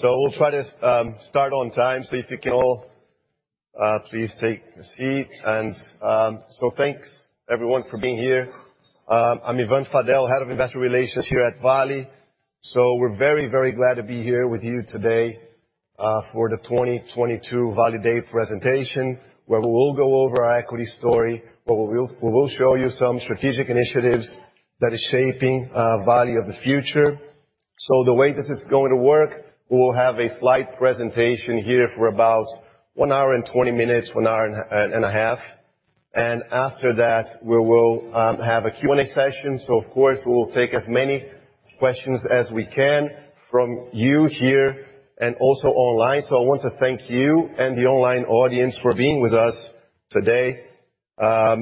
We'll try to start on time. If you can all please take a seat. Thanks everyone for being here. I'm Ivan Fadel, head of investor relations here at Vale. We're very glad to be here with you today for the 2022 Vale Day presentation, where we will go over our equity story, where we will show you some strategic initiatives that is shaping Vale of the future. The way this is going to work, we will have a slide presentation here for about 1 hour and 20 minutes, 1 hour and a half. After that, we will have a Q&A session. Of course, we'll take as many questions as we can from you here and also online. I want to thank you and the online audience for being with us today. Let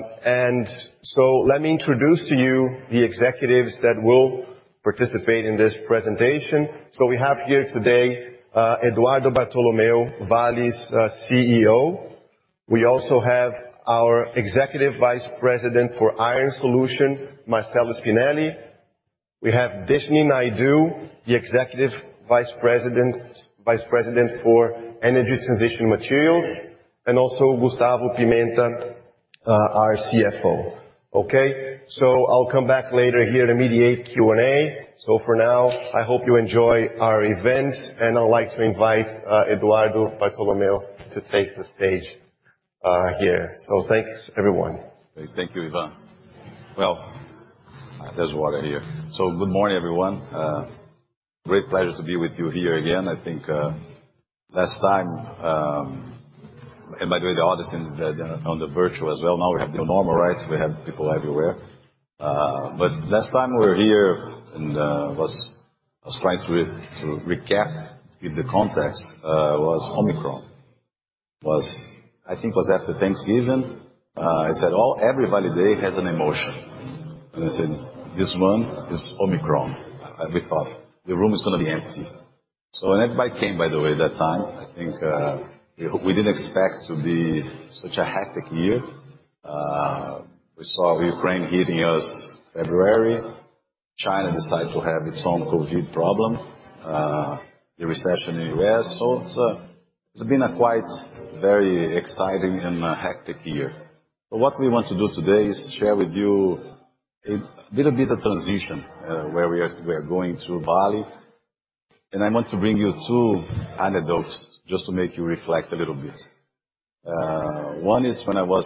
me introduce to you the executives that will participate in this presentation. We have here today Eduardo Bartolomeo, Vale's CEO. We also have our Executive Vice President for Iron Ore Solutions, Marcello Spinelli. We have Deshnee Naidoo, the Executive Vice President for Energy Transition Materials, and Gustavo Pimenta, our CFO. Okay? I'll come back later here to mediate Q&A. For now, I hope you enjoy our event, and I'd like to invite Eduardo Bartolomeo to take the stage here. Thanks everyone. Thank you, Ivan. Well, there's water here. Good morning, everyone. Great pleasure to be with you here again. I think, last time, by the way to all of us on the virtual as well, now we have the normal, right? We have people everywhere. Last time we were here and I was trying to recap with the context, was Omicron. I think it was after Thanksgiving. I said, "Every Vale Day has an emotion." I said, "This one is Omicron." We thought the room is gonna be empty. Everybody came, by the way, that time. I think, we didn't expect to be such a hectic year. We saw Ukraine hitting us February. China decided to have its own COVID problem. The recession in the U.S. It's been a quite, very exciting and a hectic year. What we want to do today is share with you a little bit of transition, where we are going through Vale. I want to bring you two anecdotes just to make you reflect a little bit. One is when I was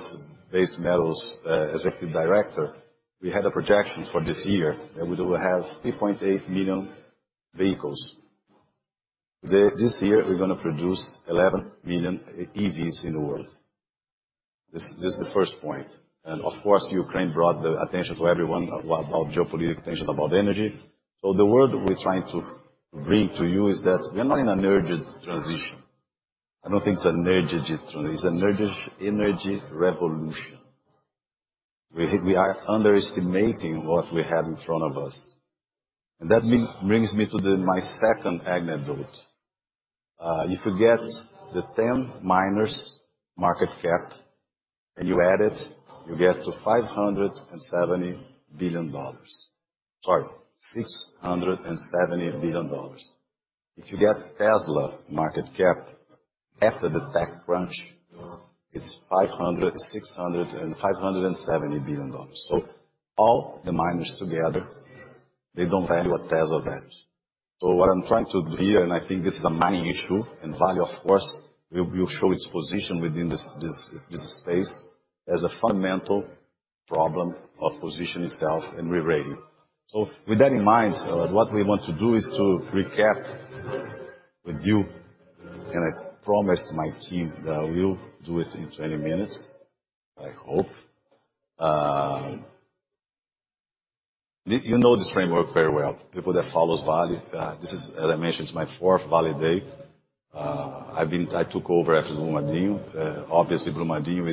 Base Metals executive director, we had a projection for this year that we would have 3.8 million vehicles. This year, we're gonna produce 11 million EVs in the world. This is the first point. Of course, Ukraine brought the attention to everyone about geopolitical tensions, about energy. The word we're trying to bring to you is that we are not in an energy transition. I don't think it's an energy transition. It's an energy revolution. We are underestimating what we have in front of us. That brings me to my second anecdote. If you get the 10 miners' market cap and you add it, you get to $570 billion. Sorry, $670 billion. If you get Tesla market cap after the tech crunch, it's $500, $600 and $570 billion. All the miners together, they don't value what Tesla values. What I'm trying to do here, and I think this is a mining issue, and Vale, of course, will show its position within this space. There's a fundamental problem of positioning itself and rerating. With that in mind, what we want to do is to recap with you, and I promised my team that I will do it in 20 mins, I hope. You know this framework very well, people that follows Vale. This is, as I mentioned, it's my fourth Vale Day. I took over after Brumadinho. Obviously Brumadinho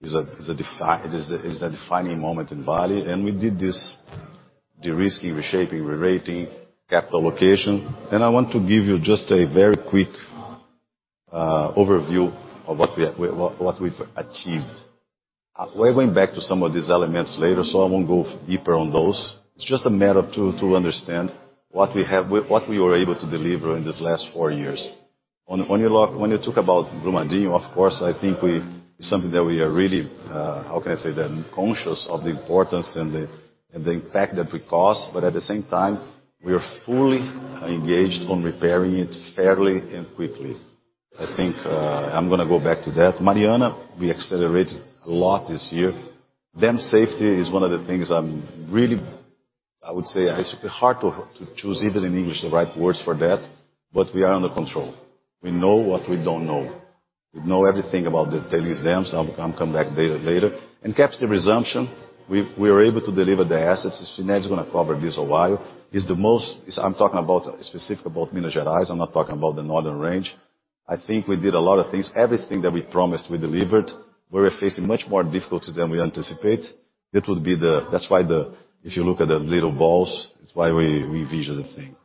is a defining moment in Vale, and we did this de-risking, reshaping, rerating, capital allocation. I want to give you just a very quick overview of what we've achieved. We're going back to some of these elements later, so I won't go deeper on those. It's just a matter to understand what we were able to deliver in these last four years. When you talk about Brumadinho, of course, I think we... It's something that we are really, how can I say that, conscious of the importance and the, and the impact that we caused, but at the same time, we are fully engaged on repairing it fairly and quickly. I think, I'm gonna go back to that. Mariana, we accelerated a lot this year. Dam safety is one of the things I'm really... I would say it's hard to choose even in English the right words for that, but we are under control. We know what we don't know. We know everything about the tails dams. I'll come back later. Capstone resumption, we are able to deliver the assets. Spinelli's gonna cover this a while. It's the most... I'm talking about specific about Minas Gerais. I'm not talking about the Northern Range. I think we did a lot of things. Everything that we promised, we delivered. We were facing much more difficulties than we anticipate. If you look at the little balls, it's why we visual the thing.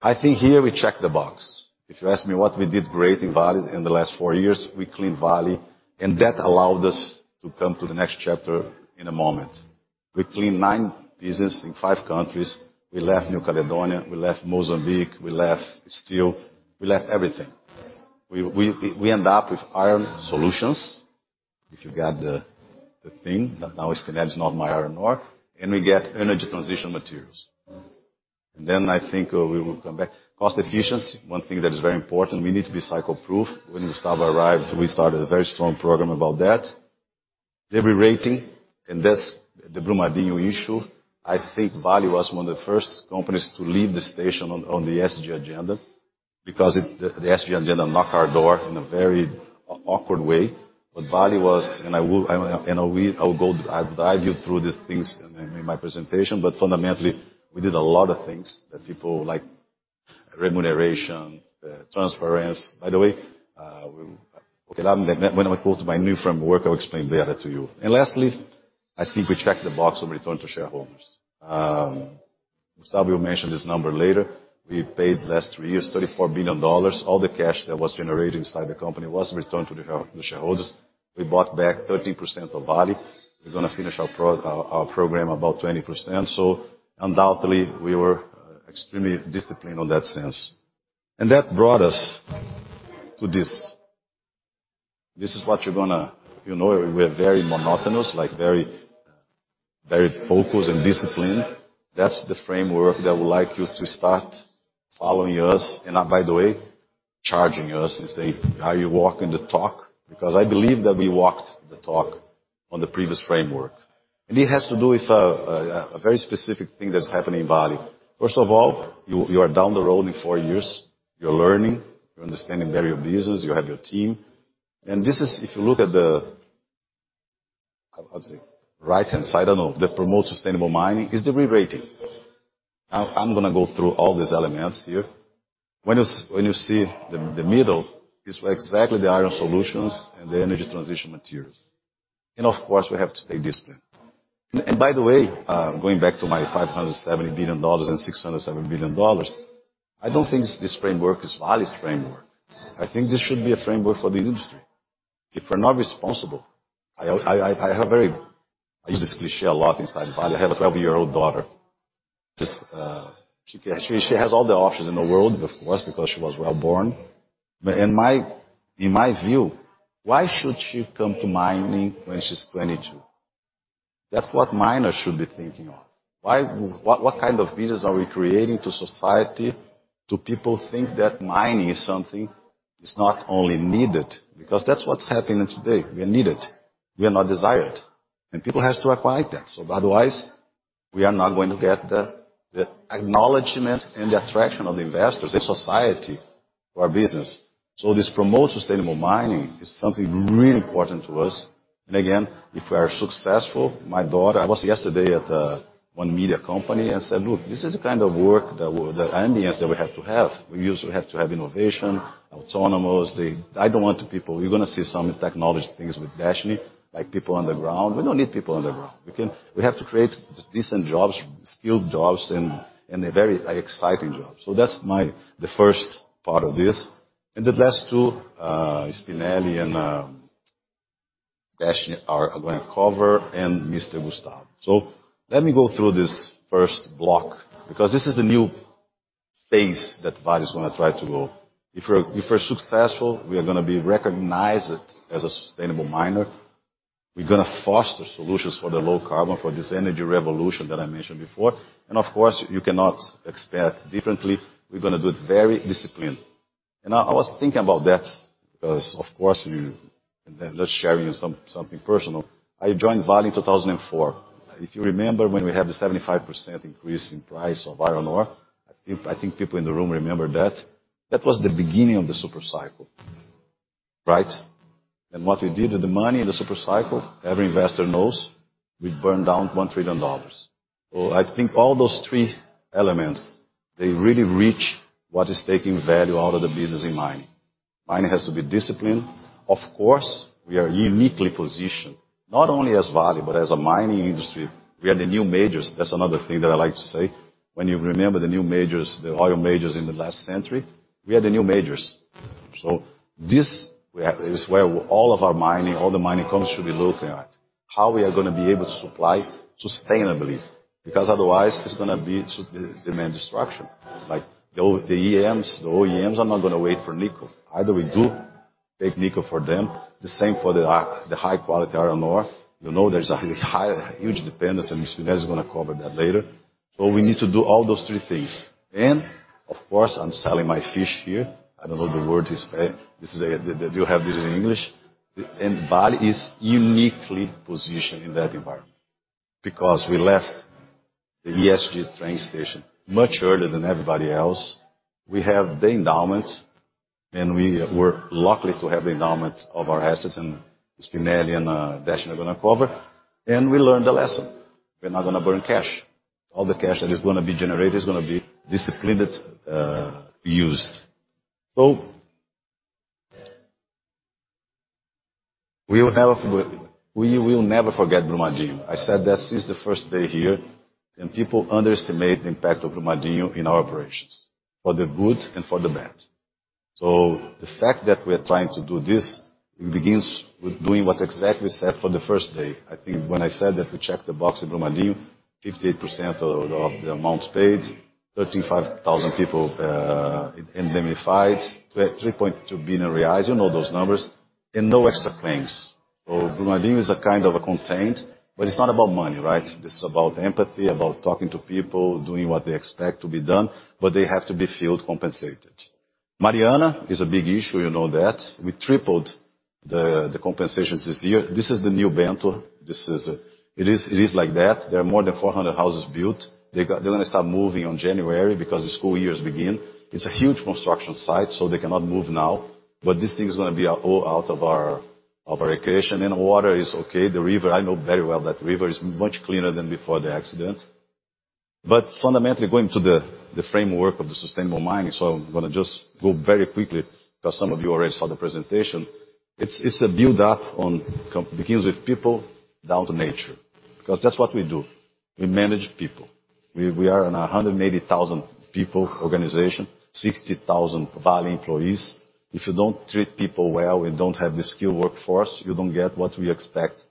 I think here we check the box. If you ask me what we did great in Vale in the last four years, we cleaned Vale, and that allowed us to come to the next chapter in a moment. We cleaned nine business in five countries. We left New Caledonia, we left Mozambique, we left steel, we left everything. We end up with iron solutions. If you got the thing. Spinelli is not my iron ore. We get energy transition materials. I think we will come back. Cost efficiency, one thing that is very important, we need to be cycle proof. When Gustavo arrived, we started a very strong program about that. De-rerating, that's the Brumadinho issue. I think Vale was one of the first companies to leave the station on the ESG agenda because the ESG agenda knocked our door in a very awkward way. You know I will guide you through the things in my presentation. Fundamentally, we did a lot of things that people like remuneration, transparency. By the way, Okay. When I go to my new framework, I'll explain better to you. Lastly, I think we checked the box on return to shareholders. Gustavo will mention this number later. We paid last 3 years, $34 billion. All the cash that was generated inside the company was returned to the shareholders. We bought back 13% of Vale. We're gonna finish our program about 20%. Undoubtedly, we were extremely disciplined on that sense. That brought us to this. This is what you're gonna. You know, we're very monotonous, like very focused and disciplined. That's the framework that I would like you to start following us. By the way, charging us and say, "Are you walking the talk?" I believe that we walked the talk on the previous framework. It has to do with a very specific thing that's happening in Vale. First of all, you are down the road in four years. You're learning, you're understanding better your business, you have your team. This is, if you look at the right-hand side, I don't know, that promotes sustainable mining, is derating. I'm gonna go through all these elements here. When you see the middle, it's exactly the iron solutions and the Energy Transition Materials. Of course, we have to stay disciplined. By the way, going back to my $570 billion and $607 billion, I don't think this framework is Vale's framework. I think this should be a framework for the industry. If we're not responsible, I use this cliché a lot inside Vale. I have a 12-year-old daughter. Just, she has all the options in the world, of course, because she was well-born. In my, in my view, why should she come to mining when she's 22? That's what miners should be thinking of. What, what kind of business are we creating to society, to people think that mining is something that's not only needed? That's what's happening today. We are needed. We are not desired. People has to acquire that. Otherwise, we are not going to get the acknowledgement and the attraction of the investors in society for our business. This promote sustainable mining is something really important to us. Again, if we are successful, my daughter... I was yesterday at one media company and said, "Look, this is the kind of work that the ambience that we have to have." We have to have innovation, autonomous. I don't want people... We're gonna see some technology things with Deshnee, like people on the ground. We don't need people on the ground. We have to create decent jobs, skilled jobs, and a very exciting job. That's the first part of this. The last two, Spinelli and Deshnee are gonna cover, and Mr. Gustavo. Let me go through this first block because this is the new phase that Vale is gonna try to go. If we're successful, we are gonna be recognized as a sustainable miner. We're gonna foster solutions for the low carbon, for this energy revolution that I mentioned before. Of course, you cannot expect differently. We're gonna do it very disciplined. I was thinking about that because, of course, we... Let's share you something personal. I joined Vale in 2004. If you remember when we had the 75% increase in price of iron ore, I think people in the room remember that. That was the beginning of the super cycle, right? What we did with the money in the super cycle, every investor knows we burned down $1 trillion. I think all those three elements, they really reach what is taking value out of the business in mining. Mining has to be disciplined. Of course, we are uniquely positioned not only as Vale, but as a mining industry. We are the new majors. That's another thing that I like to say. When you remember the new majors, the oil majors in the last century, we are the new majors. This we have is where all of our mining, all the mining companies should be looking at. How we are gonna be able to supply sustainably. Otherwise, it's gonna be demand destruction. Like the EMs, the OEMs are not gonna wait for nickel. Either we do take nickel for them. The same for the high-quality iron ore. You know, there's a high, huge dependence, and Spinelli's gonna cover that later. We need to do all those three things. Of course, I'm selling my fish here. I don't know the word is, this is... Do you have this in English? Vale is uniquely positioned in that environment because we left the ESG train station much earlier than everybody else. We have the endowment, and we were lucky to have the endowment of our assets, and Spinelli and Deshnee are gonna cover. We learned a lesson. We're not gonna burn cash. All the cash that is gonna be generated is gonna be disciplined, used. We will never forget Brumadinho. I said that since the first day here. People underestimate the impact of Brumadinho in our operations, for the good and for the bad. The fact that we are trying to do this, it begins with doing what exactly said for the first day. I think when I said that we checked the box in Brumadinho, 58% of the amounts paid, 35,000 people, indemnified, 3.2 billion. You know those numbers and no extra claims. Brumadinho is a kind of a contained, but it's not about money, right? This is about empathy, about talking to people, doing what they expect to be done, but they have to be feel compensated. Mariana is a big issue, you know that. We tripled the compensations this year. This is the new Bento. This is, it is like that. There are more than 400 houses built. They're gonna start moving on January because the school years begin. It's a huge construction site, they cannot move now. This thing is gonna be a all out of our recreation. Water is okay. The river I know very well, that river is much cleaner than before the accident. Fundamentally going to the framework of the sustainable mining. I'm gonna just go very quickly 'cause some of you already saw the presentation. It's a build up on begins with people down to nature, because that's what we do. We manage people. We are in a 180,000 people organization, 60,000 Vale employees. If you don't treat people well and don't have the skill workforce, you don't get what we expect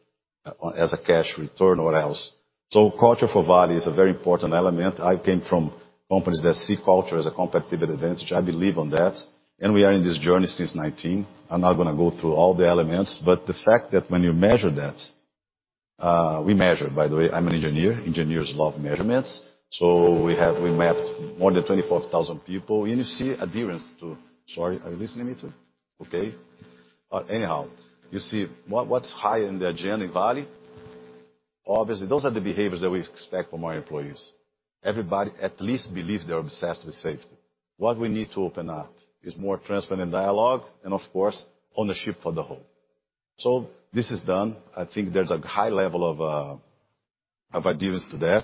as a cash return or else. Culture for Vale is a very important element. I came from companies that see culture as a competitive advantage. I believe on that, and we are in this journey since 2019. I'm not gonna go through all the elements, the fact that when you measure that, we measure by the way, I'm an engineer. Engineers love measurements. We mapped more than 24,000 people and you see adherence to... Sorry, are you listening to me too? Okay. Anyhow, you see what's high in the agenda in Vale, obviously, those are the behaviors that we expect from our employees. Everybody at least believe they're obsessed with safety. What we need to open up is more transparent dialogue and of course, ownership for the whole. This is done. I think there's a high level of adherence to that.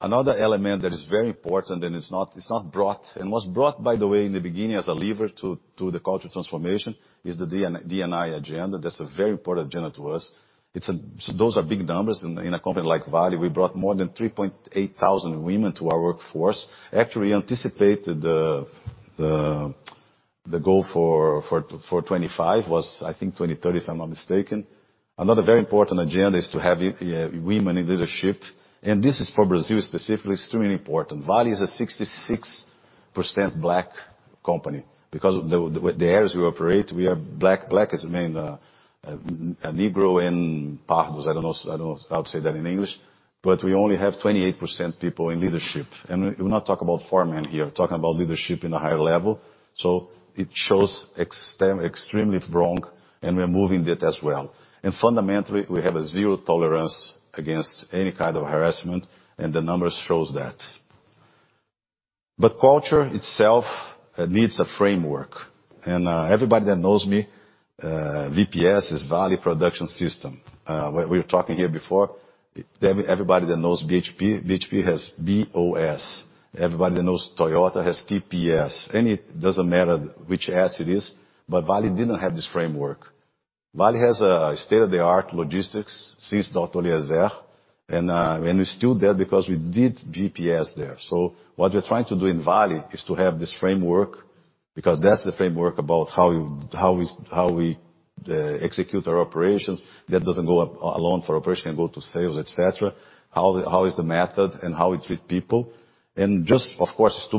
Another element that is very important, and it's not, it's not brought and was brought, by the way, in the beginning as a lever to the culture transformation is the D&I agenda. That's a very important agenda to us. Those are big numbers in a company like Vale, we brought more than 3,800 women to our workforce. Actually anticipated the goal for 2025 was I think 2,030, if I'm not mistaken. Another very important agenda is to have women in leadership, and this is for Brazil specifically, it's extremely important. Vale is a 66% Black company because of the areas we operate, we are Black. Black as in negro and pardos. I don't know how to say that in English. We only have 28% people in leadership. We're not talking about foremen here, talking about leadership in a higher level. It shows extremely wrong and we are moving that as well. Fundamentally, we have a zero tolerance against any kind of harassment, and the numbers shows that. Culture itself needs a framework. Everybody that knows me, VPS is Vale Production System. We were talking here before everybody that knows BHP has BOS. Everybody that knows Toyota has TPS. It doesn't matter which S it is. Vale didn't have this framework. Vale has a state-of-the-art logistics since Dr. Ozes. We're still there because we did VPS there. What we're trying to do in Vale is to have this framework, because that's the framework about how you, how we execute our operations. That doesn't go alone for operation, it go to sales, et cetera. How is the method and how we treat people. Just of course, to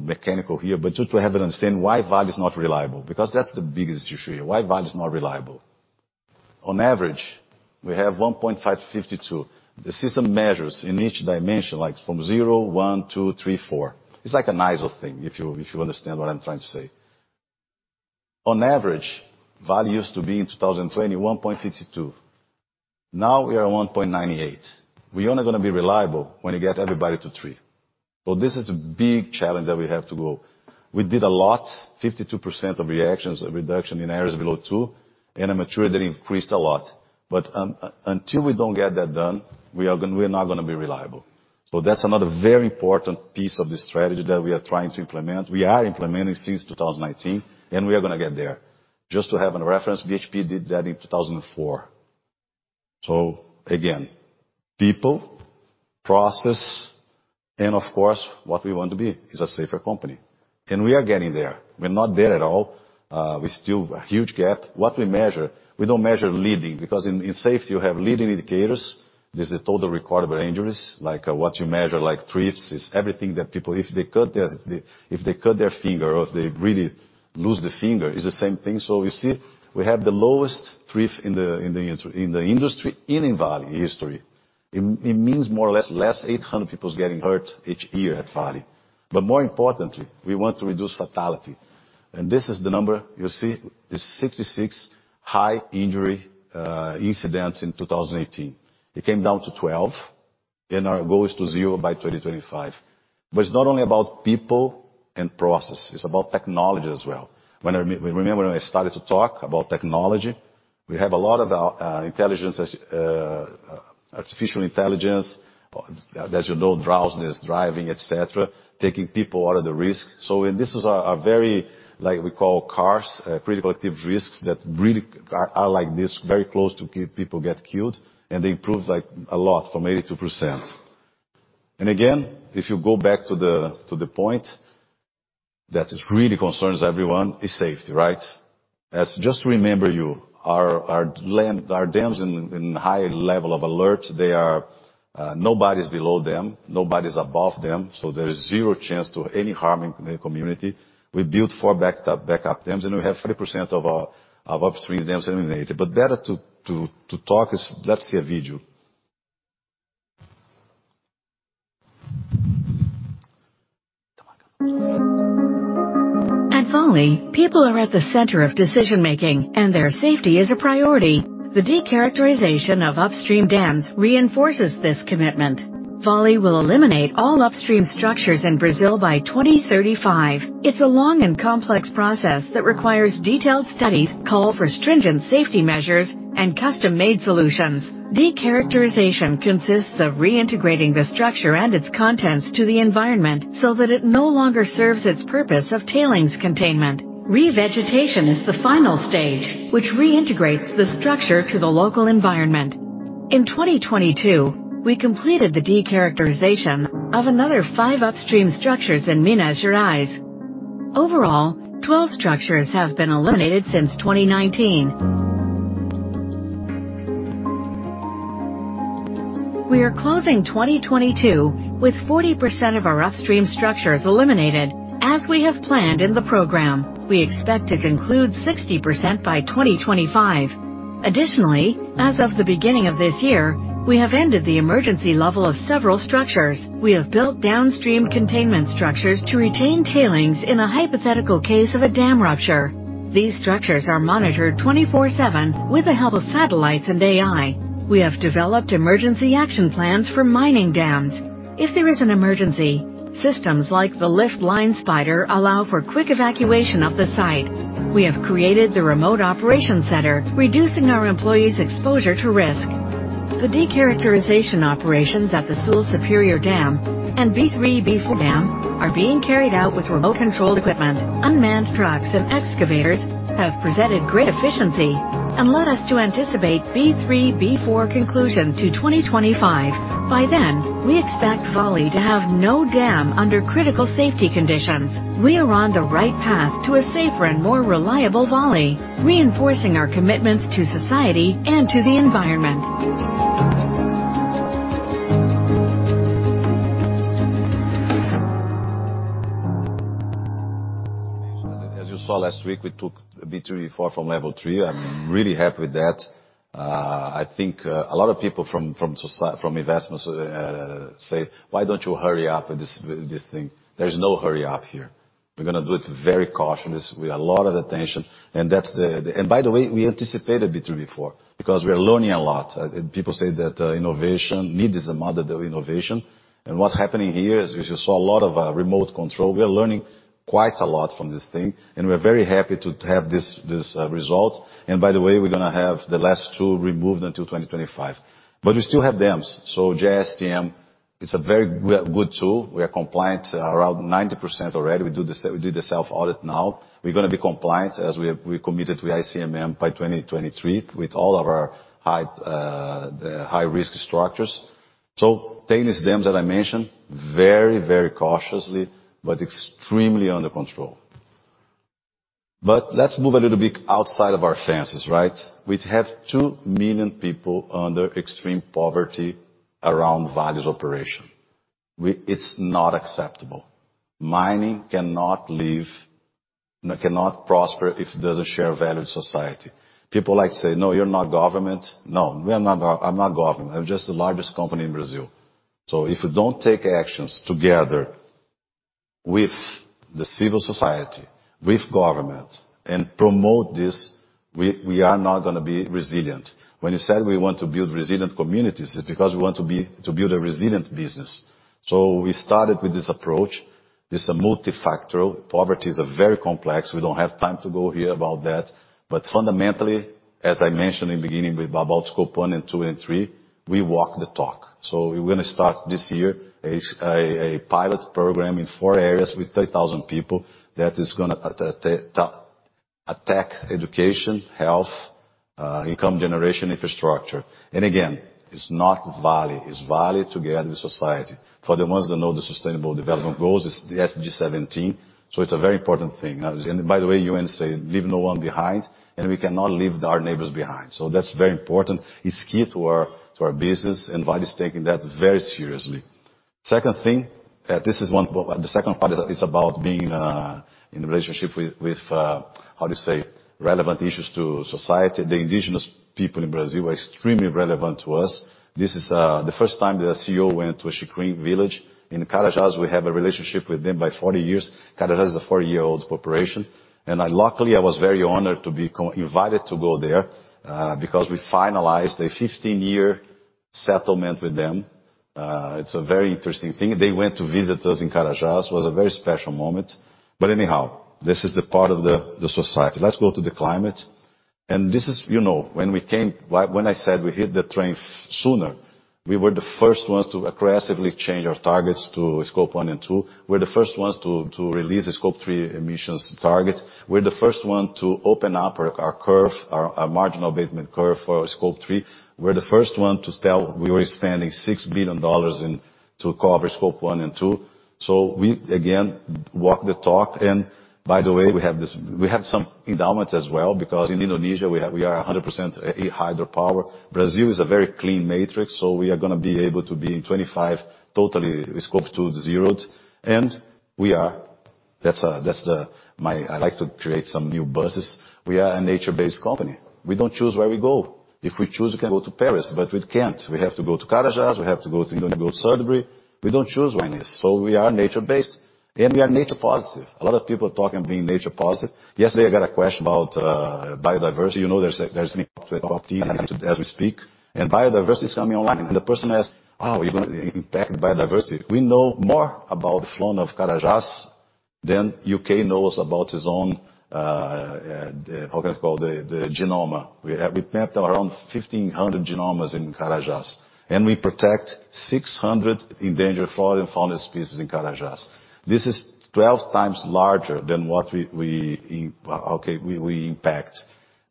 mechanical here, but just to have an understand why Vale is not reliable, because that's the biggest issue here. Why Vale is not reliable. On average, we have 1.52. The system measures in each dimension, like from zero, one, two, three, four. It's like an ISO thing, if you understand what I'm trying to say. On average, Vale used to be in 2020, 1.52. Now we are 1.98. We only going to be reliable when you get everybody to three. This is a big challenge that we have to go. We did a lot, 52% of reactions, reduction in areas below two, and I'm mature that increased a lot. Until we don't get that done, we're not going to be reliable. That's another very important piece of the strategy that we are trying to implement. We are implementing since 2019, and we are going to get there. Just to have a reference, BHP did that in 2004. Again, people, process and of course what we want to be is a safer company. We are getting there. We're not there at all. We still a huge gap. What we measure, we don't measure leading because in safety you have leading indicators. There's the total recordable injuries, like what you measure, like trips, is everything that people... If they cut their finger or if they really lose their finger, it's the same thing. We see we have the lowest trip in the industry in Vale history. It means more or less, less 800 people is getting hurt each year at Vale. More importantly, we want to reduce fatality. This is the number you see is 66 high injury incidents in 2018. It came down to 12, our goal is to zero by 2025. It's not only about people and process, it's about technology as well. When I remember when I started to talk about technology, we have a lot of intelligence as artificial intelligence, as you know, drowsiness, driving, et cetera, taking people out of the risk. This is a very like we call CARS, critical active risks that really are like this, very close to people get killed and they improved like a lot from 82%. If you go back to the point that really concerns everyone, is safety, right? As just to remember you, our dams in high level of alert, they are, nobody's below them, nobody's above them, so there is zero chance to any harm in the community. We built four backup dams, and we have 30% of our upstream dams eliminated. Better to talk is, let's see a video. At Vale, people are at the center of decision-making, and their safety is a priority. The decharacterization of upstream dams reinforces this commitment. Vale will eliminate all upstream structures in Brazil by 2035. It's a long and complex process that requires detailed studies, call for stringent safety measures, and custom-made solutions. Decharacterization consists of reintegrating the structure and its contents to the environment so that it no longer serves its purpose of tailings containment. Revegetation is the final stage, which reintegrates the structure to the local environment. In 2022, we completed the decharacterization of another five upstream structures in Minas Gerais. Overall, 12 structures have been eliminated since 2019. We are closing 2022 with 40% of our upstream structures eliminated, as we have planned in the program. We expect to conclude 60% by 2025. Additionally, as of the beginning of this year, we have ended the emergency level of several structures. We have built downstream containment structures to retain tailings in a hypothetical case of a dam rupture. These structures are monitored 24/7 with the help of satellites and AI. We have developed emergency action plans for mining dams. If there is an emergency, systems like the Lift Line Spider allow for quick evacuation of the site. We have created the Remote Operations Center, reducing our employees' exposure to risk. The decharacterization operations at the Sul Superior dam and B3/B4 dam are being carried out with remote-controlled equipment. Unmanned trucks and excavators have presented great efficiency and led us to anticipate B3/B4 conclusion to 2025. By then, we expect Vale to have no dam under critical safety conditions. We are on the right path to a safer and more reliable Vale, reinforcing our commitments to society and to the environment. As you saw last week, we took B3, B4 from level 3. I'm really happy with that. I think a lot of people from investment say, "Why don't you hurry up with this thing?" There's no hurry up here. We're gonna do it very cautiously, with a lot of attention, and that's the... By the way, we anticipated B3/B4 because we are learning a lot. People say that innovation need is a mother of innovation. What's happening here is, as you saw, a lot of remote control. We are learning quite a lot from this thing, and we're very happy to have this result. By the way, we're gonna have the last two removed until 2025. We still have dams. GISTM is a very good tool. We are compliant around 90% already. We do the self-audit now. We're gonna be compliant, as we committed to ICMM by 2023 with all of our high-risk structures. Tailings dams that I mentioned, very, very cautiously, but extremely under control. Let's move a little bit outside of our fences, right? We have 2 million people under extreme poverty around Vale's operation. It's not acceptable. Mining cannot live, cannot prosper if it doesn't share value with society. People like to say, "No, you're not government." No, I'm not government. I'm just the largest company in Brazil. If you don't take actions together with the civil society, with government, and promote this, we are not gonna be resilient. When you said we want to build resilient communities, it's because we want to build a resilient business. We started with this approach. This is multifactorial. Poverty is very complex. We don't have time to go here about that. Fundamentally, as I mentioned in the beginning about Scope 1 and 2 and 3, we walk the talk. We're gonna start this year a pilot program in four areas with 3,000 people that is gonna attack education, health, income generation, infrastructure. Again, it's not Vale. It's Vale together with society. For the ones that know the Sustainable Development Goals, it's the SDG 17, it's a very important thing. By the way, UN say, "Leave no one behind," and we cannot leave our neighbors behind. That's very important. It's key to our, to our business. Vale is taking that very seriously. Second thing, the second part is about being in relationship with relevant issues to society. The indigenous people in Brazil are extremely relevant to us. This is the first time the CEO went to a Xikrin village. In Carajás, we have a relationship with them by 40 years. Carajás is a 4-year-old corporation. I luckily, I was very honored to be invited to go there, because we finalized a 15-year settlement with them. It's a very interesting thing. They went to visit us in Carajás. It was a very special moment. Anyhow, this is the part of the society. Let's go to the climate. This is, you know... When I said we hit the train sooner, we were the first ones to aggressively change our targets to Scope 1 and 2. We're the first ones to release the Scope 3 emissions target. We're the first one to open up our curve, our marginal abatement curve for Scope 3. We're the first one to tell we were spending $6 billion to cover Scope 1 and 2. We again walk the talk. By the way, we have some endowments as well, because in Indonesia we have 100% hydropower. Brazil is a very clean matrix, we are gonna be able to be in 25 totally Scope 2 zeroed. We are... That's the I like to create some new buzzes. We are a nature-based company. We don't choose where we go. If we choose, we can go to Paris, but we can't. We have to go to Carajás, we have to go to Indonesia, go to Sudbury. We don't choose oneness, so we are nature-based and we are nature positive. A lot of people talk on being nature positive. Yesterday I got a question about biodiversity. You know, there's as we speak, biodiversity is coming online. The person asked, "Oh, you're gonna impact biodiversity." We know more about the fauna of Carajás than U.K. knows about its own genome. We've mapped around 1,500 genomes in Carajás, and we protect 600 endangered flora and fauna species in Carajás. This is 12 times larger than what we, okay, we impact.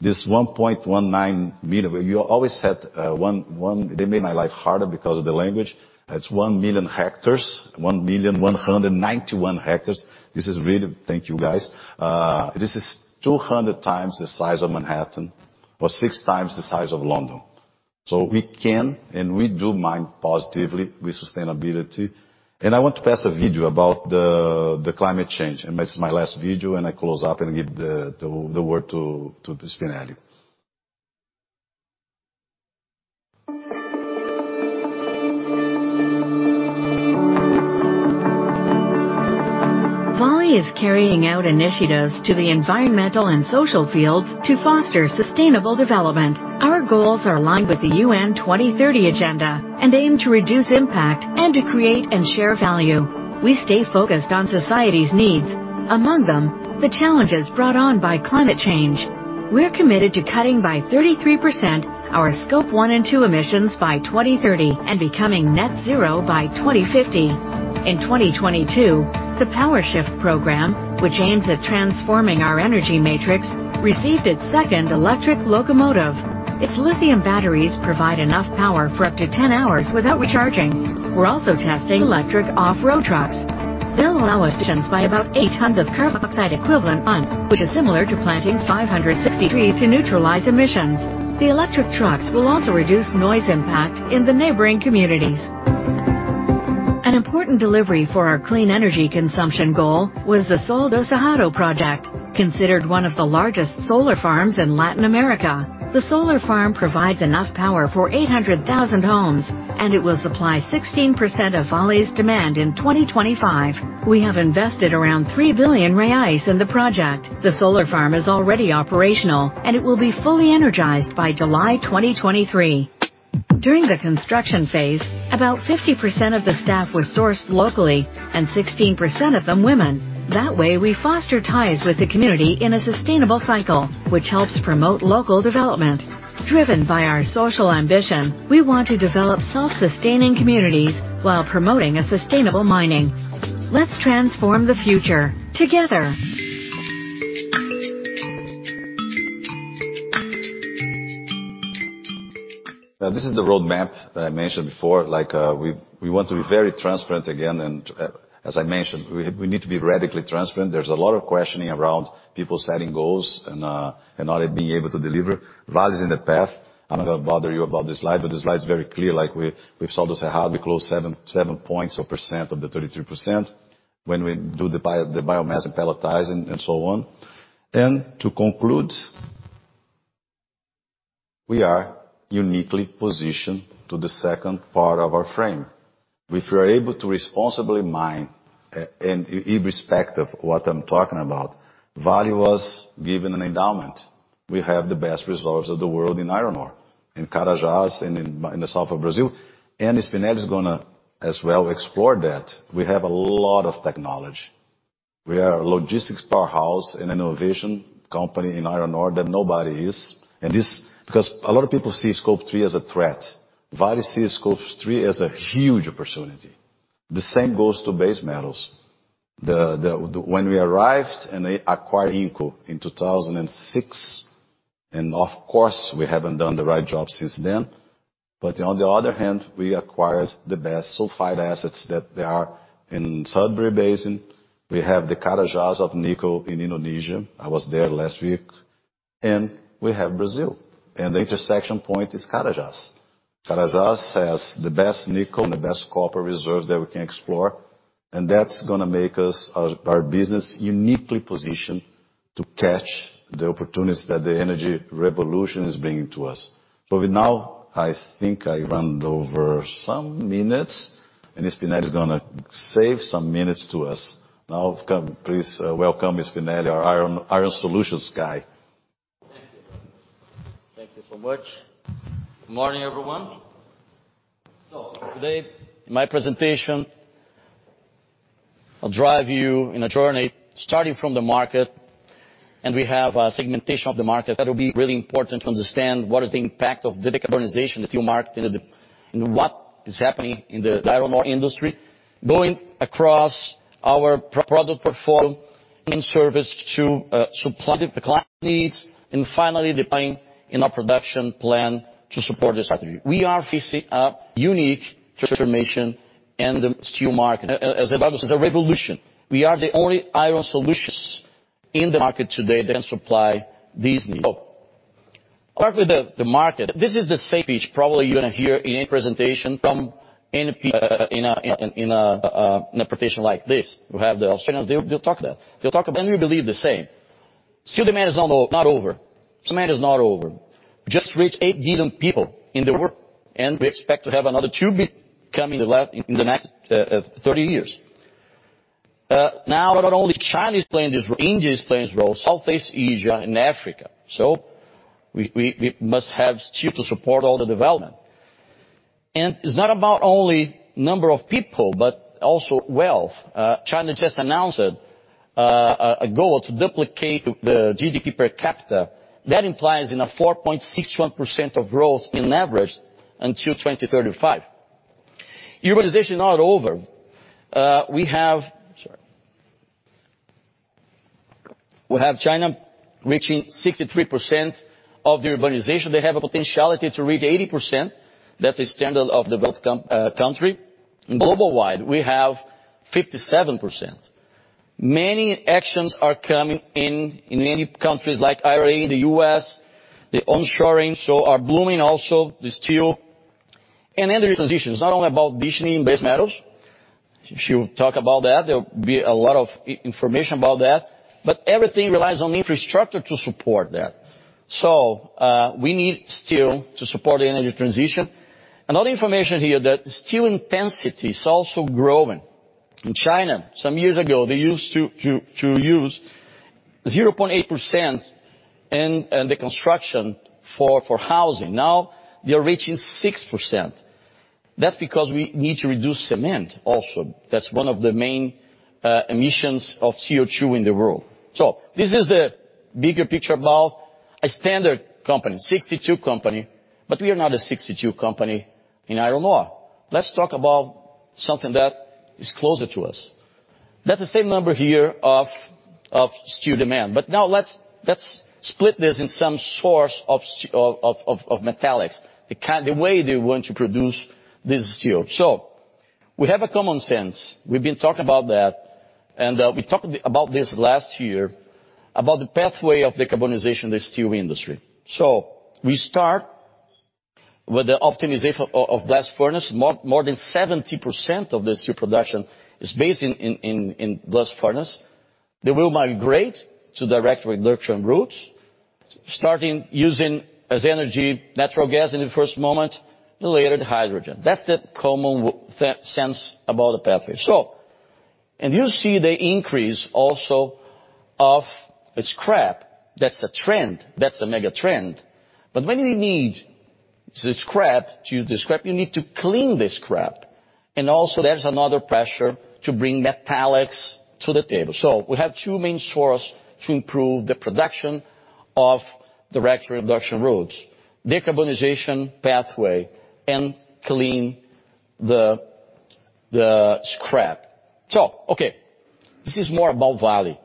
This 1.19 million. You always said, one... They made my life harder because of the language. That's 1 million hectares. 1,191,000 hectares. This is really. Thank you, guys. This is 200x the size of Manhattan or 6x the size of London. We can, and we do mine positively with sustainability. I want to pass a video about the climate change. This is my last video, I close up and give the word to Spinelli. Vale is carrying out initiatives to the environmental and social fields to foster sustainable development. Our goals are aligned with the UN 2030 agenda and aim to reduce impact and to create and share value. We stay focused on society's needs. Among them, the challenges brought on by climate change. We're committed to cutting by 33% our Scope 1 and 2 emissions by 2030, and becoming net zero by 2050. In 2022, the Power Shift program, which aims at transforming our energy matrix, received its second electric locomotive. Its lithium batteries provide enough power for up to 10 hours without recharging. We're also testing electric off-road trucks. They'll allow us emissions by about 8 tons of carbon monoxide equivalent on, which is similar to planting 560 trees to neutralize emissions. The electric trucks will also reduce noise impact in the neighboring communities. An important delivery for our clean energy consumption goal was the Sol do Sertão project. Considered one of the largest solar farms in Latin America. The solar farm provides enough power for 800,000 homes, and it will supply 16% of Vale's demand in 2025. We have invested around 3 billion reais in the project. The solar farm is already operational, and it will be fully energized by July 2023. During the construction phase, about 50% of the staff was sourced locally, and 16% of them women. That way, we foster ties with the community in a sustainable cycle, which helps promote local development. Driven by our social ambition, we want to develop self-sustaining communities while promoting a sustainable mining. Let's transform the future together. This is the roadmap that I mentioned before, we want to be very transparent again. As I mentioned, we need to be radically transparent. There's a lot of questioning around people setting goals and not being able to deliver values in the path. I'm not gonna bother you about this slide, but this slide is very clear, we've sort of said how we closed 7% of the 33% when we do the biomass and pelletizing and so on. To conclude, we are uniquely positioned to the second part of our frame. If we are able to responsibly mine, and irrespect of what I'm talking about, Vale was given an endowment. We have the best reserves of the world in iron ore, in Carajás and in the south of Brazil. Spinelli is gonna as well explore that. We have a lot of technology. We are a logistics powerhouse and innovation company in iron ore that nobody is. Because a lot of people see Scope 3 as a threat. Vale sees Scope 3 as a huge opportunity. The same goes to base metals. When we arrived and they acquired nickel in 2006, and of course, we haven't done the right job since then. On the other hand, we acquired the best sulfide assets that there are in Sudbury Basin. We have the Carajás of nickel in Indonesia. I was there last week. We have Brazil, and the intersection point is Carajás. Carajás has the best nickel and the best copper reserves that we can explore, and that's gonna make us, our business uniquely positioned to catch the opportunities that the energy revolution is bringing to us. Now I think I run over some minutes, and Spinelli is gonna save some minutes to us. Now come, please welcome Spinelli, our iron solutions guy. Thank you. Thank you so much. Morning, everyone. Today in my presentation, I'll drive you in a journey starting from the market, and we have a segmentation of the market that will be really important to understand what is the impact of the decarbonization of the steel market and what is happening in the iron ore industry. Going across our product portfolio in service to supply the client needs, and finally deploying in our production plan to support this strategy. We are facing a unique transformation in the steel market. As a revolution. We are the only iron solutions in the market today that can supply these needs. Start with the market. This is the same speech probably you're gonna hear in any presentation from any in a presentation like this. We have the Australians, they'll talk that. They'll talk about... We believe the same. Steel demand is not over. Steel demand is not over. We just reached 8 billion people in the world, and we expect to have another 2 billion coming to life in the next 30 years. Now not only China is playing this role, India is playing this role, Southeast Asia and Africa. We must have steel to support all the development. It's not about only number of people, but also wealth. China just announced a goal to duplicate the GDP per capita. That implies in a 4.61% of growth in average until 2035. Urbanization not over. We have... Sorry. We have China reaching 63% of the urbanization. They have a potentiality to reach 80%. That's the standard of the developed country. Global wide, we have 57%. Many actions are coming in in many countries like IRA, the U.S., the onshoring, are blooming also the steel. Energy transition. It's not only about Deshnee in base metals. She'll talk about that. There'll be a lot of information about that. Everything relies on infrastructure to support that. We need steel to support the energy transition. Another information here that steel intensity is also growing. In China some years ago, they used to use 0.8% in the construction for housing. Now they are reaching 6%. That's because we need to reduce cement also. That's one of the main emissions of CO2 in the world. This is the bigger picture about a standard company, 62 company, but we are not a 62 company in iron ore. Let's talk about something that is closer to us. That's the same number here of steel demand. Now let's split this in some source of metallics. The kind, the way they want to produce this steel. We have a common sense. We've been talking about that, and we talked about this last year, about the pathway of decarbonization of the steel industry. We start with the optimization of blast furnace. More than 70% of the steel production is based in blast furnace. They will migrate to direct reduction routes, starting using as energy natural gas in the first moment, and later the hydrogen. That's the common sense about the pathway. You see the increase also of the scrap. That's the trend. That's the mega trend. When you need the scrap to the scrap, you need to clean the scrap. Also there's another pressure to bring metallics to the table. We have two main source to improve the production of direct reduction routes, decarbonization pathway and clean the scrap. Okay, this is more about Vale.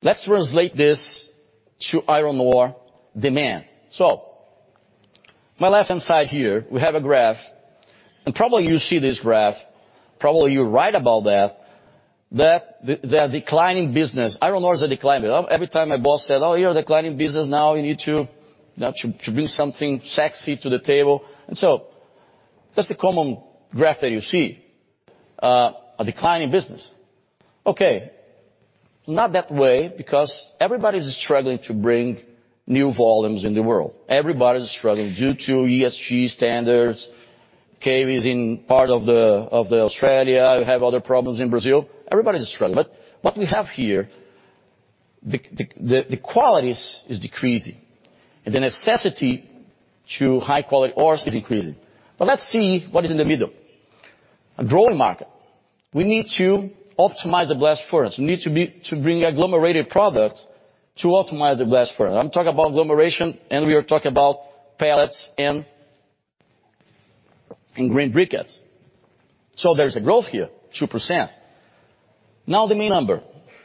Let's translate this to iron ore demand. My left-hand side here, we have a graph, and probably you see this graph, probably you write about that the declining business. Iron ore is a declining. Every time my boss said, Oh, you're a declining business, now you need to bring something sexy to the table. That's the common graph that you see, a declining business. Okay. Not that way, because everybody is struggling to bring new volumes in the world. Everybody is struggling due to ESG standards, KVs in part of Australia, we have other problems in Brazil. Everybody is struggling. What we have here, the quality is decreasing and the necessity to high quality ores is increasing. Let's see what is in the middle. A growing market. We need to optimize the blast furnace. We need to bring agglomerated products to optimize the blast furnace. I'm talking about agglomeration, and we are talking about pellets and green briquettes. There is a growth here, 2%. Now the main number.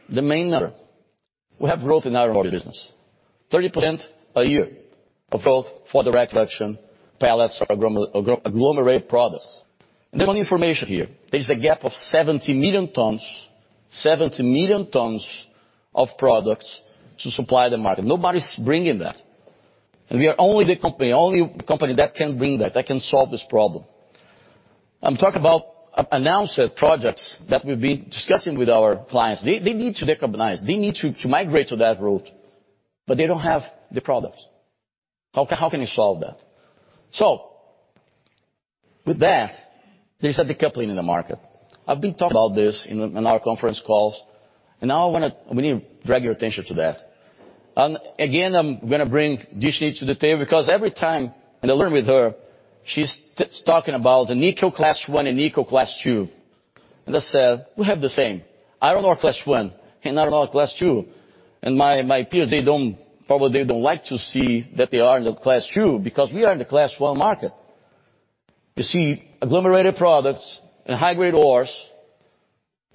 The main number. We have growth in our ore business. 30% a year of growth for direct reduction pellets or agglomerated products. There's one information here. There's a gap of 70 million tons, 70 million tons of products to supply the market. Nobody's bringing that. We are only company that can bring that can solve this problem. I'm talking about announced projects that we've been discussing with our clients. They need to decarbonize, they need to migrate to that route, but they don't have the products. How can you solve that? With that, there's a decoupling in the market. I've been talking about this in our conference calls, now we need to drag your attention to that. Again, I'm gonna bring Deshnee to the table because every time and I learn with her, she's talking about the Nickel Class 1 and Nickel Class 2. I said, "We have the same." Iron ore Class 1 and iron ore Class 2. My peers, they don't. Probably they don't like to see that they are in the Class 2, because we are in the Class 1 market. You see agglomerated products and high-grade ores,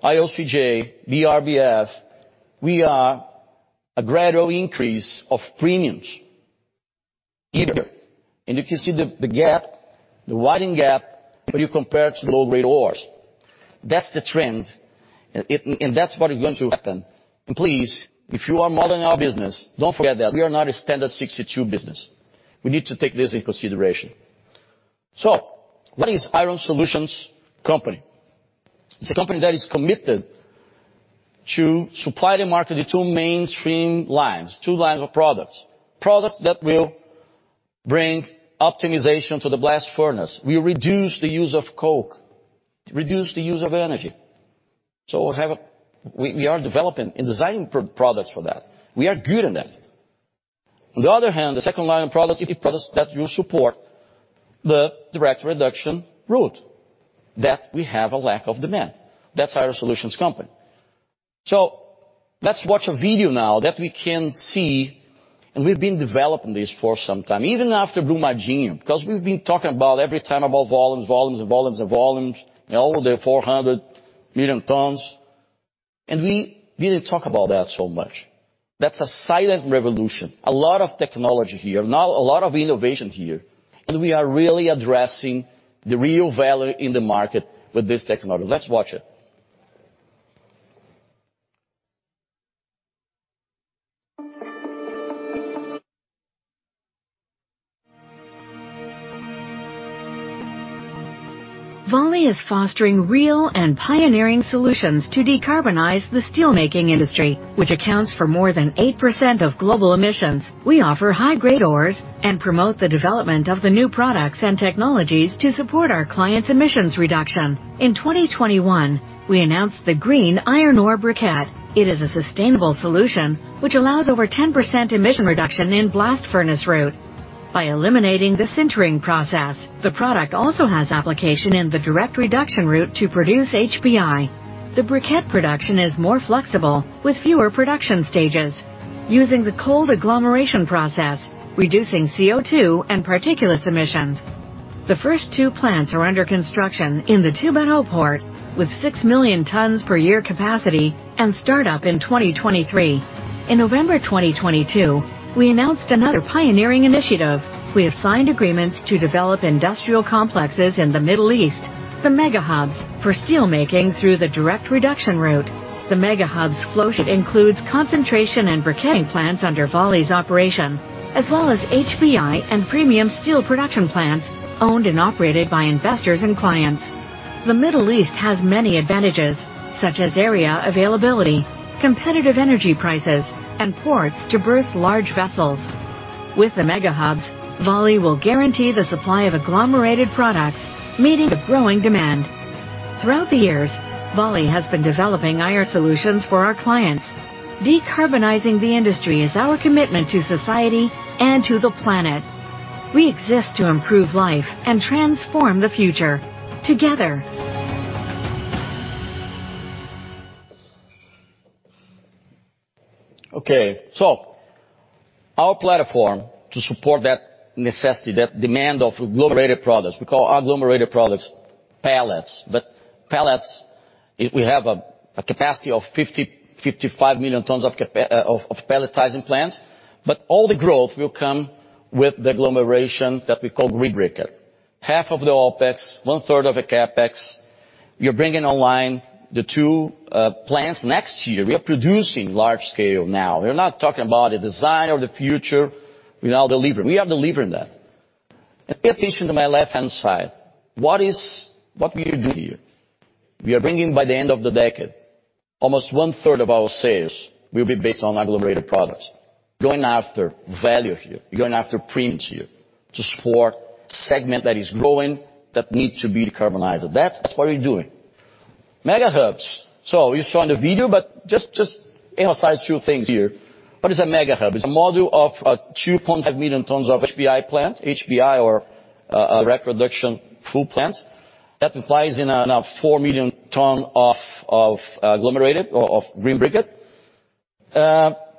IOCJ, BRBF, we are a gradual increase of premiums here. If you see the gap, the widened gap when you compare to the low-grade ores, that's the trend, and that's what is going to happen. Please, if you are modeling our business, don't forget that we are not a standard 62 business. We need to take this into consideration. What is Iron Ore Solutions company? It's a company that is committed to supply the market, the two mainstream lines, two lines of products. Products that will bring optimization to the blast furnace, will reduce the use of coke, reduce the use of energy. We are developing and designing products for that. We are good in that. On the other hand, the second line of products will be products that will support the direct reduction route that we have a lack of demand. That's Iron Solutions company. Let's watch a video now that we can see, and we've been developing this for some time, even after Brumadinho, because we've been talking about every time about volumes, and all the 400 million tons, and we didn't talk about that so much. That's a silent revolution. A lot of technology here. A lot of innovation here, and we are really addressing the real value in the market with this technology. Let's watch it. Vale is fostering real and pioneering solutions to decarbonize the steelmaking industry, which accounts for more than 8% of global emissions. We offer high-grade ores and promote the development of the new products and technologies to support our clients' emissions reduction. In 2021, we announced the green iron ore briquette. It is a sustainable solution which allows over 10% emission reduction in blast furnace route. By eliminating the sintering process, the product also has application in the direct reduction route to produce HBI. The briquette production is more flexible with fewer production stages using the cold agglomeration process, reducing CO2 and particulate emissions. The first two plants are under construction in the Tubarão port with 6 million tons per year capacity and start up in 2023. In November 2022, we announced another pioneering initiative. We have signed agreements to develop industrial complexes in the Middle East, the Mega Hubs, for steelmaking through the direct reduction route. The Mega Hubs flow sheet includes concentration and briquetting plants under Vale's operation, as well as HBI and premium steel production plants owned and operated by investors and clients. The Middle East has many advantages, such as area availability, competitive energy prices, and ports to berth large vessels. With the Mega Hubs, Vale will guarantee the supply of agglomerated products, meeting the growing demand. Throughout the years, Vale has been developing iron solutions for our clients. Decarbonizing the industry is our commitment to society and to the planet. We exist to improve life and transform the future together. Okay. Our platform to support that necessity, that demand of agglomerated products, we call our agglomerated products pellets. Pellets, we have a capacity of 50-55 million tons of pelletizing plant. All the growth will come with the agglomeration that we call green briquette. Half of the OpEx, one-third of the CapEx, we are bringing online the two plants next year. We are producing large scale now. We're not talking about the design of the future. We now deliver. We are delivering that. Pay attention to my left-hand side. What we do here? We are bringing by the end of the decade, almost one-third of our sales will be based on agglomerated products. Going after value here, going after premiums here to support segment that is growing that need to be decarbonized. That's what we're doing. Mega Hubs. You saw in the video, but just emphasize two things here. What is a Mega Hub? It's a module of 2.5 million tons of HBI plant. HBI or direct reduction full plant. That implies in a 4 million ton of agglomerated or green briquette.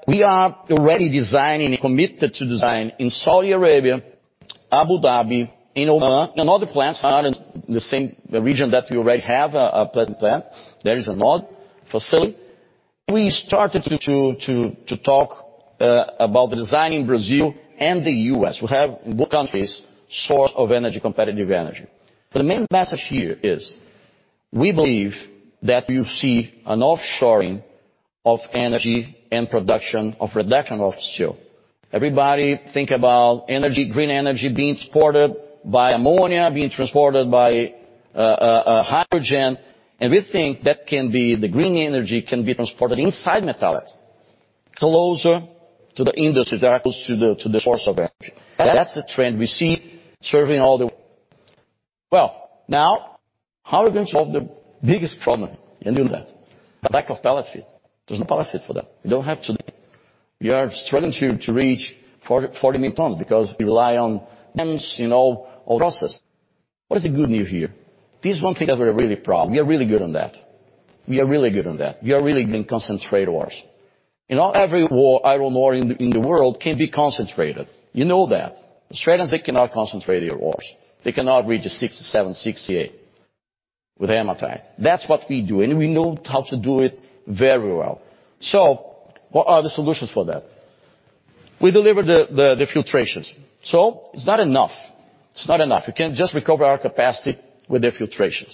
We are already designing and committed to design in Saudi Arabia, Abu Dhabi, in Oman, and other plants are in the same region that we already have a plant. There is another facility. We started to talk about the design in Brazil and the U.S. We have both countries source of energy, competitive energy. The main message here is we believe that you see an offshoring of energy and production of reduction of steel. Everybody think about energy, green energy being supported by ammonia, being transported by hydrogen, and we think that can be the green energy, can be transported inside metallic closer to the industry that goes to the source of energy. That's the trend we see serving all. Well, now how we're going to solve the biggest problem in doing that? The lack of pellet feed. There's no pellet feed for that. We don't have today. We are struggling to reach 40 million tons because we rely on, you know, old process. What is the good news here? This is one thing that we're really proud. We are really good on that. We are really good in concentrate ores. You know, every ore, iron ore in the world can be concentrated. You know that. Australians, they cannot concentrate their ores. They cannot reach a 67, 68 with hematite. That's what we do, and we know how to do it very well. What are the solutions for that? We deliver the filtrations. It's not enough. It's not enough. We can't just recover our capacity with the filtrations.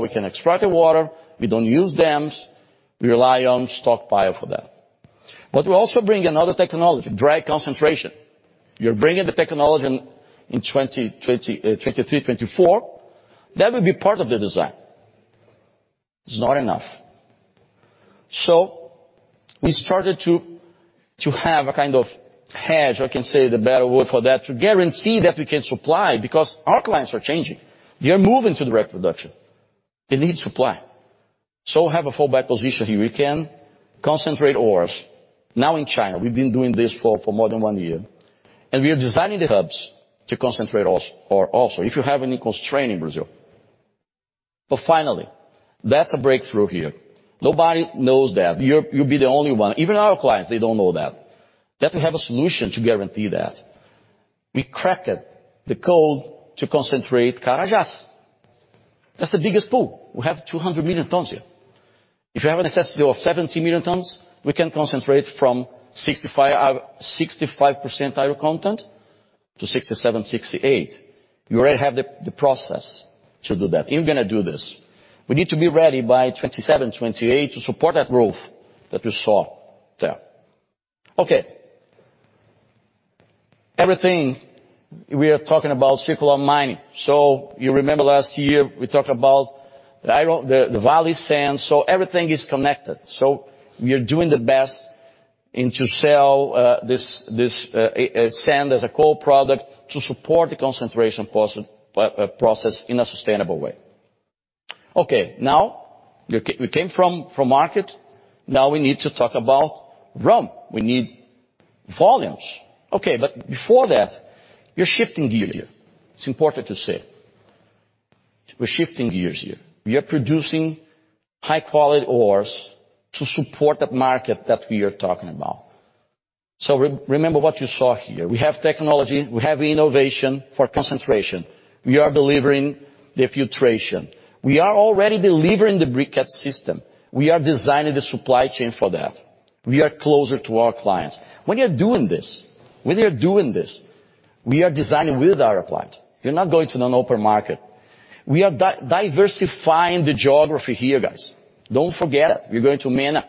We can extract the water. We don't use dams. We rely on stockpile for that. We also bring another technology, dry concentration. We are bringing the technology in 2023, 2024. That will be part of the design. It's not enough. We started to have a kind of hedge, I can say the better word for that, to guarantee that we can supply because our clients are changing. They are moving to direct reduction. They need supply. Have a fallback position here. We can concentrate ores. Now in China, we've been doing this for more than one year, we are designing the hubs to concentrate ore also, if you have any constraint in Brazil. Finally, that's a breakthrough here. Nobody knows that. You'll be the only one. Even our clients, they don't know that we have a solution to guarantee that. We cracked the code to concentrate Carajás. That's the biggest pool. We have 200 million tons here. If you have a necessity of 70 million tons, we can concentrate from 65% iron content to 67%, 68%. We already have the process to do that. We're gonna do this. We need to be ready by 2027, 2028 to support that growth that you saw there. Okay. Everything we are talking about circular mining. You remember last year we talked about the Vale Sand, so everything is connected. We are doing the best and to sell this sand as a co-product to support the concentration process in a sustainable way. Okay. We came from market. We need to talk about rum. We need volumes. Okay. Before that, we're shifting gear here. It's important to say. We're shifting gears here. We are producing high-quality ores to support that market that we are talking about. Remember what you saw here. We have technology. We have innovation for concentration. We are delivering the filtration. We are already delivering the briquette system. We are designing the supply chain for that. We are closer to our clients. When you're doing this, we are designing with our client. You're not going to an open market. We are diversifying the geography here, guys. Don't forget it. We're going to Mina.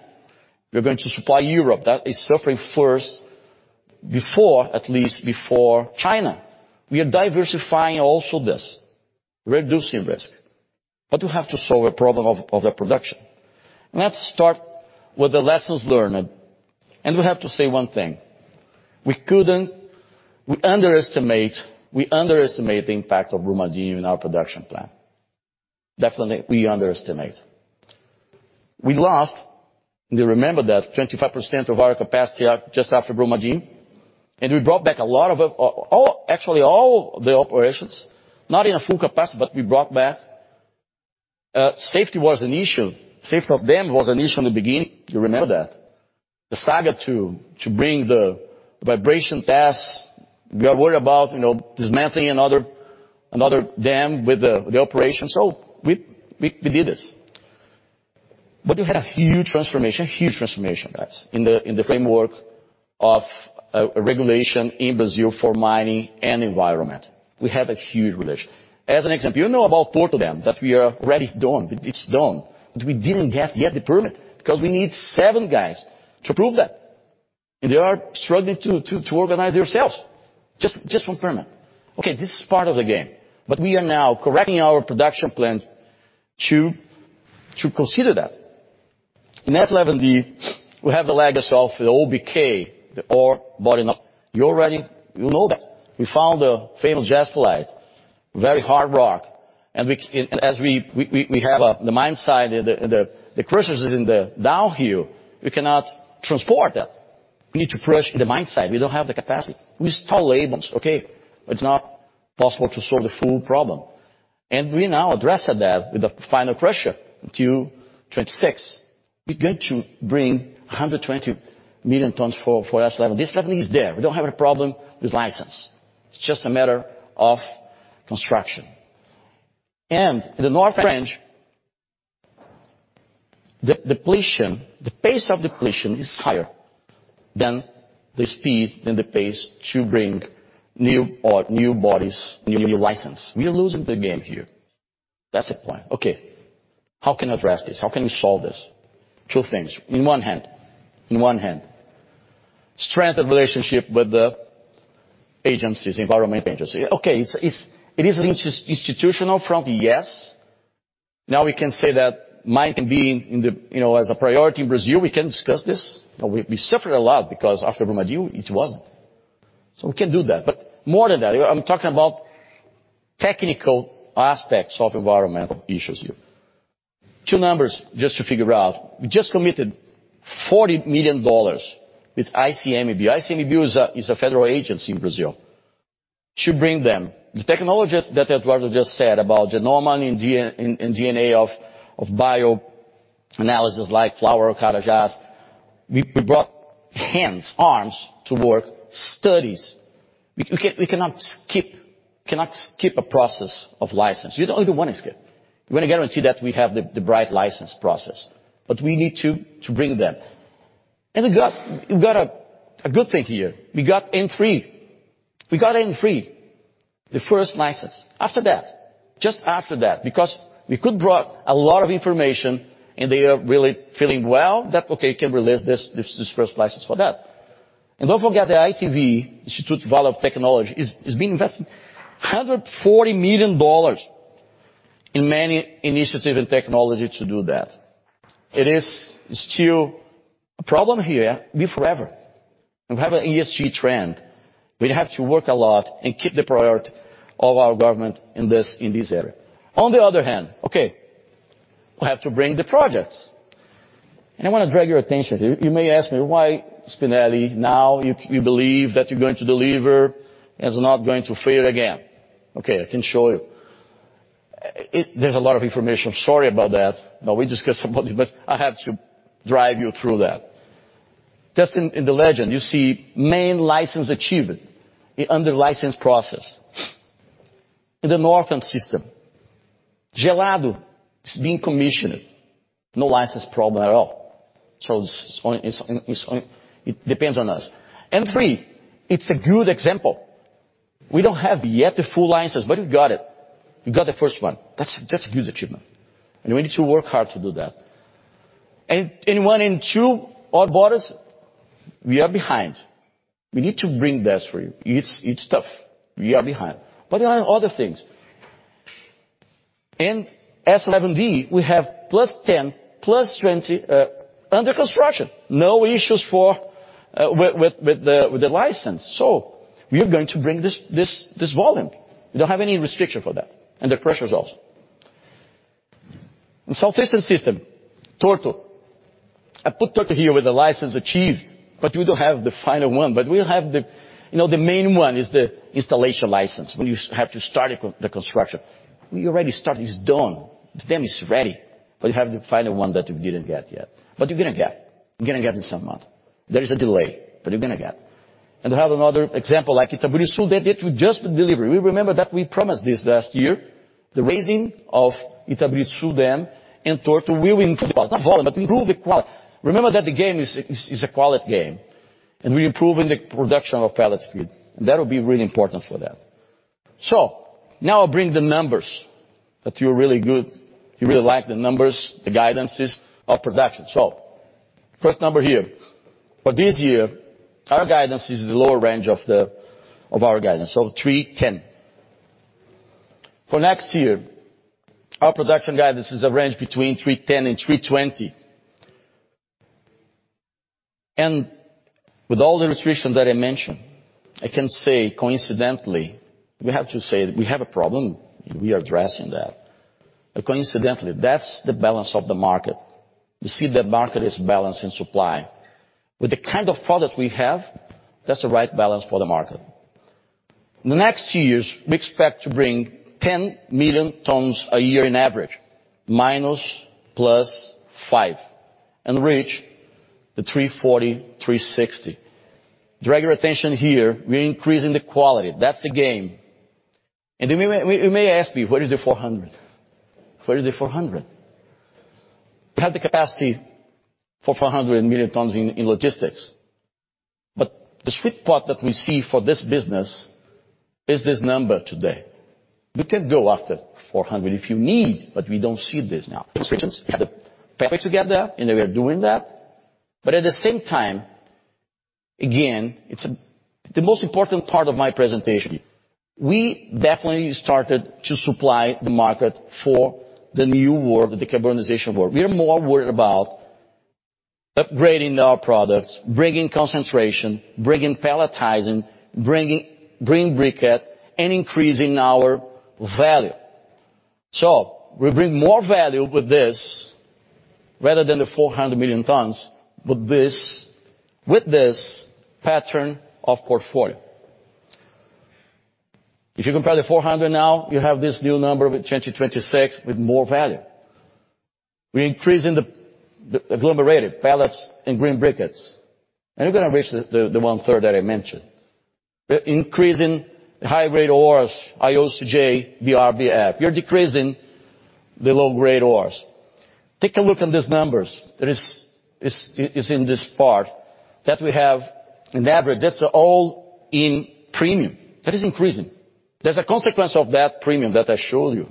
We're going to supply Europe. That is suffering first before, at least before China. We are diversifying also this, reducing risk. We have to solve a problem of the production. Let's start with the lessons learned. We have to say one thing. We underestimate the impact of Brumadinho in our production plan. Definitely, we underestimate. We lost, do you remember that, 25% of our capacity just after Brumadinho, and we brought back a lot of, actually, all the operations, not in a full capacity, but we brought back. Safety was an issue. Safety of dam was an issue in the beginning, you remember that. The saga to bring the vibration test. We are worried about, you know, dismantling another dam with the operation. We did this. We have a huge transformation, guys, in the framework of a regulation in Brazil for mining and environment. We have a huge regulation. As an example, you know about Porto dam, that we are already done. It's done. We didn't get yet the permit because we need seven guys to prove that. They are struggling to organize themselves. Just permit. Okay, this is part of the game. We are now correcting our production plan to consider that. In S11D, we have the legacy of the OBK, the ore body. You know that. We found a famous jaspilite, very hard rock. As we have the mine site and the crushers is in the downhill, we cannot transport that. We need to crush in the mine site. We don't have the capacity. We use tunnel alignment, okay, but it's not possible to solve the full problem. We now addressed that with the final crusher until 26. We're going to bring 120 million tons for S11. This level is there. We don't have a problem with license. It's just a matter of construction. In the North Range, the depletion, the pace of depletion is higher than the speed and the pace to bring new or new bodies, new license. We are losing the game here. That's the point. Okay. How can you address this? How can you solve this? Two things. In one hand, strengthen relationship with the agencies, environment agencies. Okay, it is an institutional front? Yes. Now we can say that mining can be in the, you know, as a priority in Brazil, we can discuss this. We suffered a lot because after Brumadinho, it wasn't. We can do that. More than that, I'm talking about technical aspects of environmental issues here. Two numbers just to figure out. We just committed $40 million with ICMBio. ICMBio is a federal agency in Brazil to bring them. The technologies that Eduardo just said about genomic and and DNA of bioanalysis, like flower, cottages, we brought hands, arms to work, studies. We cannot skip a process of license. We're the only one skip. We're gonna guarantee that we have the right license process. We need to bring them. We've got a good thing here. We got M3. We got M3, the first license. After that, just after that, because we could brought a lot of information and they are really feeling well that, okay, you can release this first license for that. Don't forget the ITV, Institute Vale of Technology, is being invested $140 million in many initiative in technology to do that. It is still a problem here, be forever. We have an ESG trend. We have to work a lot and keep the priority of our government in this area. On the other hand, okay, we have to bring the projects. I wanna drag your attention here. You may ask me, why Spinelli, now you believe that you're going to deliver and it's not going to fail again? Okay, I can show you. There's a lot of information. Sorry about that. We discuss about it, but I have to drive you through that. Just in the legend, you see main license achieved and under license process. In the Northern System, Gelado is being commissioned. No license problem at all. It's only, it depends on us. M3, it's a good example. We don't have yet the full license, but we got it. We got the first one. That's a good achievement, and we need to work hard to do that. In one and two, our borders, we are behind. We need to bring that for you. It's tough. We are behind. There are other things. In S11D, we have plus 10, plus 20 under construction. No issues for with the license. We are going to bring this volume. We don't have any restriction for that, and the pressure is off. In Southeast system, Torto. I put Torto here with the license achieved, but we don't have the final one. We'll have the... You know, the main one is the installation license, when you have to start the construction. We already start, it's done. The dam is ready, but you have the final one that you didn't get yet. You're gonna get. You're gonna get in some month. There is a delay, but you're gonna get. We have another example, like Itabiruçu that we just delivered. We remember that we promised this last year, the raising of Itabiruçu dam, and Torto will improve the quality. Not volume, but improve the quality. Remember that the game is a quality game, we're improving the production of pellet feed, and that will be really important for that. Now I bring the numbers that you're really good. You really like the numbers, the guidances of production. First number here. For this year, our guidance is the lower range of our guidance, 310. For next year, our production guidance is a range between 310 and 320. With all the restrictions that I mentioned, I can say coincidentally, we have to say we have a problem, and we are addressing that. Coincidentally, that's the balance of the market. You see the market is balance in supply. With the kind of product we have, that's the right balance for the market. In the next years, we expect to bring 10 million tons a year on average, ±5, and reach the 340, 360. Drag your attention here, we're increasing the quality. That's the game. You may ask me, where is the 400? Where is the 400? We have the capacity for 400 million tons in logistics. The sweet spot that we see for this business is this number today. We can go after 400 if you need, but we don't see this now. Restrictions, we have the pathway to get there, and we are doing that. At the same time, again, it's a... The most important part of my presentation, we definitely started to supply the market for the new world, the decarbonization world. We are more worried about upgrading our products, bringing concentration, bringing pelletizing, bringing green briquette, and increasing our value. We bring more value with this rather than the 400 million tons, with this, with this pattern of portfolio. If you compare the 400 now, you have this new number with 2026 with more value. We're increasing the agglomerated pellets and green briquettes, and we're gonna reach the, the one-third that I mentioned. We're increasing the high-grade ores, IOCJ, BRBF. We are decreasing the low-grade ores. Take a look at these numbers. There is in this part that we have an average. That's all in premium. That is increasing. There's a consequence of that premium that I showed you.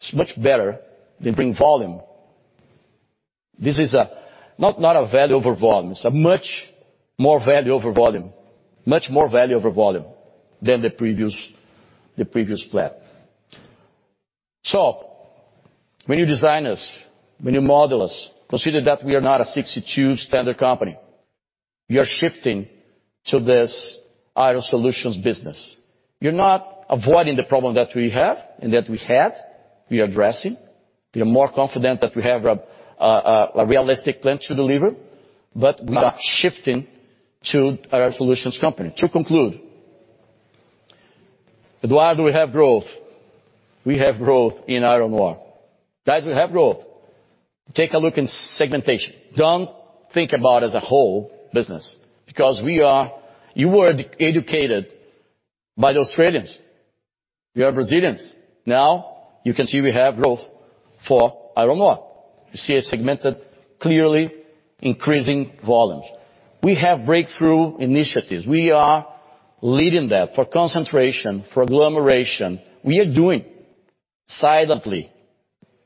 It's much better than bring volume. This is not a value over volume. It's a much more value over volume than the previous plan. When you design us, when you model us, consider that we are not a 62 standard company. We are shifting to this iron solutions business. You're not avoiding the problem that we have and that we had. We are addressing. We are more confident that we have a realistic plan to deliver, but we are shifting to iron solutions company. To conclude, Eduardo, we have growth. We have growth in iron ore. Guys, we have growth. Take a look in segmentation. Don't think about as a whole business because we are. You were educated by the Australians. We are Brazilians. Now you can see we have growth for iron ore. You see a segmented, clearly increasing volumes. We have breakthrough initiatives. We are leading that for concentration, for agglomeration. We are doing silently.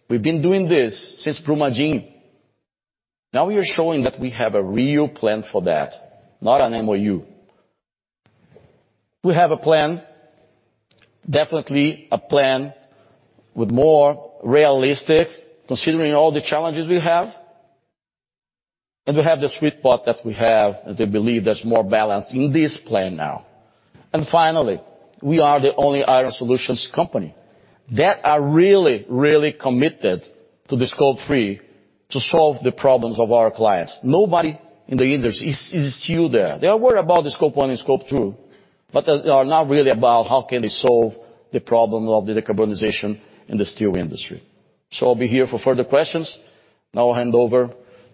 We've been doing this since Brumadinho. We are showing that we have a real plan for that, not an MOU. We have a plan, definitely a plan with more realistic, considering all the challenges we have, we have the sweet spot that we have that I believe there's more balance in this plan now. Finally, we are the only iron solutions company that are really, really committed to the Scope 3 to solve the problems of our clients. Nobody in the industry is still there. They are worried about the Scope 1 and Scope 2, they are not really about how can they solve the problem of the decarbonization in the steel industry. I'll be here for further questions. Now I'll hand over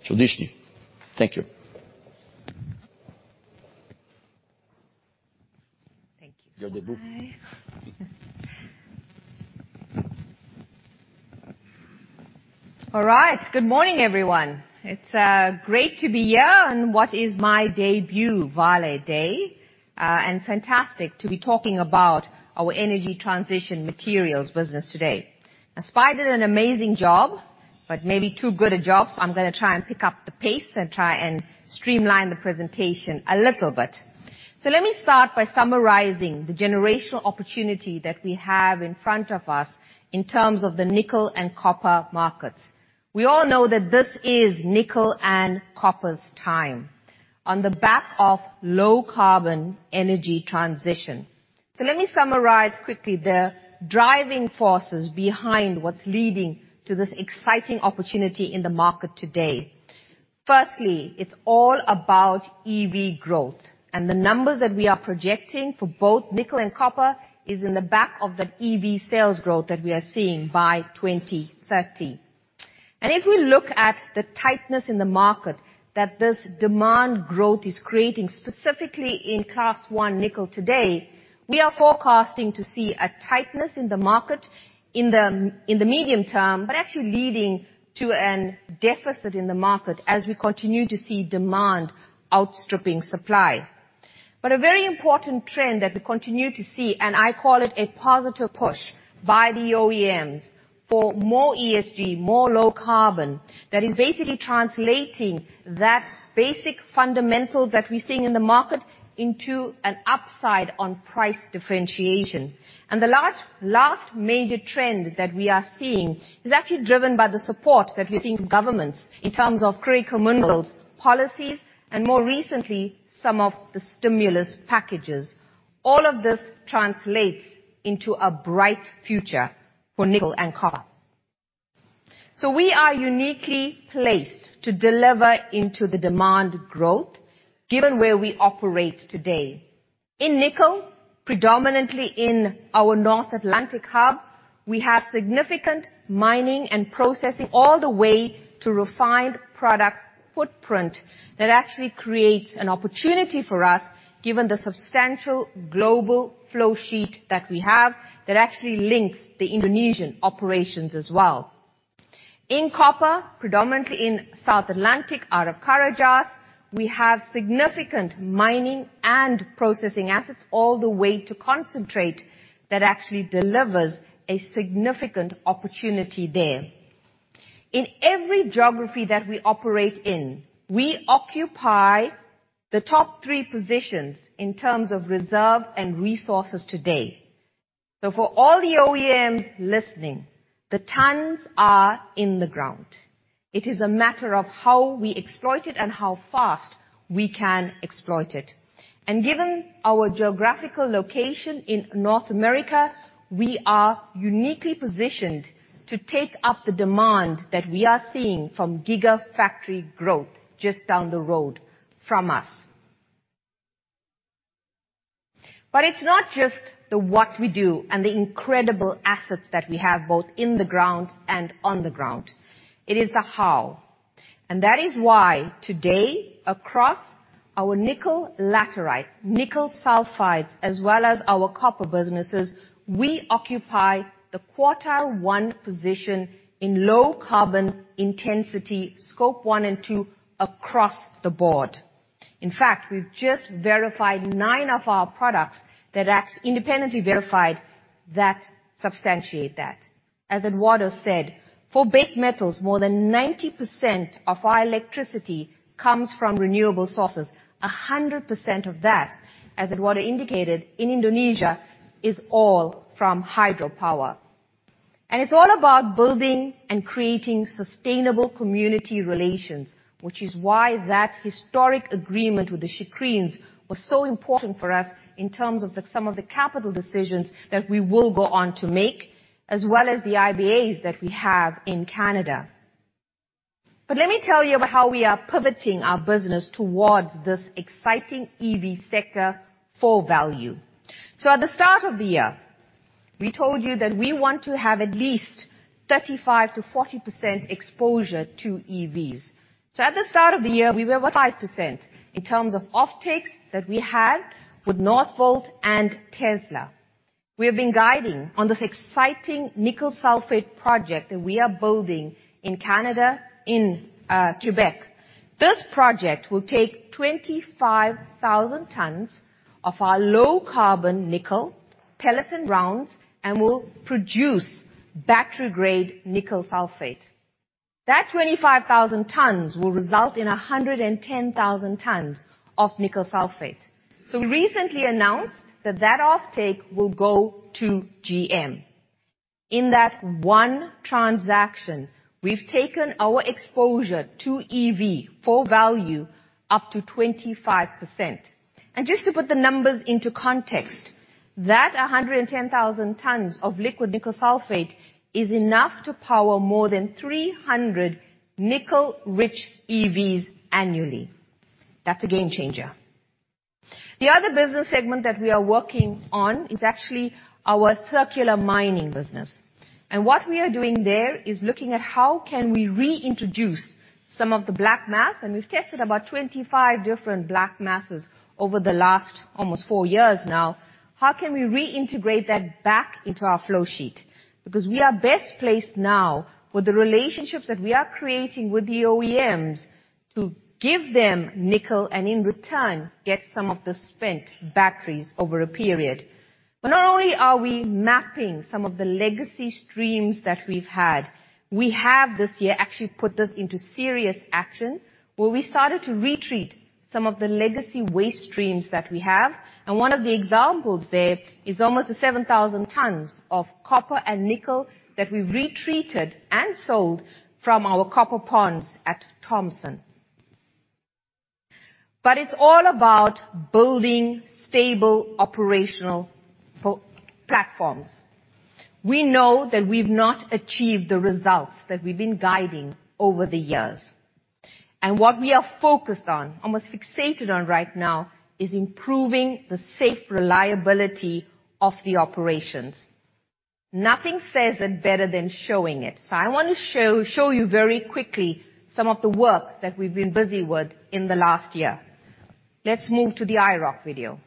to Deshnee. Thank you. Thank you. You're the boo. Hi. All right. Good morning, everyone. It's great to be here in what is my debut Vale Day, and fantastic to be talking about our energy transition materials business today. Spi did an amazing job, but maybe too good a job, so I'm gonna try and pick up the pace and try and streamline the presentation a little bit. Let me start by summarizing the generational opportunity that we have in front of us in terms of the nickel and copper markets. We all know that this is nickel and copper's time on the back of low-carbon energy transition. Let me summarize quickly the driving forces behind what's leading to this exciting opportunity in the market today. Firstly, it's all about EV growth. The numbers that we are projecting for both nickel and copper is in the back of that EV sales growth that we are seeing by 2030. If we look at the tightness in the market that this demand growth is creating, specifically in Class 1 nickel today, we are forecasting to see a tightness in the market in the medium term, but actually leading to an deficit in the market as we continue to see demand outstripping supply. A very important trend that we continue to see, and I call it a positive push by the OEMs for more ESG, more low carbon, that is basically translating that basic fundamentals that we're seeing in the market into an upside on price differentiation. The last major trend that we are seeing is actually driven by the support that we're seeing from governments in terms of critical minerals, policies, and more recently, some of the stimulus packages. All of this translates into a bright future for nickel and copper. We are uniquely placed to deliver into the demand growth given where we operate today. In nickel, predominantly in our North Atlantic hub, we have significant mining and processing all the way to refined products footprint that actually creates an opportunity for us given the substantial global flow sheet that we have that actually links the Indonesian operations as well. In copper, predominantly in South Atlantic out of Carajás, we have significant mining and processing assets all the way to concentrate that actually delivers a significant opportunity there. In every geography that we operate in, we occupy the top 3 positions in terms of reserve and resources today. For all the OEMs listening, the tons are in the ground. It is a matter of how we exploit it and how fast we can exploit it. Given our geographical location in North America, we are uniquely positioned to take up the demand that we are seeing from gigafactory growth just down the road from us. It's not just the what we do and the incredible assets that we have both in the ground and on the ground. It is the how. That is why today, across our nickel laterites, nickel sulfides, as well as our copper businesses, we occupy the Class 1 position in low carbon intensity Scope 1 and 2 across the board. In fact, we've just verified 9 of our products independently verified that substantiate that. As Eduardo said, for base metals, more than 90% of our electricity comes from renewable sources. 100% of that, as Eduardo indicated, in Indonesia is all from hydropower. It's all about building and creating sustainable community relations, which is why that historic agreement with the Xikrin was so important for us in terms of the some of the capital decisions that we will go on to make, as well as the IBAs that we have in Canada. Let me tell you about how we are pivoting our business towards this exciting EV sector for Vale. At the start of the year, we told you that we want to have at least 35%-40% exposure to EVs. At the start of the year, we were at 5% in terms of offtakes that we had with Northvolt and Tesla. We have been guiding on this exciting nickel sulfate project that we are building in Canada, in Quebec. This project will take 25,000 tons of our low-carbon nickel, pelleted and ground, and will produce battery-grade nickel sulfate. That 25,000 tons will result in 110,000 tons of nickel sulfate. We recently announced that that offtake will go to GM. In that one transaction, we've taken our exposure to EV for value up to 25%. Just to put the numbers into context, that 110,000 tons of liquid nickel sulfate is enough to power more than 300 nickel-rich EVs annually. That's a game changer. The other business segment that we are working on is actually our circular mining business. What we are doing there is looking at how can we reintroduce some of the black mass, and we've tested about 25 different black masses over the last almost four years now. How can we reintegrate that back into our flow sheet? We are best placed now with the relationships that we are creating with the OEMs to give them nickel and in return, get some of the spent batteries over a period. Not only are we mapping some of the legacy streams that we've had, we have this year actually put this into serious action, where we started to retreat some of the legacy waste streams that we have. One of the examples there is almost 7,000 tons of copper and nickel that we've retreated and sold from our copper ponds at Thompson. It's all about building stable operational platforms. We know that we've not achieved the results that we've been guiding over the years. What we are focused on, almost fixated on right now, is improving the safe reliability of the operations. Nothing says it better than showing it. I wanna show you very quickly some of the work that we've been busy with in the last year. Let's move to the IROC video.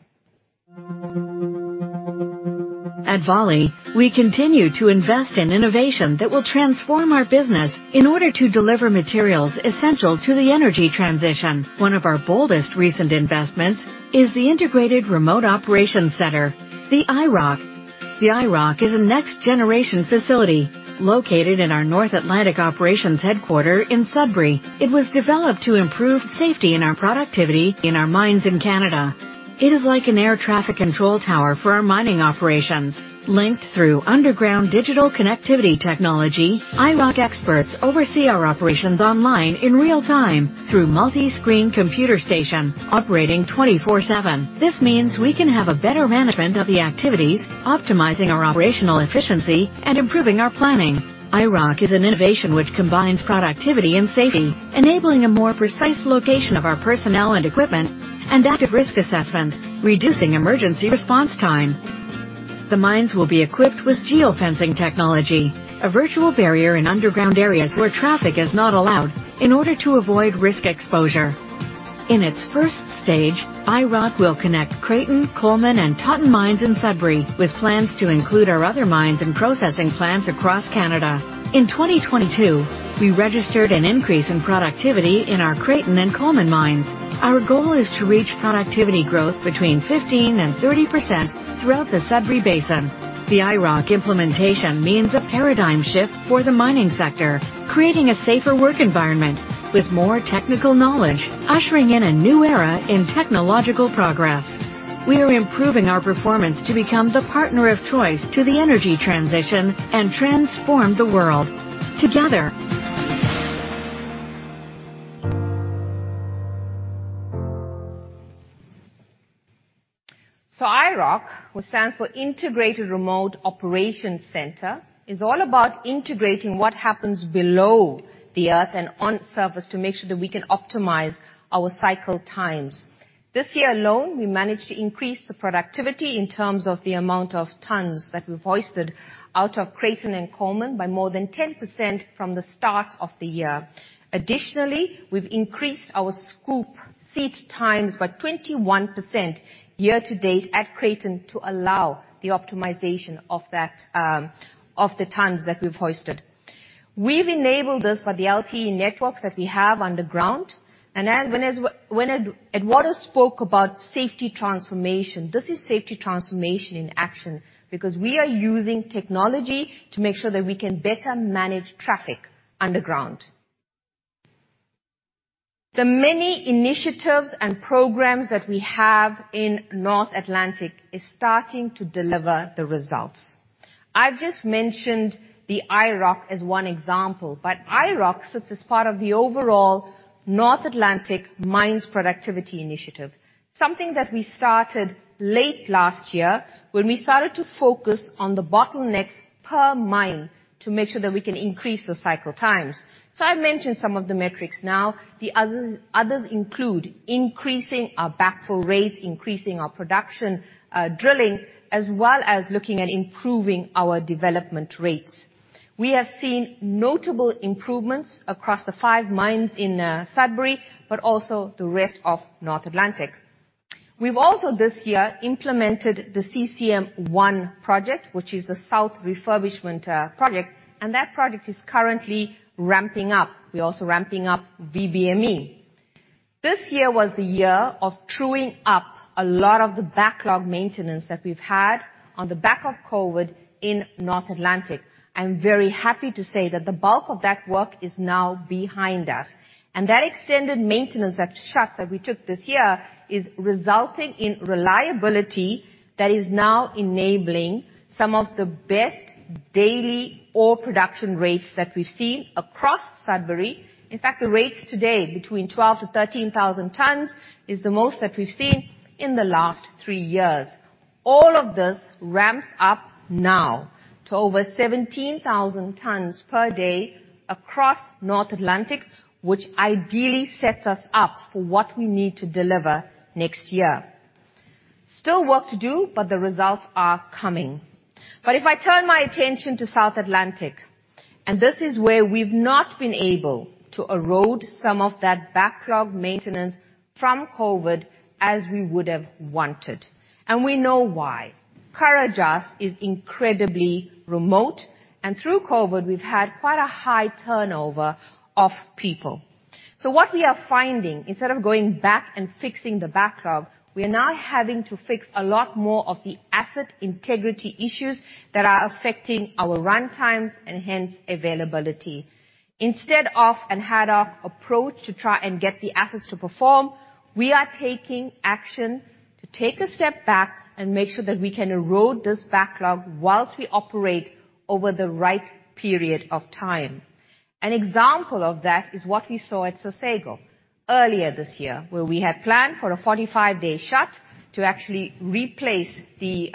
At Vale, we continue to invest in innovation that will transform our business in order to deliver materials essential to the energy transition. One of our boldest recent investments is the Integrated Remote Operation Center, the IROC. The IROC is a next-generation facility located in our North Atlantic operations headquarter in Sudbury. It was developed to improve safety and our productivity in our mines in Canada. It is like an air traffic control tower for our mining operations. Linked through underground digital connectivity technology, IROC experts oversee our operations online in real time through multi-screen computer station operating 24/7. This means we can have a better management of the activities, optimizing our operational efficiency, and improving our planning. IROC is an innovation which combines productivity and safety, enabling a more precise location of our personnel and equipment and data risk assessment, reducing emergency response time. The mines will be equipped with geofencing technology, a virtual barrier in underground areas where traffic is not allowed in order to avoid risk exposure. In its first stage, IROC will connect Creighton, Coleman, and Totten mines in Sudbury with plans to include our other mines and processing plants across Canada. In 2022, we registered an increase in productivity in our Creighton and Coleman mines. Our goal is to reach productivity growth between 15% and 30% throughout the Sudbury Basin. The IROC implementation means a paradigm shift for the mining sector, creating a safer work environment with more technical knowledge, ushering in a new era in technological progress. We are improving our performance to become the partner of choice to the energy transition and transform the world together. IROC, which stands for Integrated Remote Operation Center, is all about integrating what happens below the earth and on surface to make sure that we can optimize our cycle times. This year alone, we managed to increase the productivity in terms of the amount of tons that we've hoisted out of Creighton and Coleman by more than 10% from the start of the year. Additionally, we've increased our scoop seat times by 21% year to date at Creighton to allow the optimization of that of the tons that we've hoisted. We've enabled this by the LTE networks that we have underground and when Eduardo spoke about safety transformation, this is safety transformation in action because we are using technology to make sure that we can better manage traffic underground. The many initiatives and programs that we have in North Atlantic is starting to deliver the results. I've just mentioned the IROC as one example, but IROC sits as part of the overall North Atlantic Mines Productivity Initiative, something that we started late last year when we started to focus on the bottlenecks per mine to make sure that we can increase the cycle times. I've mentioned some of the metrics now. The others include increasing our backfill rates, increasing our production, drilling, as well as looking at improving our development rates. We have seen notable improvements across the five mines in Sudbury, but also the rest of North Atlantic. We've also this year implemented the CCM1 project, which is the south refurbishment project, and that project is currently ramping up. We're also ramping up VBME. This year was the year of truing up a lot of the backlog maintenance that we've had on the back of COVID in North Atlantic. I'm very happy to say that the bulk of that work is now behind us, and that extended maintenance, that shuts that we took this year, is resulting in reliability that is now enabling some of the best daily ore production rates that we've seen across Sudbury. In fact, the rates today between 12,000-13,000 tons is the most that we've seen in the last three years. All of this ramps up now to over 17,000 tons per day across North Atlantic, which ideally sets us up for what we need to deliver next year. Still work to do, the results are coming. If I turn my attention to South Atlantic, and this is where we've not been able to erode some of that backlog maintenance from COVID as we would have wanted, and we know why. Carajás is incredibly remote, and through COVID we've had quite a high turnover of people. What we are finding, instead of going back and fixing the backlog, we are now having to fix a lot more of the asset integrity issues that are affecting our runtimes and hence availability. Instead of an ad hoc approach to try and get the assets to perform, we are taking action to take a step back and make sure that we can erode this backlog whilst we operate over the right period of time. An example of that is what we saw at Sossego earlier this year, where we had planned for a 45-day shut to actually replace the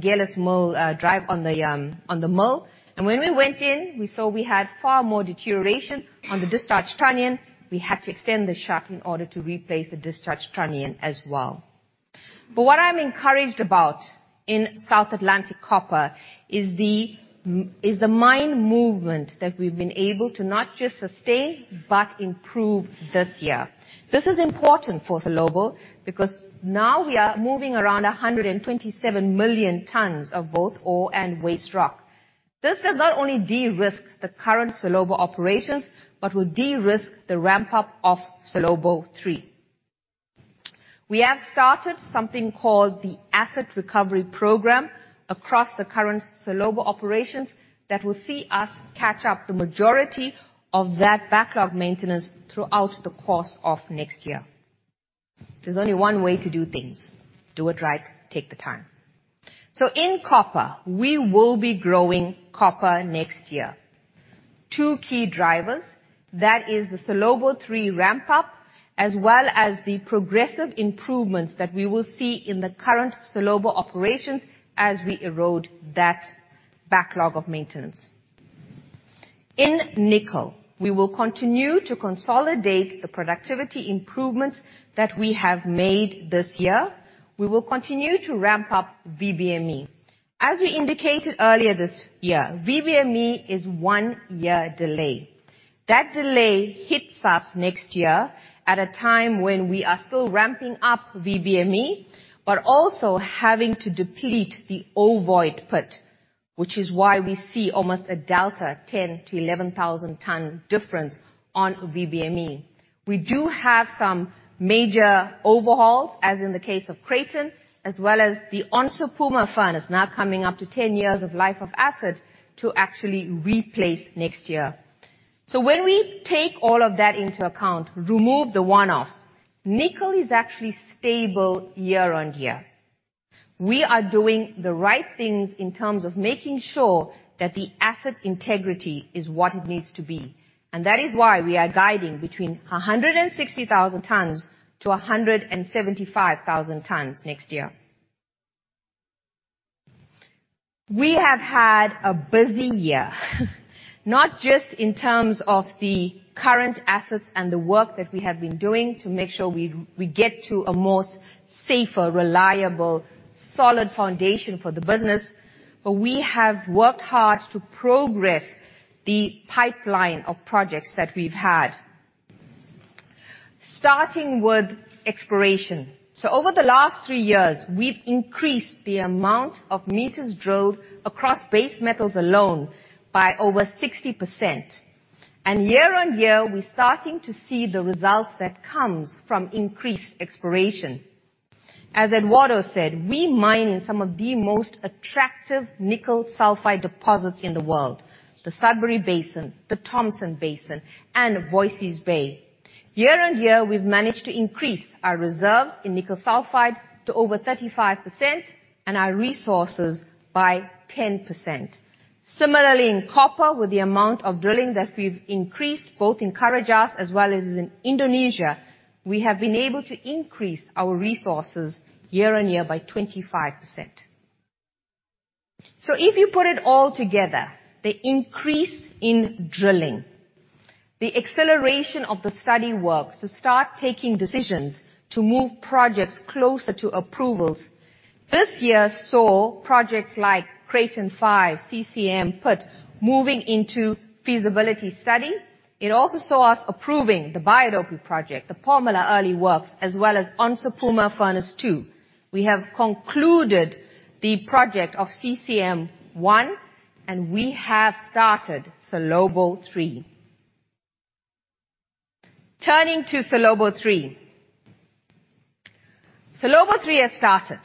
gearless mill drive on the mill. When we went in, we saw we had far more deterioration on the discharge trunnion. We had to extend the shut in order to replace the discharge trunnion as well. What I'm encouraged about in South Atlantic Copper is the mine movement that we've been able to not just sustain but improve this year. This is important for Salobo because now we are moving around 127 million tons of both ore and waste rock. This does not only de-risk the current Salobo operations, but will de-risk the ramp up of Salobo 3. We have started something called the Asset Recovery Program across the current Salobo operations that will see us catch up the majority of that backlog maintenance throughout the course of next year. There's only one way to do things. Do it right, take the time. In copper, we will be growing copper next year. Two key drivers. That is the Salobo 3 ramp up, as well as the progressive improvements that we will see in the current Salobo operations as we erode that backlog of maintenance. In nickel, we will continue to consolidate the productivity improvements that we have made this year. We will continue to ramp up VBME. As we indicated earlier this year, VBME is one year delay. That delay hits us next year at a time when we are still ramping up VBME, but also having to deplete the O Vão pit, which is why we see almost a delta 10,000-11,000 ton difference on VBME. We do have some major overhauls, as in the case of Creighton, as well as the Onça Puma fan is now coming up to 10 years of life of asset to actually replace next year. When we take all of that into account, remove the one-offs, nickel is actually stable year-on-year. We are doing the right things in terms of making sure that the asset integrity is what it needs to be, and that is why we are guiding between 160,000-175,000 tons next year. We have had a busy year. Not just in terms of the current assets and the work that we have been doing to make sure we get to a more safer, reliable, solid foundation for the business, but we have worked hard to progress the pipeline of projects that we've had. Starting with exploration. Over the last three years, we've increased the amount of meters drilled across base metals alone by over 60%. Year on year, we're starting to see the results that comes from increased exploration. As Eduardo said, we mine in some of the most attractive nickel sulfide deposits in the world, the Sudbury Basin, the Thompson Basin, and Voisey's Bay. Year on year, we've managed to increase our reserves in nickel sulfide to over 35% and our resources by 10%. Similarly, in copper, with the amount of drilling that we've increased, both in Carajás as well as in Indonesia, we have been able to increase our resources year on year by 25%. If you put it all together, the increase in drilling, the acceleration of the study work to start taking decisions to move projects closer to approvals. This year saw projects like Creighton Five, CCM Put moving into feasibility study. It also saw us approving the Bahodopi Project, the Pamona early works, as well as Onça Puma Furnace 2. We have concluded the project of CCM1. We have started Salobo 3. Turning to Salobo 3. Salobo 3 has started,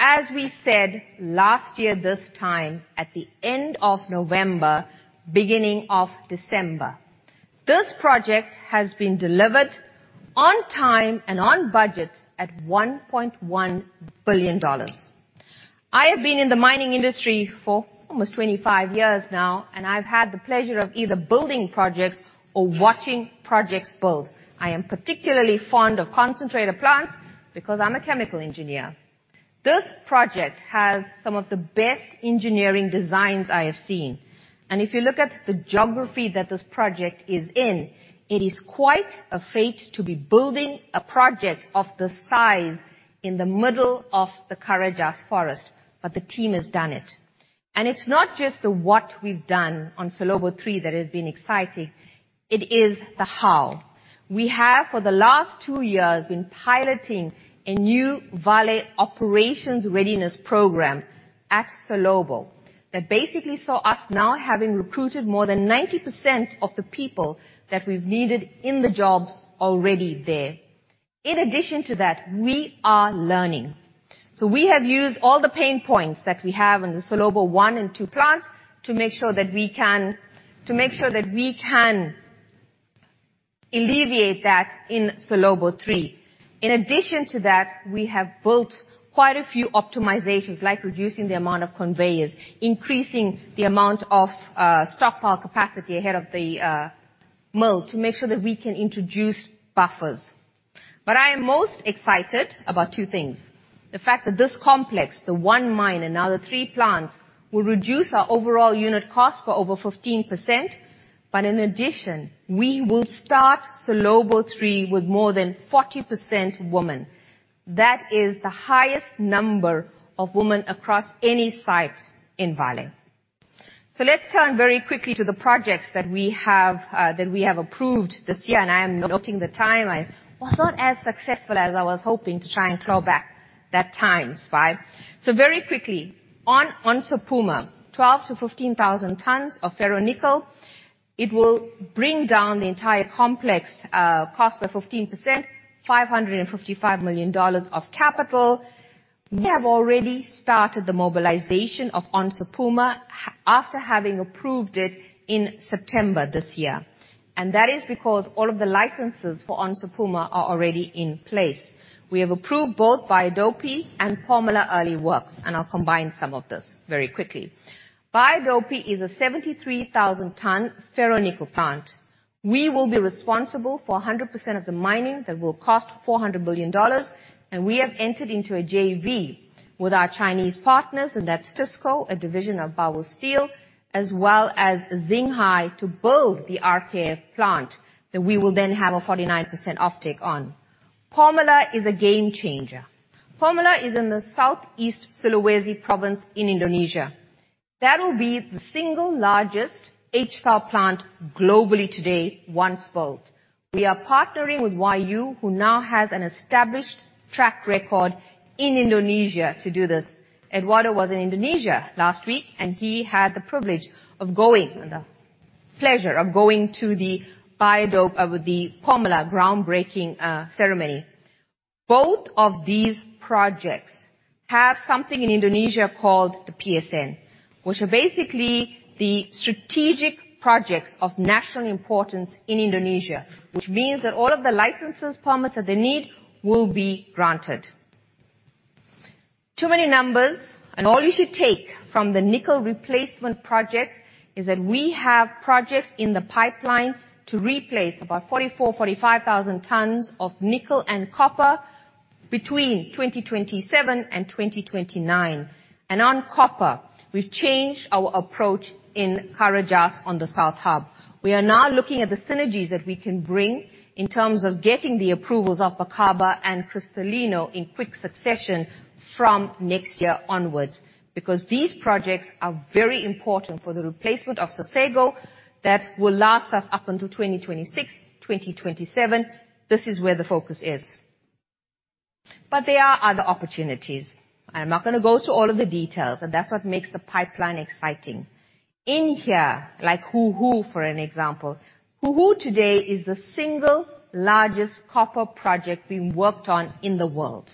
as we said last year this time at the end of November, beginning of December. This project has been delivered on time and on budget at $1.1 billion. I have been in the mining industry for almost 25 years now. I've had the pleasure of either building projects or watching projects build. I am particularly fond of concentrator plants because I'm a chemical engineer. This project has some of the best engineering designs I have seen. If you look at the geography that this project is in, it is quite a fate to be building a project of this size in the middle of the Carajás forest, the team has done it. It's not just the what we've done on Salobo 3 that has been exciting, it is the how. We have, for the last 2 years, been piloting a new Vale operations readiness program at Salobo that basically saw us now having recruited more than 90% of the people that we've needed in the jobs already there. In addition to that, we are learning. We have used all the pain points that we have in the Salobo 1 and 2 plant to make sure that we can alleviate that in Salobo 3. In addition to that, we have built quite a few optimizations, like reducing the amount of conveyors, increasing the amount of stockpile capacity ahead of the mill to make sure that we can introduce buffers. I am most excited about 2 things. The fact that this complex, the one mine and now the three plants, will reduce our overall unit cost for over 15%, in addition, we will start Salobo 3 with more than 40% women. That is the highest number of women across any site in Vale. Let's turn very quickly to the projects that we have that we have approved this year, and I am noting the time. I was not as successful as I was hoping to try and claw back that time, Spi. Very quickly, on Onça Puma, 12,000-15,000 tons of ferro-nickel. It will bring down the entire complex cost by 15%, $555 million of capital. We have already started the mobilization of Onça Puma after having approved it in September this year, and that is because all of the licenses for Onça Puma are already in place. We have approved both Bahodopi and Pamona early works, and I'll combine some of this very quickly. Bahodopi is a 73,000 ton ferro-nickel plant. We will be responsible for 100% of the mining that will cost $400 million, and we have entered into a JV with our Chinese partners, and that's Tisco, a division of Baowu Steel, as well as Xinhai to build the RPF plant that we will then have a 49% offtake on. Pamona is a game changer. Pamona is in the Southeast Sulawesi province in Indonesia. That will be the single largest HPAL plant globally today once built. We are partnering with Huayou, who now has an established track record in Indonesia to do this. Eduardo was in Indonesia last week and he had the pleasure of going to the Bahodopi, the Pamona groundbreaking ceremony. Both of these projects have something in Indonesia called the PSN, which are basically the strategic projects of national importance in Indonesia, which means that all of the licenses, permits that they need will be granted. Too many numbers, all you should take from the nickel replacement projects is that we have projects in the pipeline to replace about 44,000-45,000 tons of nickel and copper between 2027 and 2029. On copper, we've changed our approach in Carajás on the South Hub. We are now looking at the synergies that we can bring in terms of getting the approvals of Bacaba and Cristalino in quick succession from next year onwards, because these projects are very important for the replacement of Sossego that will last us up until 2026, 2027. This is where the focus is. There are other opportunities. I'm not gonna go through all of the details, but that's what makes the pipeline exciting. In here, like Huhu, for an example. Huhu today is the single largest copper project being worked on in the world,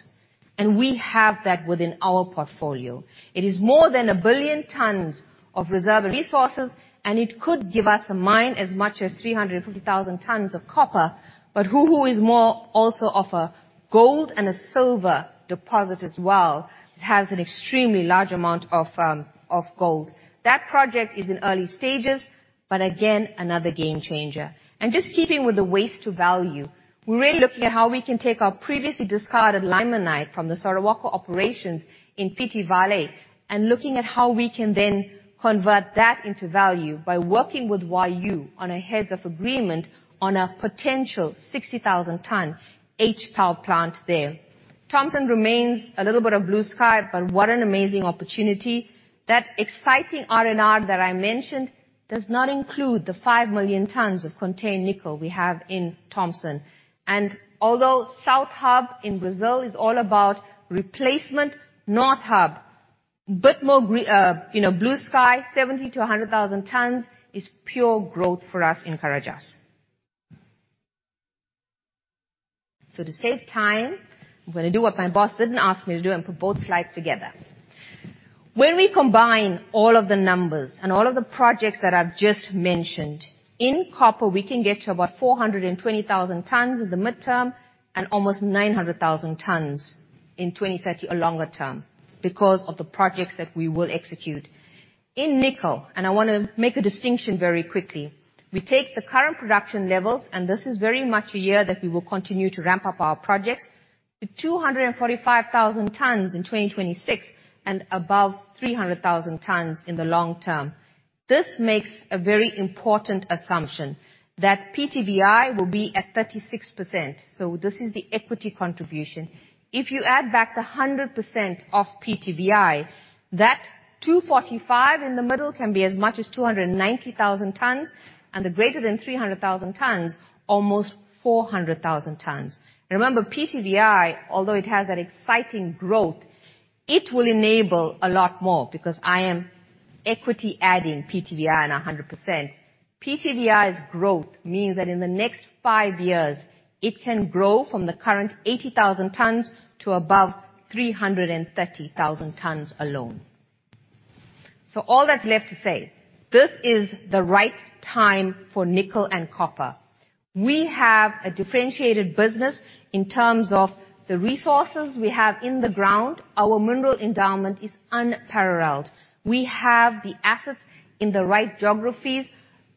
and we have that within our portfolio. It is more than 1 billion tons of reserve resources, and it could give us a mine as much as 350,000 tons of copper. Huhu is more also of a gold and a silver deposit as well. It has an extremely large amount of gold. That project is in early stages, again, another game changer. Just keeping with the waste to value, we're really looking at how we can take our previously discarded limonite from the Sorowako operations in Piti Valley, looking at how we can then convert that into value by working with Huayou on a heads of agreement on a potential 60,000 ton HPAL plant there. Thompson remains a little bit of blue sky, what an amazing opportunity. That exciting R&R that I mentioned does not include the 5 million tons of contained nickel we have in Thompson. Although South Hub in Brazil is all about replacement, North Hub, bit more, you know, blue sky, 70,000-100,000 tons is pure growth for us in Carajás. To save time, I'm gonna do what my boss didn't ask me to do and put both slides together. When we combine all of the numbers and all of the projects that I've just mentioned, in copper, we can get to about 420,000 tons in the midterm and almost 900,000 tons in 2030 or longer term because of the projects that we will execute. In nickel, and I wanna make a distinction very quickly, we take the current production levels, and this is very much a year that we will continue to ramp up our projects, to 245,000 tons in 2026 and above 300,000 tons in the long term. This makes a very important assumption that PTVI will be at 36%, so this is the equity contribution. If you add back the 100% of PTVI, that 245 in the middle can be as much as 290,000 tons, and the greater than 300,000 tons, almost 400,000 tons. PTVI, although it has that exciting growth, it will enable a lot more because I am equity adding PTVI in 100%. PTVI's growth means that in the next 5 years, it can grow from the current 80,000 tons to above 330,000 tons alone. All that's left to say, this is the right time for nickel and copper. We have a differentiated business in terms of the resources we have in the ground. Our mineral endowment is unparalleled. We have the assets in the right geographies,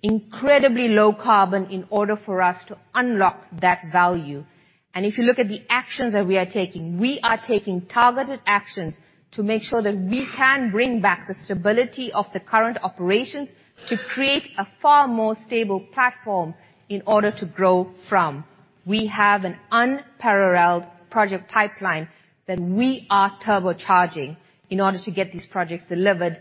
incredibly low carbon in order for us to unlock that value. If you look at the actions that we are taking, we are taking targeted actions to make sure that we can bring back the stability of the current operations to create a far more stable platform in order to grow from. We have an unparalleled project pipeline that we are turbocharging in order to get these projects delivered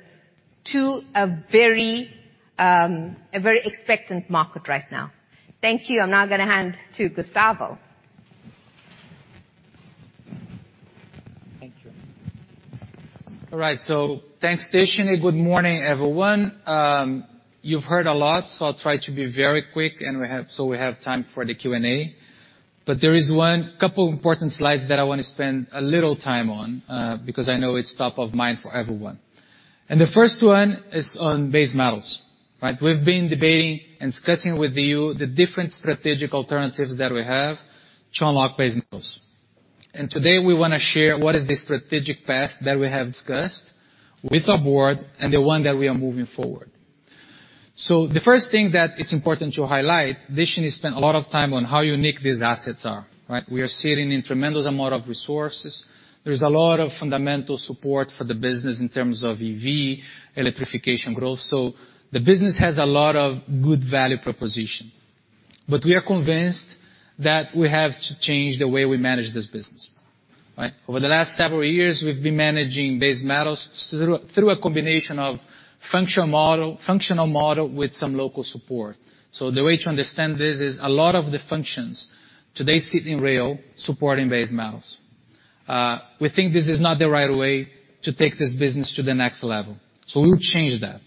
to a very, a very expectant market right now. Thank you. I'm now gonna hand to Gustavo. Thank you. All right, thanks, Deshnee. Good morning, everyone. You've heard a lot, so I'll try to be very quick, and we have time for the Q&A. There is one couple important slides that I wanna spend a little time on because I know it's top of mind for everyone. The first one is on base metals, right? We've been debating and discussing with you the different strategic alternatives that we have, Sean locked base metals. Today, we wanna share what is the strategic path that we have discussed with our board and the one that we are moving forward. The first thing that it's important to highlight, Deshnee spent a lot of time on how unique these assets are, right? We are sitting in tremendous amount of resources. There's a lot of fundamental support for the business in terms of EV, electrification growth. The business has a lot of good value proposition. We are convinced that we have to change the way we manage this business, right? Over the last several years, we've been managing base metals through a combination of function model, functional model with some local support. The way to understand this is a lot of the functions today sit in Rio supporting base metals. We think this is not the right way to take this business to the next level. We'll change that.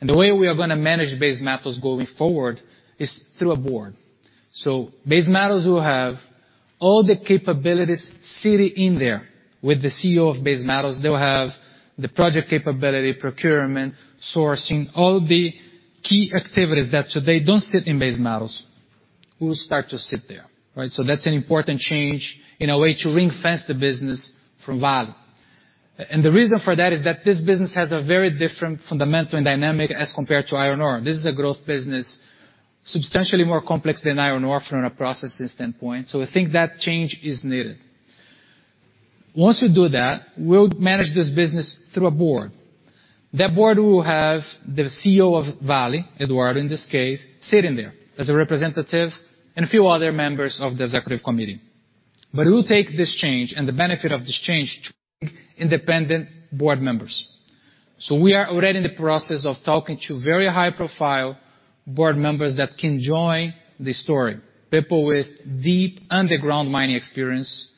The way we are gonna manage base metals going forward is through a board. Base metals will have all the capabilities sitting in there with the CEO of base metals. They'll have the project capability, procurement, sourcing, all the key activities that today don't sit in base metals will start to sit there, right? That's an important change in a way to ring-fence the business from Vale. The reason for that is that this business has a very different fundamental and dynamic as compared to iron ore. This is a growth business, substantially more complex than iron ore from a processes standpoint, so I think that change is needed. Once we do that, we'll manage this business through a board. That board will have the CEO of Vale, Eduardo, in this case, sitting there as a representative and a few other members of the executive committee. We'll take this change and the benefit of this change to independent board members. So we are already in the process of talking to very high profile board members that can join the story. People with deep underground mining experience,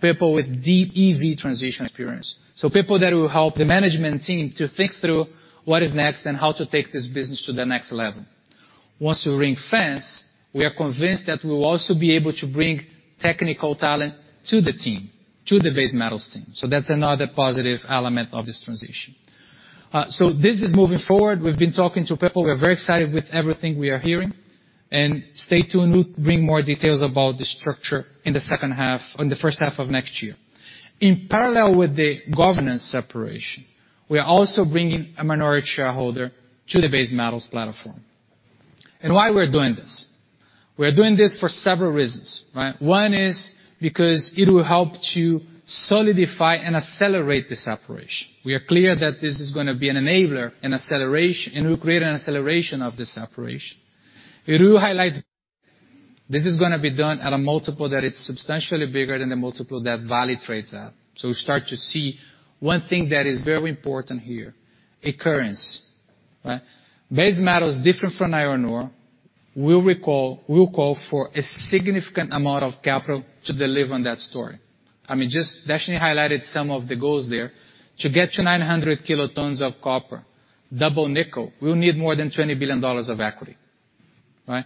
people with deep EV transition experience. People that will help the management team to think through what is next and how to take this business to the next level. Once we ring fence, we are convinced that we will also be able to bring technical talent to the team, to the base metals team. That's another positive element of this transition. This is moving forward. We've been talking to people. We're very excited with everything we are hearing. Stay tuned, we'll bring more details about the structure in the second half on the first half of next year. In parallel with the governance separation, we are also bringing a minority shareholder to the base metals platform. Why we're doing this? We're doing this for several reasons, right? One is because it will help to solidify and accelerate the separation. We are clear that this is gonna be an enabler, an acceleration, it will create an acceleration of the separation. It will highlight this is gonna be done at a multiple that is substantially bigger than the multiple that Vale trades at. We start to see one thing that is very important here, occurrence, right? Base metal is different from iron ore. We'll call for a significant amount of capital to deliver on that story. I mean, Deshnee highlighted some of the goals there. To get to 900 kilotons of copper, double nickel, we'll need more than $20 billion of equity, right?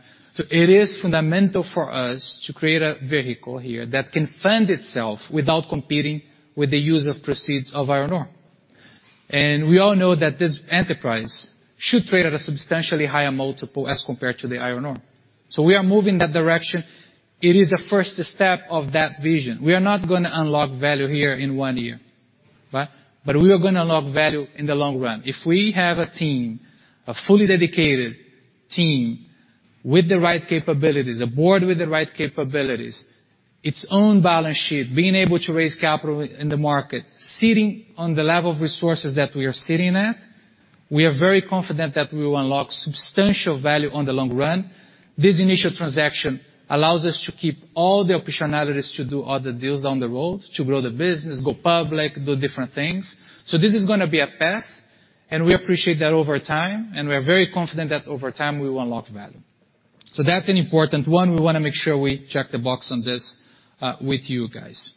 It is fundamental for us to create a vehicle here that can fund itself without competing with the use of proceeds of iron ore. We all know that this enterprise should trade at a substantially higher multiple as compared to the iron ore. We are moving that direction. It is a first step of that vision. We are not gonna unlock value here in one year, right? We are gonna unlock value in the long run. If we have a team, a fully dedicated team with the right capabilities, a board with the right capabilities, its own balance sheet, being able to raise capital in the market, sitting on the level of resources that we are sitting at, we are very confident that we will unlock substantial value on the long run. This initial transaction allows us to keep all the optionalities to do other deals down the road, to grow the business, go public, do different things. This is gonna be a path, and we appreciate that over time, and we are very confident that over time we will unlock value. That's an important one. We wanna make sure we check the box on this with you guys.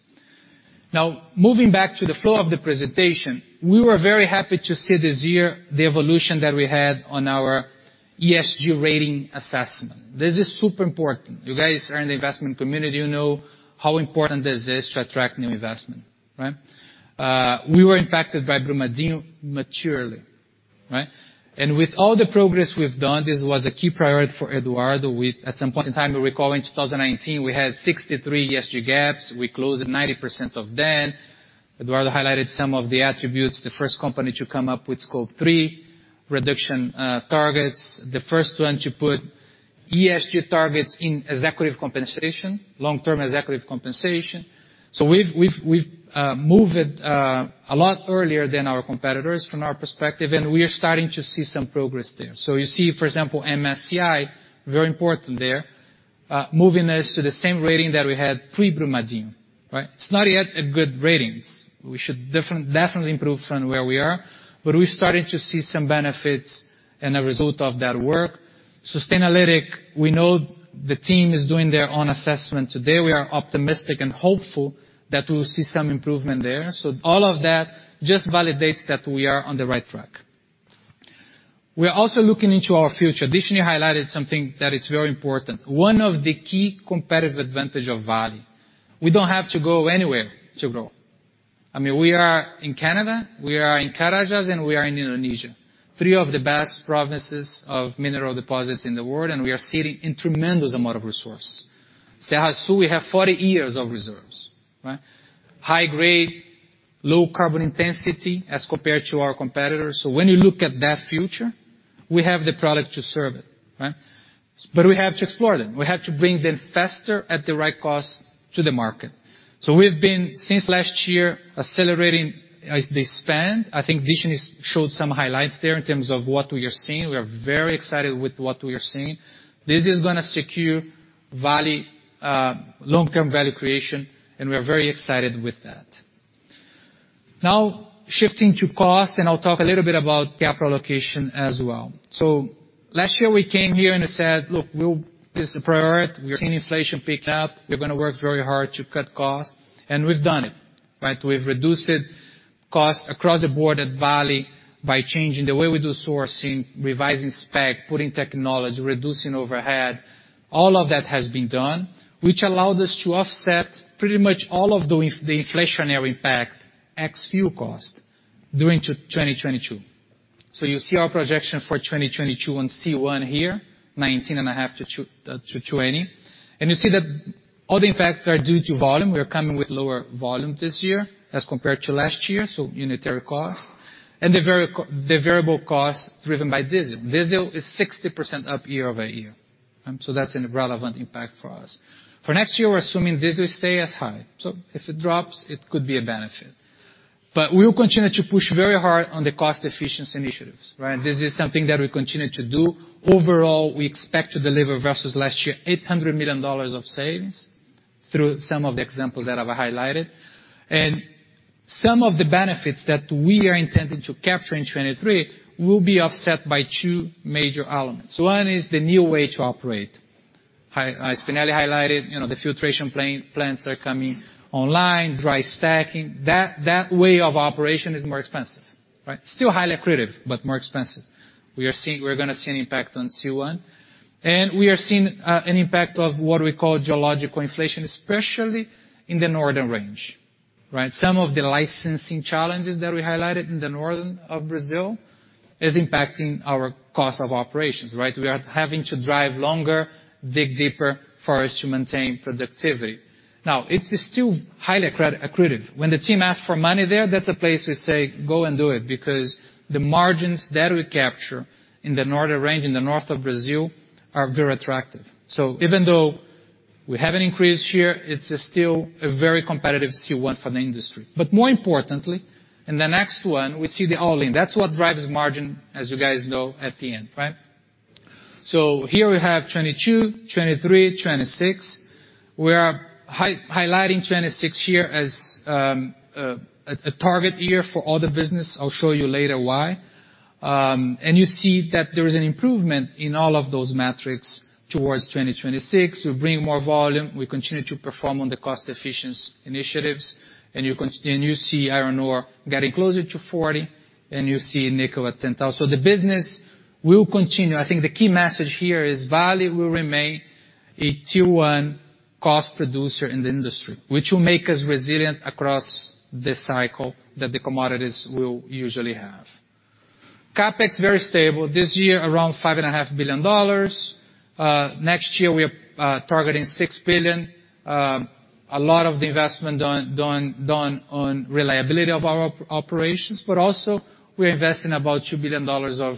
Now, moving back to the flow of the presentation, we were very happy to see this year the evolution that we had on our ESG rating assessment. This is super important. You guys are in the investment community, you know how important this is to attract new investment, right? We were impacted by Brumadinho maturely, right? With all the progress we've done, this was a key priority for Eduardo. At some point in time, we recall in 2019, we had 63 ESG gaps. We closed 90% of them. Eduardo highlighted some of the attributes. The first company to come up with Scope 3 reduction targets. The first one to put ESG targets in executive compensation, long-term executive compensation. We've moved it a lot earlier than our competitors from our perspective, and we are starting to see some progress there. You see, for example, MSCI, very important there, moving us to the same rating that we had pre-Brumadinho, right? It's not yet a good ratings. We should definitely improve from where we are, but we're starting to see some benefits and a result of that work. Sustainalytics, we know the team is doing their own assessment today. We are optimistic and hopeful that we'll see some improvement there. All of that just validates that we are on the right track. We are also looking into our future. Deshnee Naidoo highlighted something that is very important. One of the key competitive advantage of Vale. We don't have to go anywhere to grow. I mean, we are in Canada, we are in Carajás, and we are in Indonesia. Three of the best provinces of mineral deposits in the world, and we are sitting in tremendous amount of resource. Serra Sul, we have 40 years of reserves, right? High grade, low carbon intensity as compared to our competitors. When you look at that future, we have the product to serve it, right? We have to explore them. We have to bring them faster at the right cost to the market. We've been, since last year, accelerating as they spend. I think Deshnee showed some highlights there in terms of what we are seeing. We are very excited with what we are seeing. This is gonna secure Vale long-term value creation, and we are very excited with that. Now shifting to cost, and I'll talk a little bit about capital allocation as well. Last year, we came here and said, "Look, this is a priority. We are seeing inflation pick up. We're gonna work very hard to cut costs," and we've done it, right? We've reduced costs across the board at Vale by changing the way we do sourcing, revising spec, putting technology, reducing overhead. All of that has been done, which allowed us to offset pretty much all of the inflationary impact, ex fuel cost, during 2022. You see our projection for 2022 on C1 here, 19.5-20. You see that all the impacts are due to volume. We are coming with lower volume this year as compared to last year, so unitary costs. The variable costs driven by diesel. Diesel is 60% up year-over-year. That's an irrelevant impact for us. For next year, we're assuming diesel stay as high. If it drops, it could be a benefit. We will continue to push very hard on the cost efficiency initiatives, right? This is something that we continue to do. Overall, we expect to deliver versus last year $800 million of savings through some of the examples that I've highlighted. Some of the benefits that we are intending to capture in 23 will be offset by two major elements. One is the new way to operate. As Spinelli highlighted, you know, the filtration plants are coming online, dry stacking. That way of operation is more expensive, right? Still highly accretive, but more expensive. We're gonna see an impact on C1. We are seeing an impact of what we call geological inflation, especially in the Northern Range, right? Some of the licensing challenges that we highlighted in the northern of Brazil is impacting our cost of operations, right? We are having to drive longer, dig deeper for us to maintain productivity. Now, it's still highly accretive. When the team asks for money there, that's a place we say, "Go and do it," because the margins that we capture in the Northern Range, in the north of Brazil are very attractive. Even though we have an increase here, it's still a very competitive C1 for the industry. More importantly, in the next one, we see the all-in. That's what drives margin, as you guys know, at the end, right? Here we have 22, 23, 26. We are high-highlighting 26 here as a target year for all the business. I'll show you later why. You see that there is an improvement in all of those metrics towards 2026. We bring more volume, we continue to perform on the cost efficiency initiatives, and you see iron ore getting closer to 40, and you see nickel at 10,000. The business will continue. I think the key message here is Vale will remain a tier one cost producer in the industry, which will make us resilient across the cycle that the commodities will usually have. CapEx very stable. This year, around $5.5 billion. Next year, we are targeting $6 billion. A lot of the investment done on reliability of our operations, but also we're investing about $2 billion of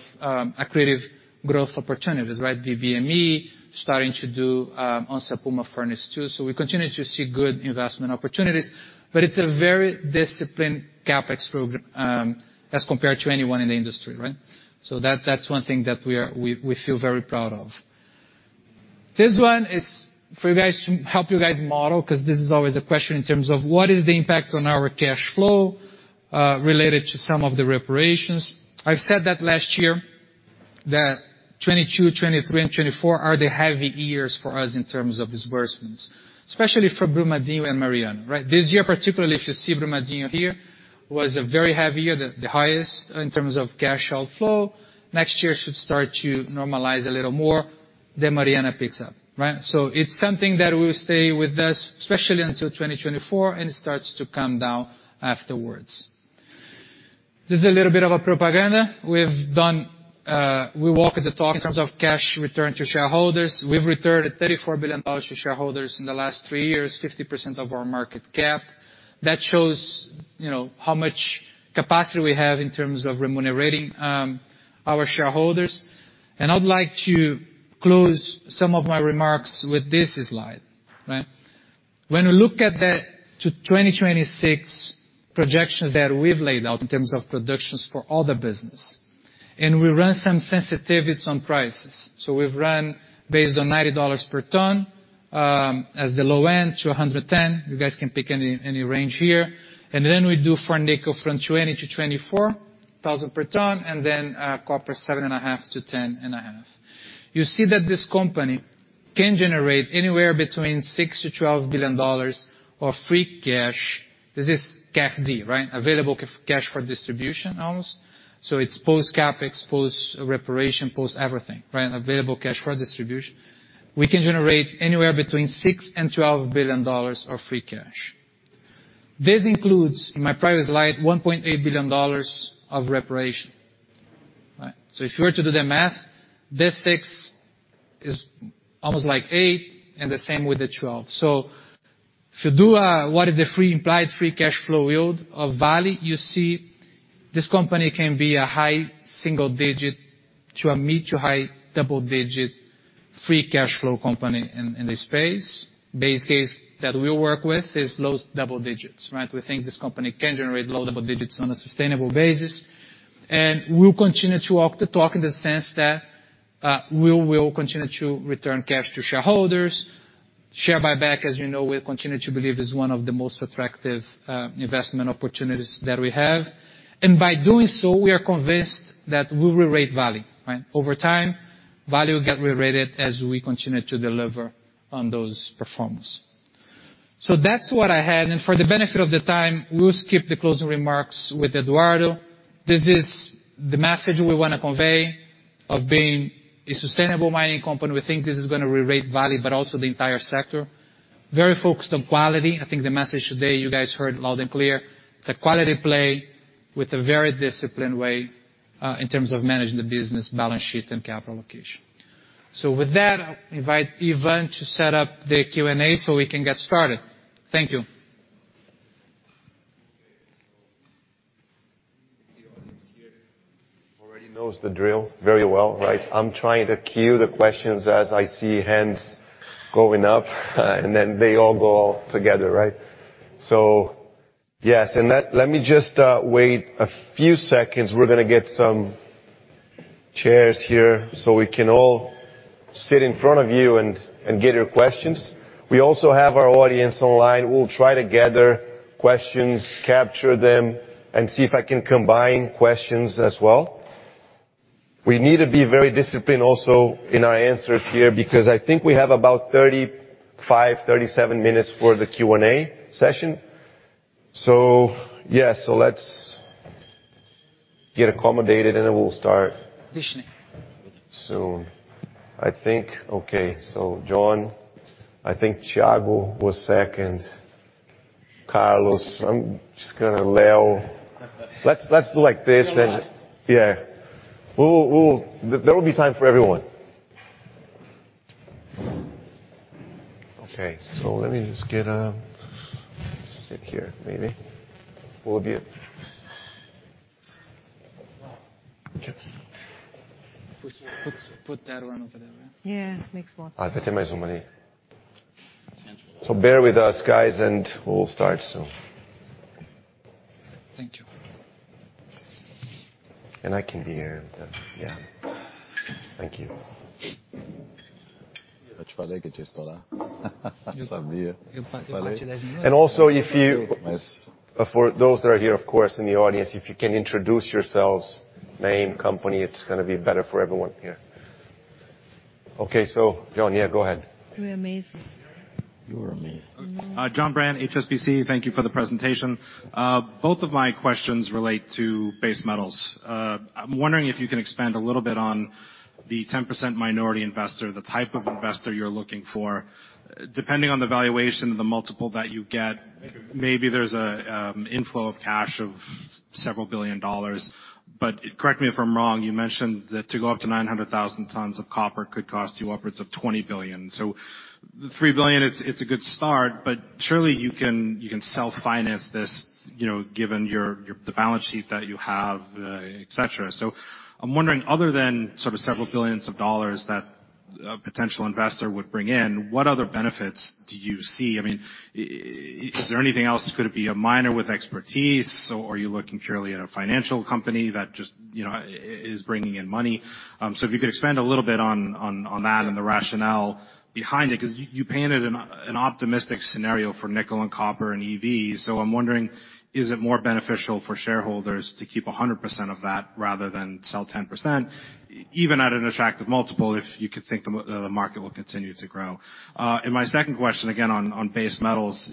accretive growth opportunities, right? The BME starting to do on Onça Puma Furnace too. We continue to see good investment opportunities, but it's a very disciplined CapEx program as compared to anyone in the industry, right? That's one thing that we feel very proud of. This one is for you guys to help you guys model, because this is always a question in terms of what is the impact on our cash flow related to some of the reparations. I've said that last year that 2022, 2023, and 2024 are the heavy years for us in terms of disbursements, especially for Brumadinho and Mariana, right? This year, particularly if you see Brumadinho here, was a very heavy year, the highest in terms of cash outflow. Next year should start to normalize a little more, Mariana picks up, right? It's something that will stay with us, especially until 2024, it starts to come down afterwards. This is a little bit of a propaganda. We've done, we walk the talk in terms of cash return to shareholders. We've returned $34 billion to shareholders in the last three years, 50% of our market cap. That shows, you know, how much capacity we have in terms of remunerating our shareholders. I'd like to close some of my remarks with this slide, right? When we look at the 2026 projections that we've laid out in terms of productions for all the business, we run some sensitivities on prices. We've run based on $90 per ton to $110. You guys can pick any range here. We do for nickel from $20,000-$24,000 per ton, copper $7.5 to $10.5. You see that this company can generate anywhere between $6 billion-$12 billion of free cash. This is CAFD, right? Available cash for distribution almost. It's post-CapEx, post-reparation, post-everything, right? Available cash for distribution. We can generate anywhere between $6 billion and $12 billion of free cash. This includes, in my previous slide, $1.8 billion of reparation, right? If you were to do the math, this six is almost like eight, and the same with the 12. If you do what is the free implied free cash flow yield of Vale, you see this company can be a high single digit to a mid to high double digit free cash flow company in this space. Base case that we work with is low double digits, right? We think this company can generate low double digits on a sustainable basis. We'll continue to walk the talk in the sense that we will continue to return cash to shareholders. Share buyback, as you know, we continue to believe is one of the most attractive investment opportunities that we have. By doing so, we are convinced that we will rate Vale, right? Over time, Vale will get rerated as we continue to deliver on those performance. That's what I had. For the benefit of the time, we'll skip the closing remarks with Eduardo. This is the message we wanna convey of being a sustainable mining company. We think this is gonna rerate Vale, but also the entire sector. Very focused on quality. I think the message today, you guys heard loud and clear. It's a quality play with a very disciplined way in terms of managing the business balance sheet and capital allocation. With that, I'll invite Ivan to set up the Q&A so we can get started. Thank you. Okay. The audience here already knows the drill very well, right? I'm trying to queue the questions as I see hands going up, and then they all go together, right? Yes. Let me just wait a few seconds. We're gonna get some Chairs here so we can all sit in front of you and get your questions. We also have our audience online. We'll try to gather questions, capture them, and see if I can combine questions as well. We need to be very disciplined also in our answers here, because I think we have about 35-37 minutes for the Q&A session. Yeah, let's get accommodated and then we'll start soon. I think, okay, John. I think Tiago was second. Carlos, I'm just gonna Leo. Let's do like this then. Leo last. Yeah. We'll There will be time for everyone. Okay, let me just get sit here maybe. Will you? Okay. Put that one over there. Yeah, makes more sense. Bear with us, guys, and we'll start soon. Thank you. I can be here then, yeah. Thank you. Also for those that are here, of course, in the audience, if you can introduce yourselves, name, company, it's gonna be better for everyone here. Jo, yeah, go ahead. You were amazing. You were amazing. Mm-hmm. Jon Brandt, HSBC. Thank you for the presentation. Both of my questions relate to base metals. I'm wondering if you can expand a little bit on the 10% minority investor, the type of investor you're looking for. Depending on the valuation, the multiple that you get, maybe there's a inflow of cash of $several billion. Correct me if I'm wrong, you mentioned that to go up to 900,000 tons of copper could cost you upwards of $20 billion. The $3 billion, it's a good start, but surely you can self-finance this, you know, given your the balance sheet that you have, et cetera. I'm wondering, other than sort of $several billion that a potential investor would bring in, what other benefits do you see? I mean, is there anything else? Could it be a miner with expertise, or are you looking purely at a financial company that just, you know, is bringing in money? So if you could expand a little bit on that and the rationale behind it, 'cause you painted an optimistic scenario for nickel and copper and EVs. So I'm wondering, is it more beneficial for shareholders to keep 100% of that rather than sell 10%, even at an attractive multiple, if you could think the market will continue to grow. My second question again on base metals,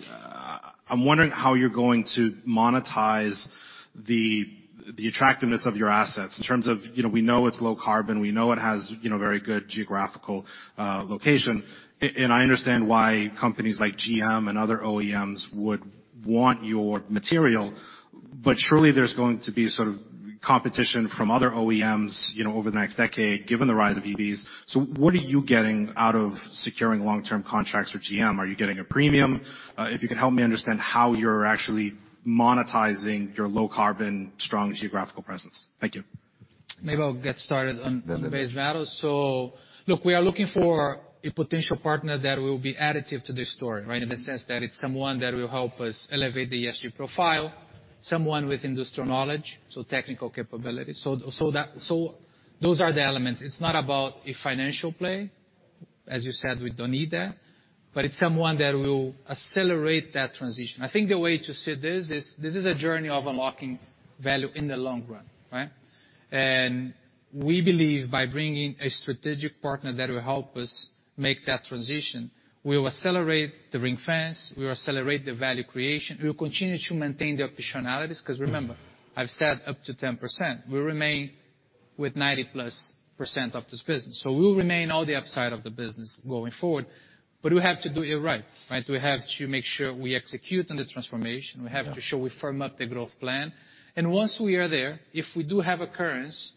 I'm wondering how you're going to monetize the attractiveness of your assets in terms of, you know, we know it's low carbon, we know it has, you know, very good geographical location. I understand why companies like GM and other OEMs would want your material, surely there's going to be sort of competition from other OEMs, you know, over the next decade, given the rise of EVs. What are you getting out of securing long-term contracts with GM? Are you getting a premium? If you could help me understand how you're actually monetizing your low carbon strong geographical presence. Thank you. Maybe I'll get started. Me. the base metals. Look, we are looking for a potential partner that will be additive to this story, right? In the sense that it's someone that will help us elevate the ESG profile. Someone with industrial knowledge, so technical capabilities. Those are the elements. It's not about a financial play. As you said, we don't need that. It's someone that will accelerate that transition. I think the way to see this is this is a journey of unlocking value in the long run, right? We believe by bringing a strategic partner that will help us make that transition, we will accelerate the ring-fence, we will accelerate the value creation, we will continue to maintain the optionalities. 'Cause remember, I've said up to 10%. We remain with 90+% of this business. We will remain all the upside of the business going forward, but we have to do it right? We have to make sure we execute on the transformation. We have to show we firm up the growth plan. Once we are there, if we do have occurrence,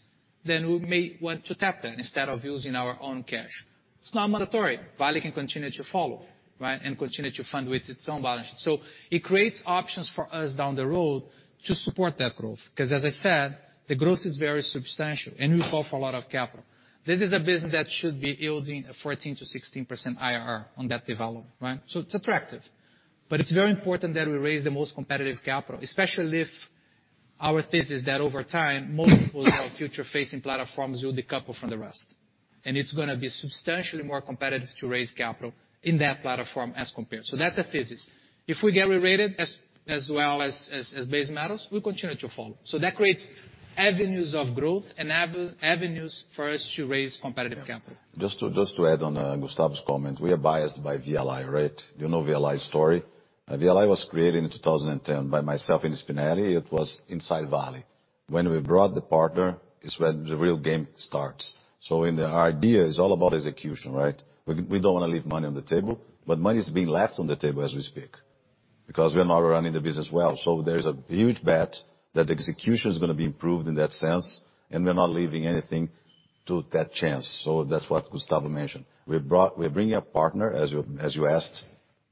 then we may want to tap in instead of using our own cash. It's not mandatory. Vale can continue to follow, right? Continue to fund with its own balance sheet. It creates options for us down the road to support that growth. 'Cause as I said, the growth is very substantial, and we call for a lot of capital. This is a business that should be yielding a 14%-16% IRR on that development, right? It's attractive. It's very important that we raise the most competitive capital, especially if our thesis that over time multiples of our future facing platforms will decouple from the rest. It's gonna be substantially more competitive to raise capital in that platform as compared. That's a thesis. If we get rerated as well as base metals, we continue to follow. That creates avenues of growth and avenues for us to raise competitive capital. Just to add on, Gustavo's comment. We are biased by VLI, right? You know VLI's story. VLI was created in 2010 by myself and Spinelli. It was inside Vale. When we brought the partner is when the real game starts. The idea is all about execution, right? We don't wanna leave money on the table, but money is being left on the table as we speak, because we are not running the business well. There's a huge bet that execution is gonna be improved in that sense, and we're not leaving anything to that chance. That's what Gustavo mentioned. We're bringing a partner, as you asked.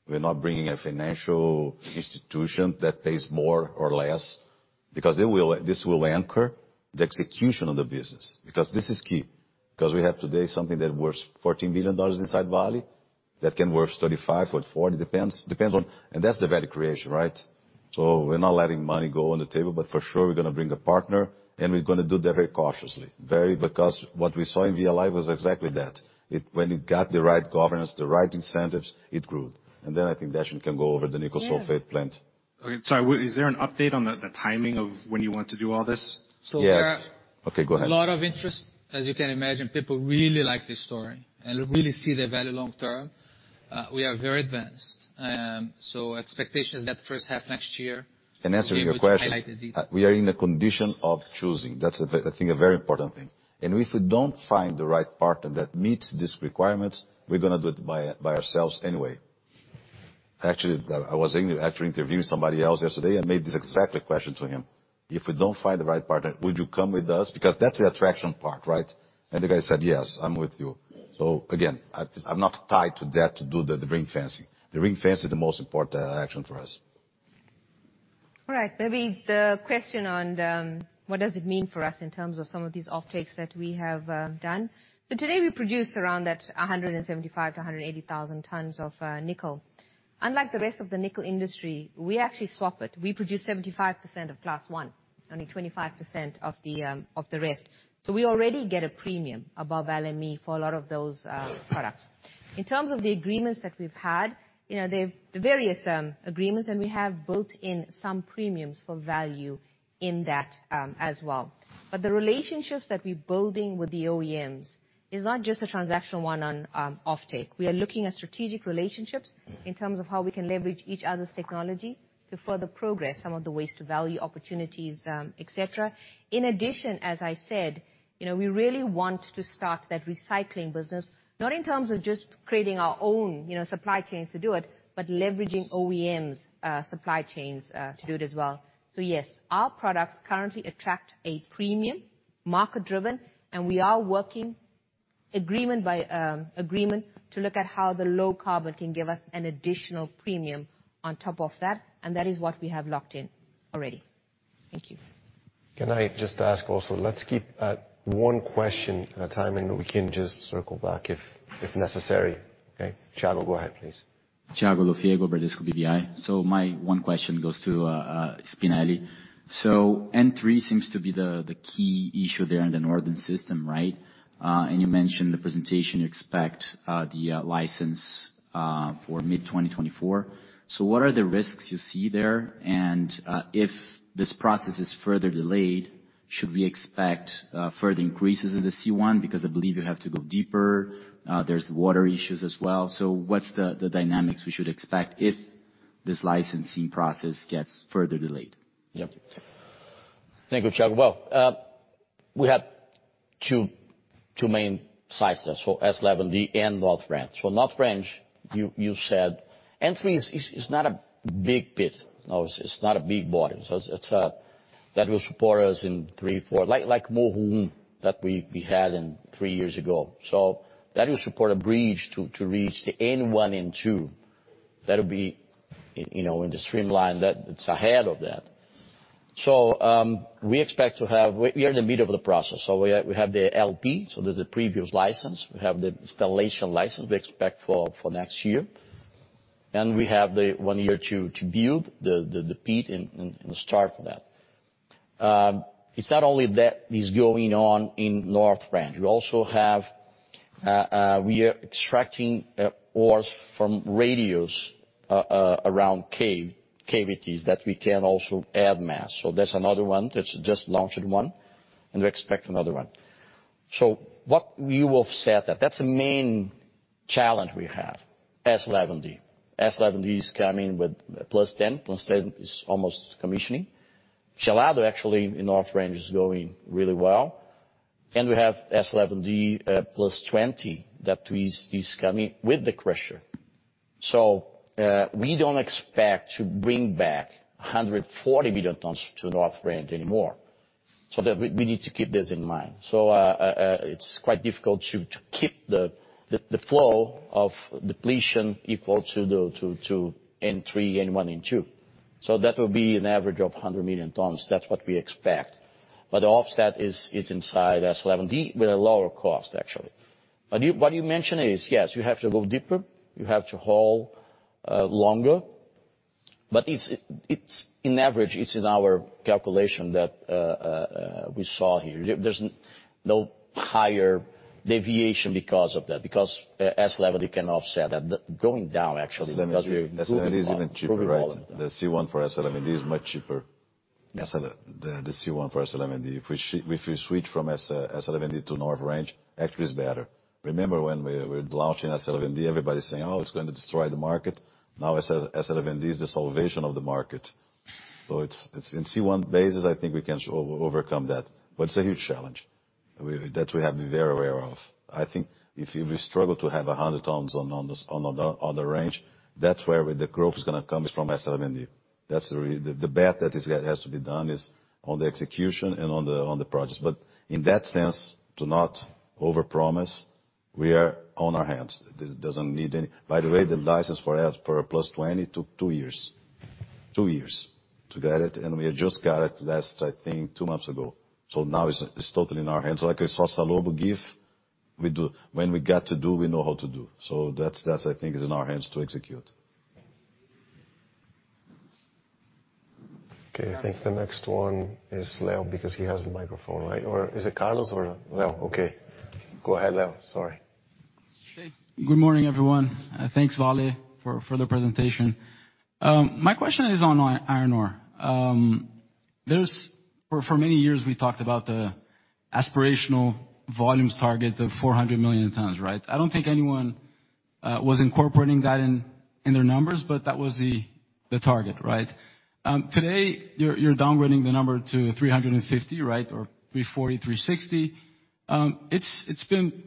We're not bringing a financial institution that pays more or less, because this will anchor the execution of the business. Because this is key. We have today something that worth $14 billion inside Vale, that can worth $35 billion or $40 billion, depends on... That's the value creation, right? We're not letting money go on the table, but for sure, we're gonna bring a partner, and we're gonna do that very cautiously. Very, because what we saw in VLI was exactly that. When it got the right governance, the right incentives, it grew. Then I think Deshnee can go over the nickel sulfate plant. Yeah. Okay. Sorry. Is there an update on the timing of when you want to do all this? Yes. So we're- Okay, go ahead. A lot of interest. As you can imagine, people really like this story and really see the value long term. We are very advanced. Expectations that first half next year, we'll be able to highlight the detail. Answering your question, we are in a condition of choosing. That's I think, a very important thing. If we don't find the right partner that meets these requirements, we're gonna do it by ourselves anyway. Actually, I was interviewing somebody else yesterday, I made this exactly question to him. "If we don't find the right partner, would you come with us?" That's the attraction part, right? The guy said, "Yes, I'm with you." Again, I'm not tied to that to do the ring fencing. The ring fence is the most important action for us. All right. Maybe the question on what does it mean for us in terms of some of these offtakes that we have done. Today we produce around that 175,000-180,000 tons of nickel. Unlike the rest of the nickel industry, we actually swap it. We produce 75% of Class 1, only 25% of the rest. We already get a premium above LME for a lot of those products. In terms of the agreements that we've had, you know, the various agreements, and we have built in some premiums for value in that as well. The relationships that we're building with the OEMs is not just a transactional one on offtake. We are looking at strategic relationships in terms of how we can leverage each other's technology to further progress some of the waste to value opportunities, et cetera. In addition, as I said, you know, we really want to start that recycling business, not in terms of just creating our own, you know, supply chains to do it, but leveraging OEMs', supply chains, to do it as well. Yes, our products currently attract a premium, market-driven, and we are working agreement by agreement to look at how the low carbon can give us an additional premium on top of that, and that is what we have locked in already. Thank you. Can I just ask also, let's keep at one question at a time, and we can just circle back if necessary. Okay. Tiago, go ahead, please. My one question goes to Spinelli. N3 seems to be the key issue there in the Northern system, right? You mentioned in the presentation you expect the license for mid-2024. What are the risks you see there? If this process is further delayed, should we expect further increases in the C1? Because I believe you have to go deeper. There's water issues as well. What's the dynamics we should expect if this licensing process gets further delayed? Yeah. Thank you, Tiago. We have two main sites there, S11D and North Range. North Range, you said N3 is not a big pit. No, it's not a big body. It's... That will support us in three, four... Like Mohu that we had in threone years ago. That will support a bridge to reach the N1, N2. That'll be you know, in the streamline that it's ahead of that. We expect to have... We are in the middle of the process, so we have the LP, so there's a previous license. We have the installation license we expect for next year. We have the one year to build the pit and start that. It's not only that is going on in North Range. We also have, we are extracting ores from radios around cave, cavities that we can also add mass. That's another one that's just launched one, and we expect another one. What we will set that's the main challenge we have, S11D. S11D is coming with +10. +10 is almost commissioning. Gelado actually in North Range is going really well. We have S11D at +20 that is coming with the crusher. We don't expect to bring back 140 million tons to North Range anymore, so that we need to keep this in mind. It's quite difficult to keep the flow of depletion equal to N3, N1, N2. That will be an average of 100 million tons. That's what we expect. The offset is inside S11D with a lower cost, actually. You, what you mention is, yes, you have to go deeper. You have to haul longer. It's, in average, it's in our calculation that we saw here. There's no higher deviation because of that, because S11D can offset that. Going down, actually, because we're improving volume. S11D. S11D is even cheaper, right? The C1 for S11D is much cheaper. Yes. The C1 for S11D. If we switch from S11D to North Range, actually it's better. Remember when we're launching S11D, everybody's saying, "Oh, it's gonna destroy the market." S11D is the salvation of the market. In C1 basis, I think we can overcome that, but it's a huge challenge that we have to be very aware of. I think if we struggle to have 100 tons on the range, that's where the growth is gonna come, is from S11D. That's the bet that has to be done is on the execution and on the projects. In that sense, to not overpromise, we are on our hands. This doesn't need any. By the way, the license for +20 took two years. Two years to get it, and we just got it last, I think two months ago. Now it's totally in our hands. Like I saw Salobo give, we do. When we get to do, we know how to do. That's, that's I think is in our hands to execute. Okay. I think the next one is Leo because he has the microphone, right? Is it Carlos or Leo? Okay. Go ahead, Leo. Sorry. Good morning, everyone. Thanks, Vale, for the presentation. My question is on iron ore. For many years we talked about the aspirational volumes target of 400 million tons, right? I don't think anyone was incorporating that in their numbers, but that was the target, right? Today you're downgrading the number to 350, right? Or 340, 360. It's been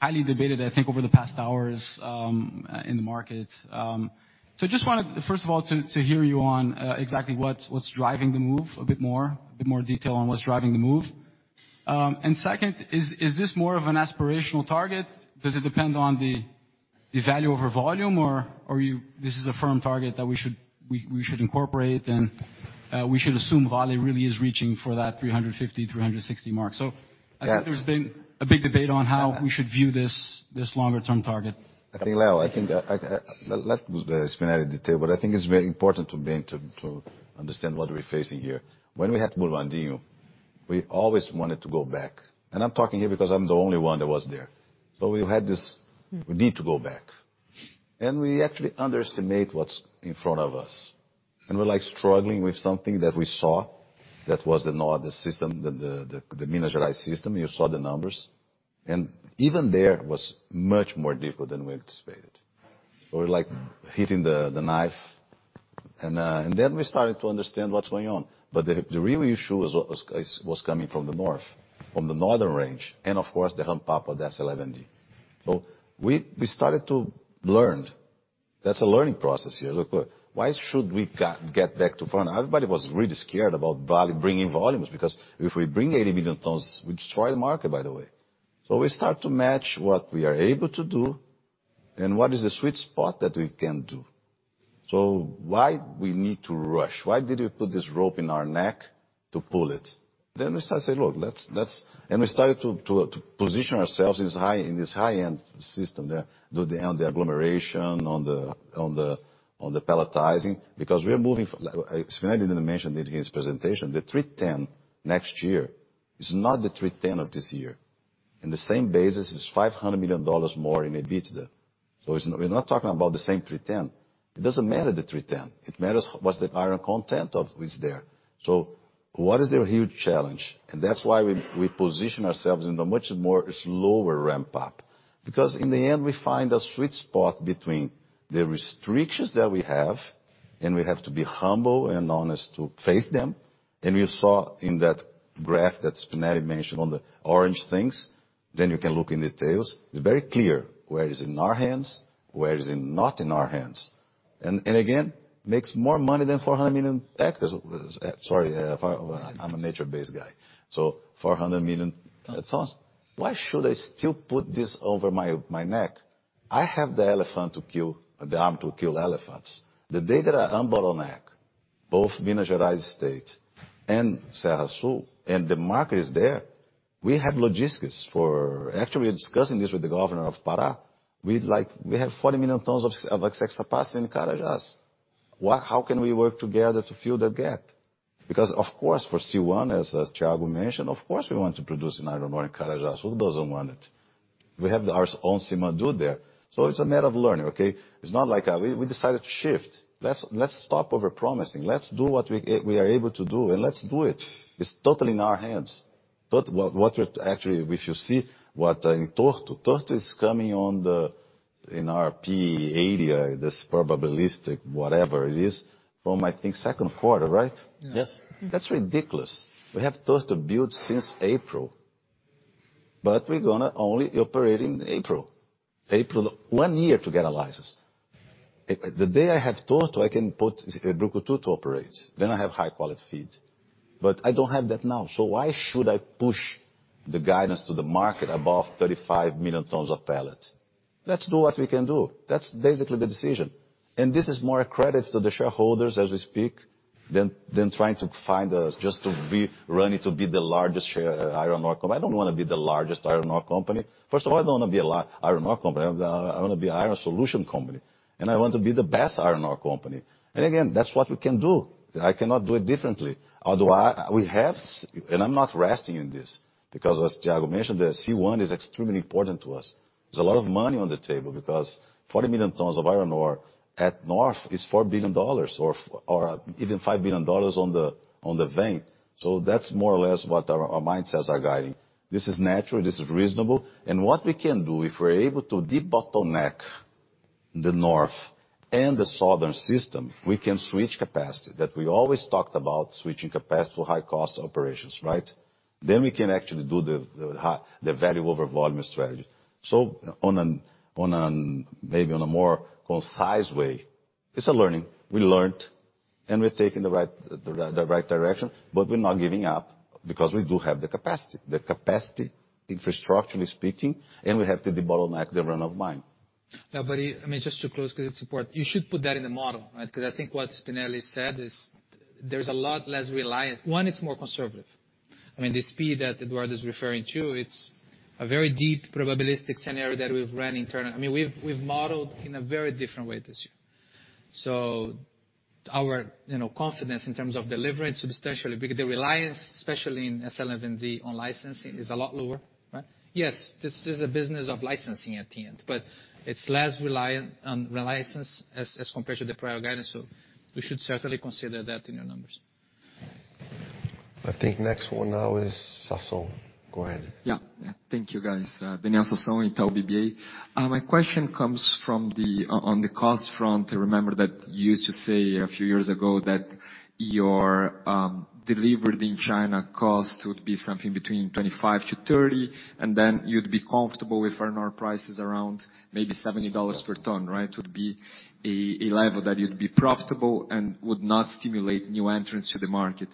highly debated, I think, over the past hours in the market. Just wanted first of all to hear you on exactly what's driving the move a bit more detail on what's driving the move. Second, is this more of an aspirational target? Does it depend on the value over volume, or this is a firm target that we should incorporate and we should assume Vale really is reaching for that 350, 360 mark? I think there's been a big debate on how we should view this longer term target. I think, Leo, I think, Let Spinelli detail, I think it's very important to bring to understand what we're facing here. When we had Brumadinho, we always wanted to go back, I'm talking here because I'm the only one that was there. We had this need to go back, we actually underestimate what's in front of us. We're like struggling with something that we saw that was in all the system, the Minas Gerais system. You saw the numbers. Even there was much more difficult than we anticipated. We're like hitting the knife, we started to understand what's going on. The real issue was coming from the north, from the northern range and of course the ramp up of S11D. We started to learn. That's a learning process here. Look, why should we get back to front? Everybody was really scared about Vale bringing volumes because if we bring 80 million tons, we destroy the market, by the way. We start to match what we are able to do and what is the sweet spot that we can do. Why we need to rush? Why did we put this rope in our neck to pull it? We start to say, "Look, let's..." We started to position ourselves in this high, in this high-end system, yeah, on the agglomeration, on the pelletizing because we are moving. Spinelli didn't mention it in his presentation. The 310 next year is not the 310 of this year. In the same basis it's $500 million more in EBITDA. It's we're not talking about the same 310. It doesn't matter the 310. It matters what's the iron content of what's there. What is their huge challenge? That's why we position ourselves in a much more slower ramp up because in the end we find a sweet spot between the restrictions that we have, and we have to be humble and honest to face them. We saw in that graph that Spinelli mentioned on the orange things, then you can look in details. It's very clear where is in our hands, where is in not in our hands. Again, makes more money than 400 million hectares. Sorry. I'm a nature-based guy. 400 million tons. Why should I still put this over my neck? I have the elephant to kill, the arm to kill elephants. The day that I unbottleneck both Minas Gerais state and Serra Sul and the market is there, we have logistics for. Actually, we're discussing this with the governor of Pará. We have 40 million tons of excess capacity in Carajás. How can we work together to fill that gap? Of course for C1, as Tiago mentioned, of course we want to produce in iron ore in Carajás. Who doesn't want it? We have our own Simandou there. It's a matter of learning, okay? It's not like We decided to shift. Let's stop overpromising. Let's do what we are able to do, and let's do it. It's totally in our hands. What we're actually, if you see what in Torto. Torto is coming on the, in our P 80, this probabilistic whatever it is, from I think second quarter, right? Yes. That's ridiculous. We have Torto built since April, but we're gonna only operate in April. One year to get a license. The day I have Torto, I can put Brucutu to operate. I have high quality feeds. I don't have that now, why should I push the guidance to the market above 35 million tons of pellet? Let's do what we can do. That's basically the decision. This is more a credit to the shareholders as we speak than trying to find a just to be running to be the largest share. I don't wanna be the largest iron ore company. First of all, I don't wanna be a iron ore company. I wanna be iron solution company, I want to be the best iron ore company. Again, that's what we can do. I cannot do it differently. Although we have. I'm not resting in this because as Tiago mentioned, the C1 is extremely important to us. There's a lot of money on the table because 40 million tons of iron ore at north is $4 billion or even $5 billion on the vein. That's more or less what our mindsets are guiding. This is natural. This is reasonable. What we can do, if we're able to debottleneck the north and the southern system, we can switch capacity. That we always talked about switching capacity to high cost operations, right? We can actually do the high, the value over volume strategy. On an, maybe on a more concise way, it's a learning. We learned, and we're taking the right direction. We're not giving up because we do have the capacity infrastructurally speaking, and we have to debottleneck the run of mine. Yeah, buddy. I mean, just to close because it's important. You should put that in the model, right? I think what Marcello Spinelli said is there's a lot less reliance. One, it's more conservative. I mean, the speed that Eduardo Bartolomeo is referring to, it's a very deep probabilistic scenario that we've ran internal. I mean, we've modeled in a very different way this year. Our, you know, confidence in terms of delivering substantially, because the reliance, especially in SLN V on licensing is a lot lower, right? Yes, this is a business of licensing at the end, but it's less reliant on license as compared to the prior guidance. You should certainly consider that in your numbers. I think next one now is Sasson. Go ahead. Yeah. Yeah. Thank you, guys. Daniel Sasson, Itaú BBA. My question comes on the cost front. I remember that you used to say a few years ago that your delivered in China cost would be something between $25-$30, and then you'd be comfortable with iron ore prices around maybe $70 per ton, right? Would be a level that you'd be profitable and would not stimulate new entrants to the market.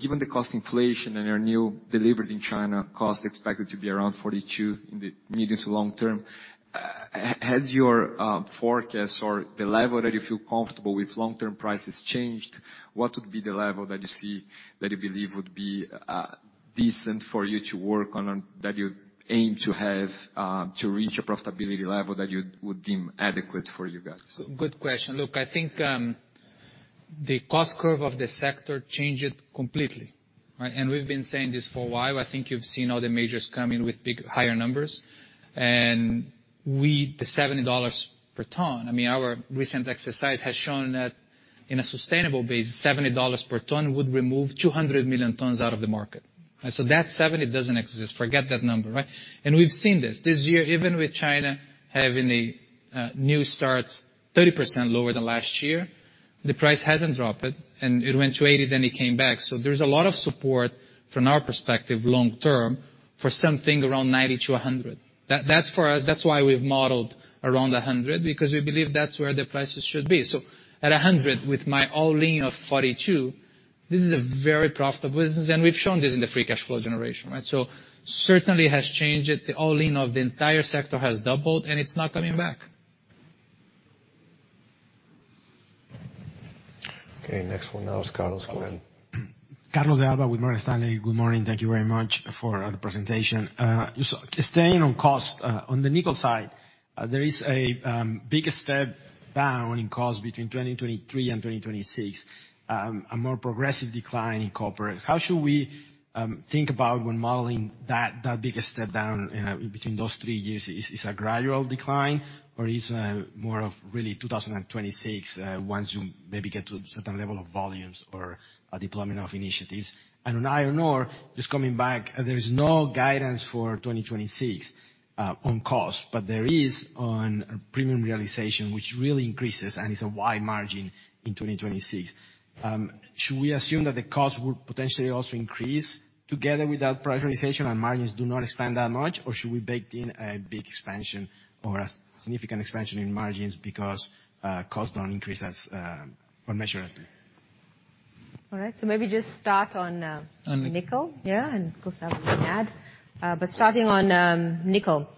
Given the cost inflation and your new delivered in China cost expected to be around $42 in the medium to long term, has your forecast or the level that you feel comfortable with long-term prices changed? What would be the level that you see that you believe would be decent for you to work on or that you aim to have to reach a profitability level that you would deem adequate for you guys? Good question. Look, I think the cost curve of the sector changed completely, right? We've been saying this for a while. I think you've seen all the majors come in with big, higher numbers. The $70 per ton, I mean, our recent exercise has shown that in a sustainable base, $70 per ton would remove 200 million tons out of the market. That 70 doesn't exist. Forget that number, right? We've seen this. This year, even with China having a new starts 30% lower than last year, the price hasn't dropped, and it went to 80, then it came back. There's a lot of support from our perspective long-term for something around 90 to 100. That's for us. That's why we've modeled around 100, because we believe that's where the prices should be. At 100, with my all-in of 42, this is a very profitable business, and we've shown this in the free cash flow generation, right? Certainly has changed. The all-in of the entire sector has doubled, and it's not coming back. Okay, next one now is Carlos. Go ahead. Carlos de Alba with Morgan Stanley. Good morning. Thank you very much for the presentation. Just staying on cost, on the nickel side, there is a big step down in cost between 2023 and 2026, a more progressive decline in corporate. How should we think about when modeling that big step down in between those three years? Is a gradual decline or is more of really 2026, once you maybe get to a certain level of volumes or a deployment of initiatives? On iron ore, just coming back, there is no guidance for 2026 on cost, but there is on premium realization, which really increases and is a wide margin in 2026. Should we assume that the cost would potentially also increase together with that prioritization and margins do not expand that much, or should we bake in a big expansion or a significant expansion in margins because cost don't increase as or measurably? All right. Maybe just start on nickel. Of course, I will add. Starting on nickel.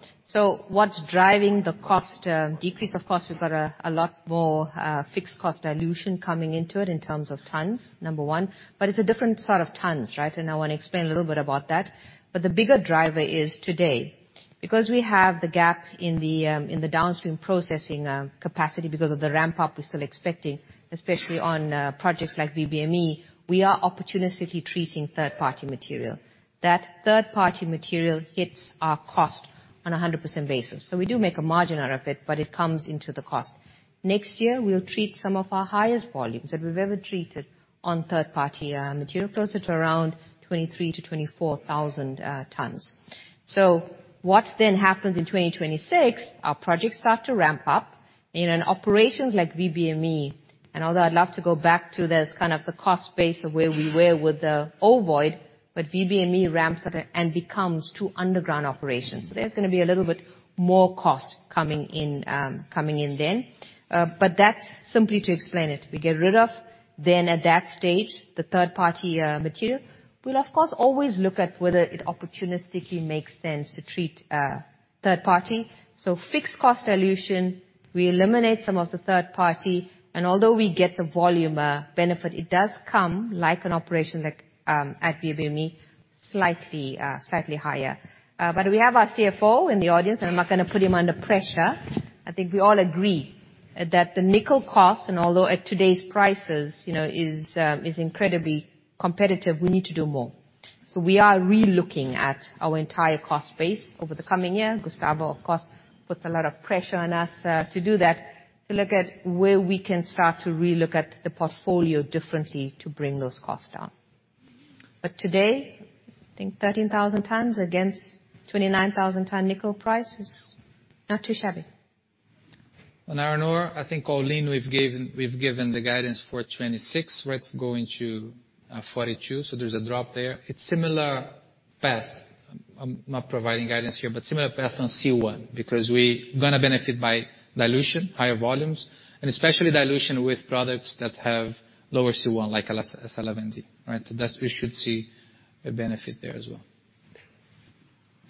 What's driving the cost decrease, of course, we've got a lot more fixed cost dilution coming into it in terms of tons, number one. It's a different sort of tons, right? I wanna explain a little bit about that. The bigger driver is today, because we have the gap in the downstream processing capacity because of the ramp up, we're still expecting, especially on projects like VBME, we are opportunistically treating third-party material. That third-party material hits our cost on a 100% basis. We do make a margin out of it, but it comes into the cost. Next year, we'll treat some of our highest volumes that we've ever treated on third-party, material, closer to around 23,000-24,000 tons. What then happens in 2026, our projects start to ramp up in an operations like VBME. Although I'd love to go back to this kind of the cost base of where we were with O Vão, VBME ramps and becomes two underground operations. There's gonna be a little bit more cost coming in, coming in then. That's simply to explain it. We get rid of then at that stage, the third-party, material. We'll, of course, always look at whether it opportunistically makes sense to treat, third party. Fixed cost dilution, we eliminate some of the third party. Although we get the volume benefit, it does come like an operation like at VBME, slightly higher. But we have our CFO in the audience, and I'm not gonna put him under pressure. I think we all agree that the nickel cost, and although at today's prices, you know, is incredibly competitive, we need to do more. We are re-looking at our entire cost base over the coming year. Gustavo, of course, puts a lot of pressure on us to do that, to look at where we can start to re-look at the portfolio differently to bring those costs down. Today, I think 13,000 tons against $29,000 ton nickel price is not too shabby. On iron ore, I think all-in, we've given the guidance for 26, right, going to 42. There's a drop there. It's similar path. I'm not providing guidance here, but similar path on C1, because we gonna benefit by dilution, higher volumes, and especially dilution with products that have lower C1 like SLN V, right? That we should see a benefit there as well.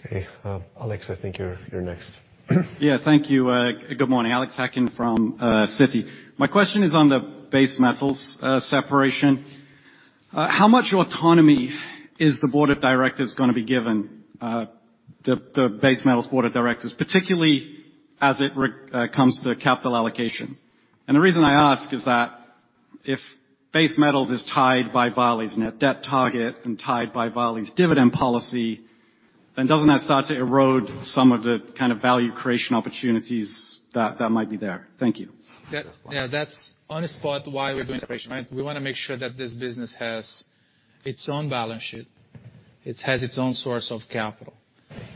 Okay. Alex, I think you're next. Yeah. Thank you. Good morning. Alexander Hacking from Citi. My question is on the base metals separation. How much autonomy is the board of directors gonna be given the base metals board of directors, particularly as it comes to capital allocation? The reason I ask is that if base metals is tied by Vale's net debt target and tied by Vale's dividend policy, then doesn't that start to erode some of the kind of value creation opportunities that might be there? Thank you. Yeah. Yeah. That's on spot why we're doing separation, right? We wanna make sure that this business has its own balance sheet. It has its own source of capital.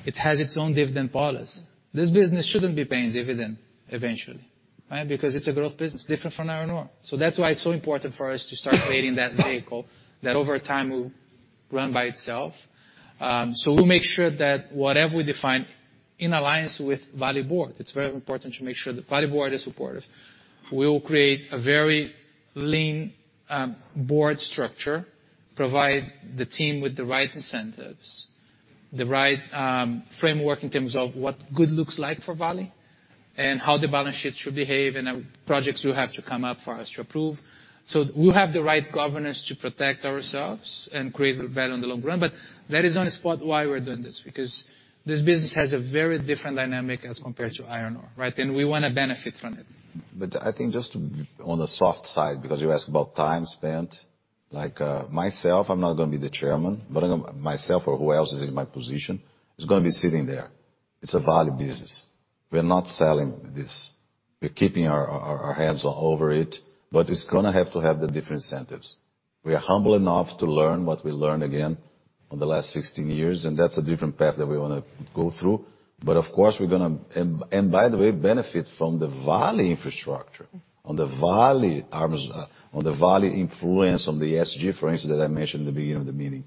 It has its own dividend policy. This business shouldn't be paying dividend eventually, right? Because it's a growth business different from iron ore. That's why it's so important for us to start creating that vehicle that over time will run by itself. We'll make sure that whatever we define in alliance with Vale Board, it's very important to make sure the Vale Board is supportive. We will create a very lean board structure. Provide the team with the right incentives, the right framework in terms of what good looks like for Vale and how the balance sheet should behave and what projects will have to come up for us to approve. We'll have the right governance to protect ourselves and create value in the long run. That is on spot why we're doing this because this business has a very different dynamic as compared to iron ore, right? We wanna benefit from it. I think just on the soft side, because you asked about time spent. Myself, I'm not gonna be the chairman, but myself or who else is in my position is gonna be sitting there. It's a Vale business. We're not selling this. We're keeping our hands all over it, but it's gonna have to have the different incentives. We are humble enough to learn what we learned again on the last 16 years, and that's a different path that we wanna go through. Of course we're gonna benefit from the Vale infrastructure. On the Vale arms, on the Vale influence on the ESG, for instance, that I mentioned at the beginning of the meeting,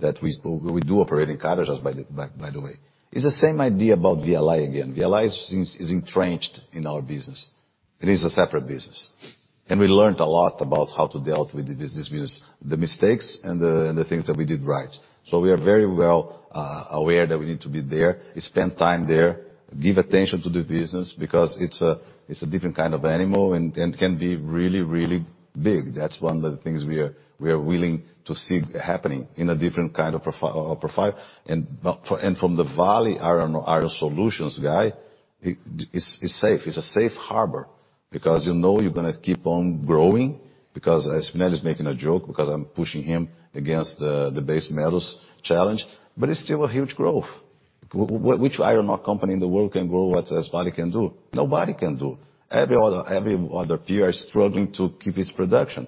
that we do operate in Carajás by the way. It's the same idea about VLI again. VLI is entrenched in our business. It is a separate business. We learned a lot about how to deal with the business because the mistakes and the things that we did right. We are very well aware that we need to be there, spend time there, give attention to the business because it's a different kind of animal and can be really, really big. That's one of the things we are willing to see happening in a different kind of profile. From the Vale Iron Solutions guy, it's safe. It's a safe harbor because you know you're gonna keep on growing because as Spinelli is making a joke because I'm pushing him against the base metals challenge, but it's still a huge growth. Which iron ore company in the world can grow what as Vale can do? Nobody can do. Every other peer is struggling to keep its production.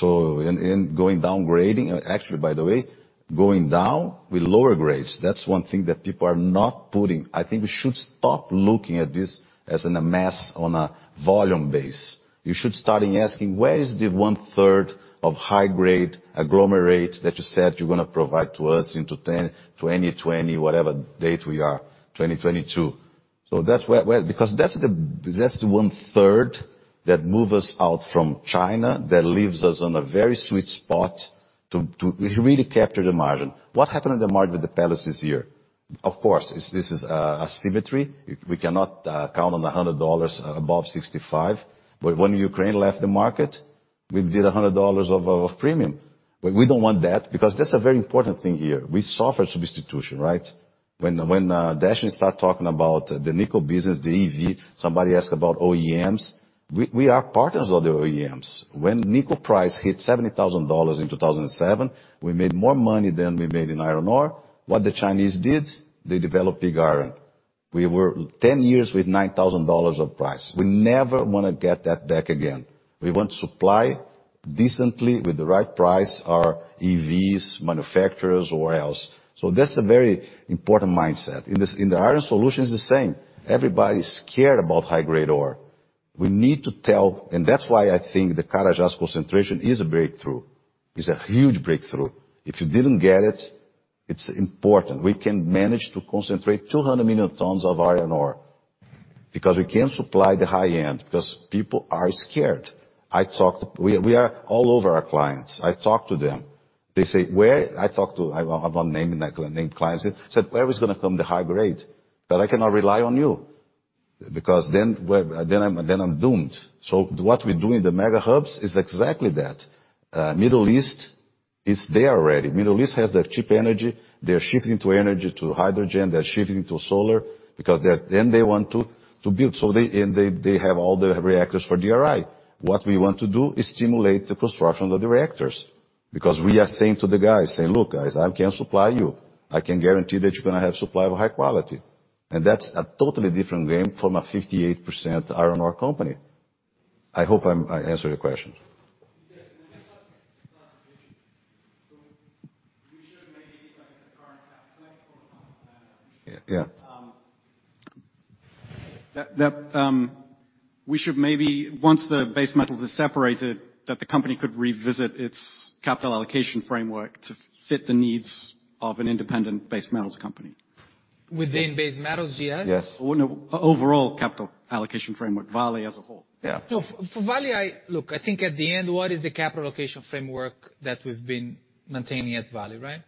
going downgrading. Actually, by the way, going down with lower grades, that's one thing that people are not putting. I think we should stop looking at this as in a mass on a volume base. You should start in asking, where is the 1/3 of high grade, a agglomerate that you said you're gonna provide to us into 2020, whatever date we are, 2022. That's where. Well, because that's the 1/3 that move us out from China that leaves us on a very sweet spot to really capture the margin. What happened on the margin with the pellets this year? Of course, this is a symmetry. We cannot count on $100 above 65. When Ukraine left the market, we did $100 of premium. We don't want that because that's a very important thing here. We suffer substitution, right? When Deshnee start talking about the nickel business, the EV, somebody ask about OEMs, we are partners of the OEMs. When nickel price hit $70,000 in 2007, we made more money than we made in iron ore. What the Chinese did, they developed pig iron. We were 10 years with $9,000 of price. We never wanna get that back again. We want to supply decently with the right price our EVs manufacturers or else. That's a very important mindset. In the iron solution is the same. Everybody's scared about high-grade ore. We need to tell, that's why I think the Carajás concentration is a huge breakthrough. If you didn't get it's important. We can manage to concentrate 200 million tons of iron ore because we can supply the high end because people are scared. We are all over our clients. I talk to them. They say, I won't name any clients. Said, "Where is gonna come the high grade? I cannot rely on you because then I'm doomed." What we do in the Mega Hubs is exactly that. Middle East is there already. Middle East has the cheap energy. They're shifting to energy to hydrogen. They're shifting to solar because then they want to build. They... They have all the reactors for DRI. What we want to do is stimulate the construction of the reactors because we are saying to the guys, saying, "Look, guys, I can supply you. I can guarantee that you're gonna have supply of high quality." That's a totally different game from a 58% iron ore company. I hope I answered your question. Yeah. When you talk classification, you should make each like it's a current tax, like 4x a better. Yeah. That we should maybe once the base metals is separated, that the company could revisit its capital allocation framework to fit the needs of an independent base metals company. Within base metals, yes. Yes. Well, no, overall capital allocation framework, Vale as a whole. Yeah. For Vale, Look, I think at the end, what is the capital allocation framework that we've been maintaining at Vale, right?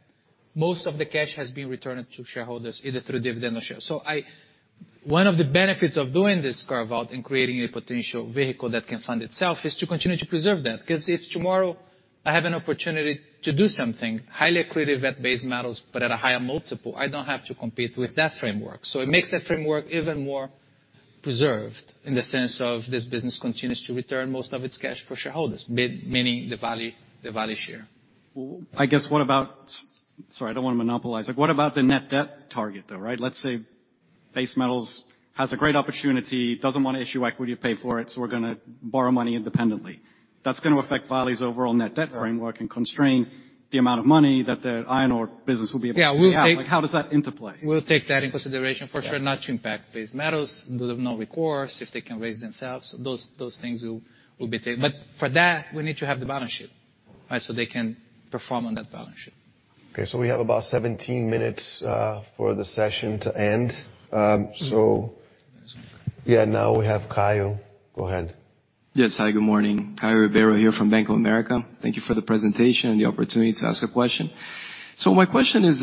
One of the benefits of doing this carve-out and creating a potential vehicle that can fund itself is to continue to preserve that. If tomorrow I have an opportunity to do something highly accretive at base metals but at a higher multiple, I don't have to compete with that framework. It makes that framework even more preserved in the sense of this business continues to return most of its cash for shareholders. Meaning the Vale share. Well, I guess what about. Sorry, I don't wanna monopolize. Like, what about the net debt target though, right? Let's say Base Metals has a great opportunity, doesn't wanna issue equity to pay for it, so we're gonna borrow money independently. That's gonna affect Vale's overall net debt framework- Right. Constrain the amount of money that the iron ore business will be able to pay out. Yeah, we'll. Like, how does that interplay? We'll take that in consideration for sure. Yeah. Not to impact Base Metals. They have no recourse if they can raise themselves. Those things will be taken. For that, we need to have the balance sheet, right? They can perform on that balance sheet. Okay, we have about 17 minutes for the session to end. That's all. Yeah, now we have Caio. Go ahead. Yes. Hi, good morning. Caio Ribeiro here from Bank of America. Thank you for the presentation and the opportunity to ask a question. My question is,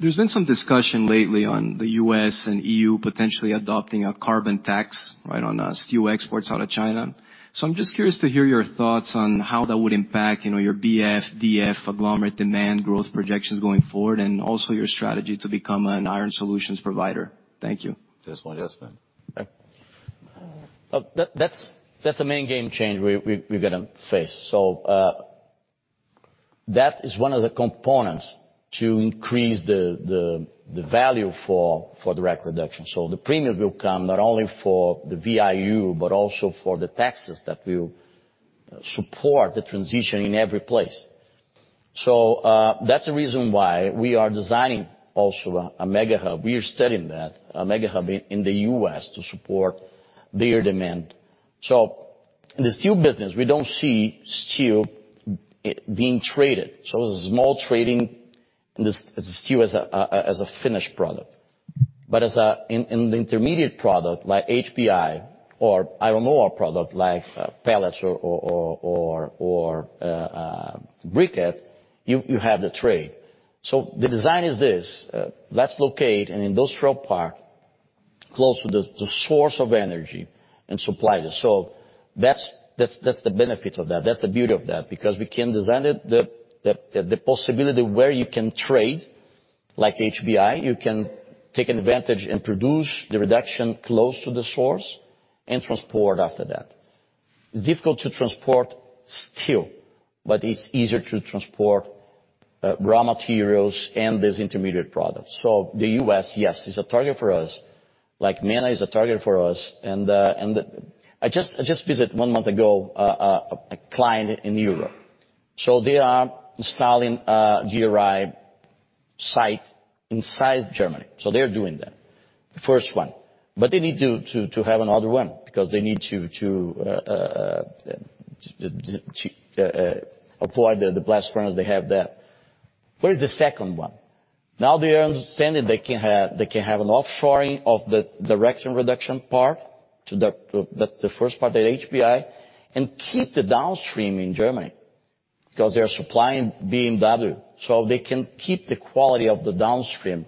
there's been some discussion lately on the U.S. and E.U. potentially adopting a carbon tax, right, on steel exports out of China. I'm just curious to hear your thoughts on how that would impact, you know, your BF, DF, agglomerate demand growth projections going forward, and also your strategy to become an iron solutions provider. Thank you. This one, yes. Okay. That's the main game change we're gonna face. That is one of the components to increase the value for direct reduction. The premium will come not only for the VIU, but also for the taxes that will support the transition in every place. That's the reason why we are designing also a mega hub. We are studying that, a mega hub in the U.S. to support their demand. In the steel business, we don't see steel being traded. It's small trading as a steel, as a finished product. But in the intermediate product, like HBI or iron ore product like pellets or briquette, you have the trade. The design is this: let's locate an industrial park close to the source of energy and supply this. That's, that's the benefit of that. That's the beauty of that, because we can design it the possibility where you can trade like HBI. You can take advantage and produce the reduction close to the source and transport after that. It's difficult to transport steel, but it's easier to transport raw materials and these intermediate products. The U.S., yes, is a target for us, like Mana is a target for us. I just, I just visit one month ago a client in Europe. They are installing a DRI site inside Germany. They're doing that, the first one. They need to have another one because they need to apply the best friends they have there. Where is the second one? Now they understand that they can have an offshoring of the direct reduction part. That's the first part, the HBI, and keep the downstream in Germany because they are supplying BMW. They can keep the quality of the downstream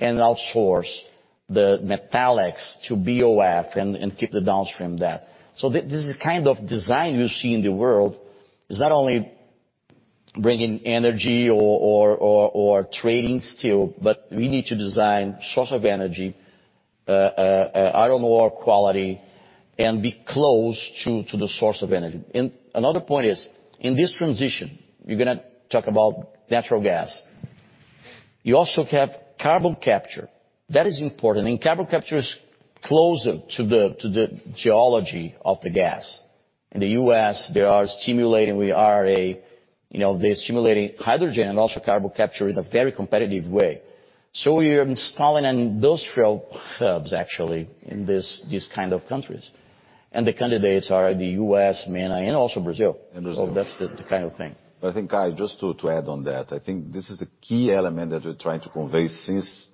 and outsource the metallics to BOF and keep the downstream there. This is the kind of design you see in the world, is not only bringing energy or trading steel, but we need to design source of energy, iron ore quality, and be close to the source of energy. Another point is, in this transition, you're gonna talk about natural gas. You also have carbon capture. That is important. carbon capture is closer to the geology of the gas. In the U.S., they are stimulating, you know, they're stimulating hydrogen and also carbon capture in a very competitive way. we are installing industrial hubs actually in these kind of countries. the candidates are the U.S., Mana, and also Brazil. Brazil. that's the kind of thing. I think, Caio, just to add on that, I think this is the key element that we're trying to convey since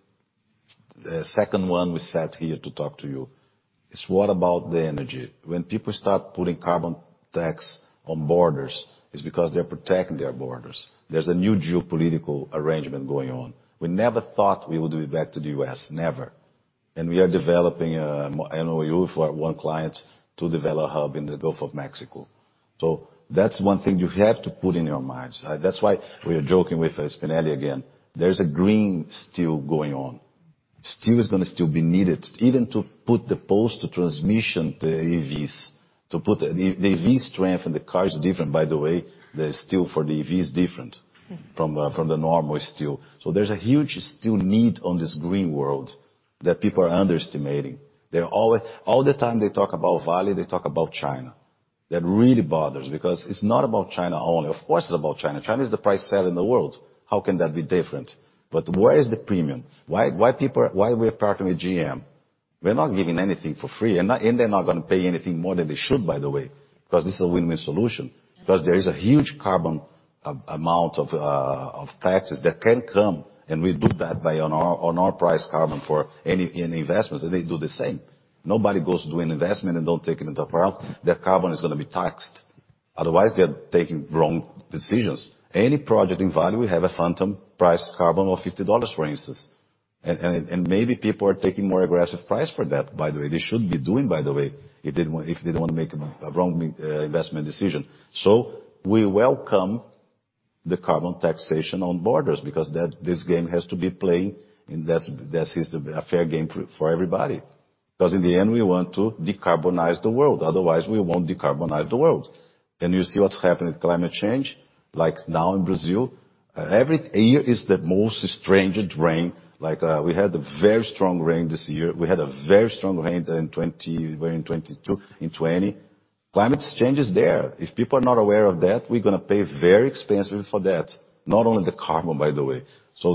the second one we sat here to talk to you, is what about the energy. When people start putting carbon tax on borders, it's because they're protecting their borders. There's a new geopolitical arrangement going on. We never thought we would be back to the U.S., never. We are developing, you know, for one client to develop a hub in the Gulf of Mexico. That's one thing you have to put in your minds. That's why we are joking with Spinelli again. There's a green steel going on. Steel is gonna still be needed even to put the post to transmission to EVs, to put the EV strength and the cars. Different, by the way, the steel for the EV is different from the normal steel. There's a huge steel need on this green world that people are underestimating. All the time they talk about Vale, they talk about China. That really bothers because it's not about China only. Of course, it's about China. China is the price seller in the world. How can that be different? Where is the premium? Why people? Why we're partnering with GM. We're not giving anything for free, and they're not gonna pay anything more than they should, by the way, 'cause this is a win-win solution. 'Cause there is a huge carbon amount of taxes that can come, and we do that by on our price carbon for any investments, and they do the same. Nobody goes to do an investment and don't take it into account. That carbon is gonna be taxed. Otherwise, they're taking wrong decisions. Any project in Vale, we have a phantom price carbon of $50, for instance. Maybe people are taking more aggressive price for that, by the way. They should be doing, by the way, if they don't wanna make a wrong investment decision. We welcome the carbon taxation on borders because that this game has to be played, and that is the a fair game for everybody. In the end we want to decarbonize the world, otherwise we won't decarbonize the world. You see what's happening with climate change. Like now in Brazil, every year is the most stranger rain. Like, we had a very strong rain this year. We had a very strong rain in 2020. Climate change is there. If people are not aware of that, we're gonna pay very expensive for that. Not only the carbon, by the way.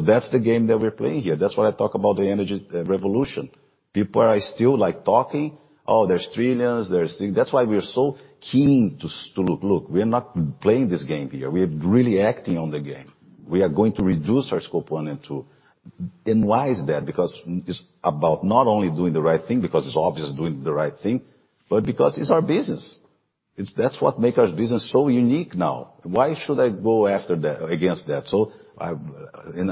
That's the game that we're playing here. That's what I talk about the energy revolution. People are still, like talking, "Oh, there's trillions, there's..." That's why we are so keen to look. Look, we are not playing this game here. We are really acting on the game. We are going to reduce our Scope 1 and 2. Why is that? It's about not only doing the right thing, because it's obvious doing the right thing, but because it's our business. That's what make our business so unique now. Why should I go against that? In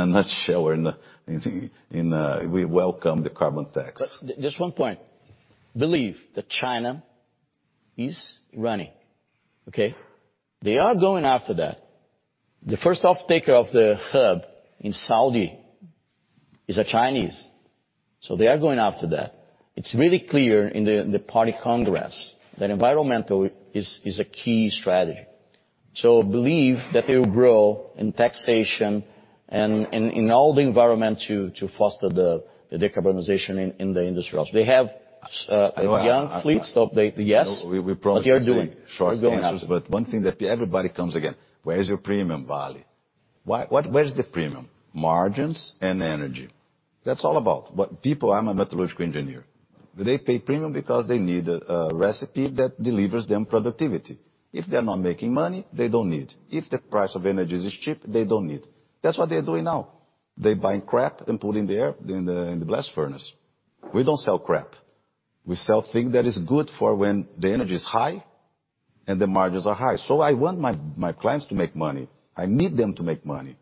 a nutshell, or in a, we welcome the carbon tax. Just one point. Believe that China is running, okay? They are going after that. The first off-taker of the hub in Saudi is a Chinese, so they are going after that. It's really clear in the Party Congress that environmental is a key strategy. Believe that they will grow in taxation and in all the environment to foster the decarbonization in the industry also. They have young fleets of the- I know. Yes. We promised. They are doing. They're going after it. Short answers. One thing that everybody comes again, "Where is your premium, Vale? Why, what, where is the premium?" Margins and energy. That's all about. People I'm a metallurgical engineer. They pay premium because they need a recipe that delivers them productivity. If they're not making money, they don't need. If the price of energies is cheap, they don't need. That's what they're doing now. They're buying crap and putting in the air in the blast furnace. We don't sell crap. We sell thing that is good for when the energy is high and the margins are high. I want my clients to make money. I need them to make money.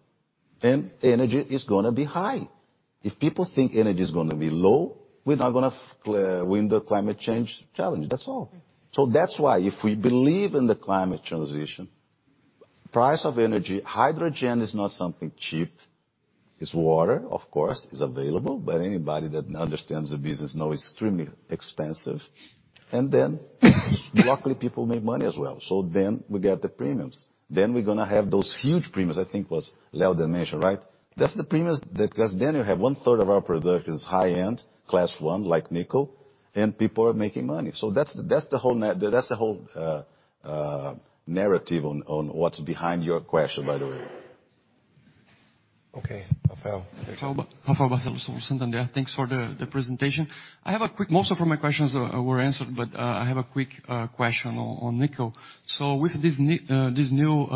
Energy is gonna be high. If people think energy is gonna be low, we're not gonna win the climate change challenge. That's all. That's why if we believe in the climate transition, price of energy, hydrogen is not something cheap. It's water, of course, is available, but anybody that understands the business know extremely expensive. Luckily people make money as well. Then we get the premiums. We're gonna have those huge premiums, I think was Leo dimension, right? That's the premiums that 'cause then you have one-third of our production is high-end, Class 1, like nickel, and people are making money. That's the whole narrative on what's behind your question, by the way. Okay. Rafael. Rafael Barcellos, Santander. Thanks for the presentation. I have a quick. Most of my questions were answered, but I have a quick question on nickel. With this new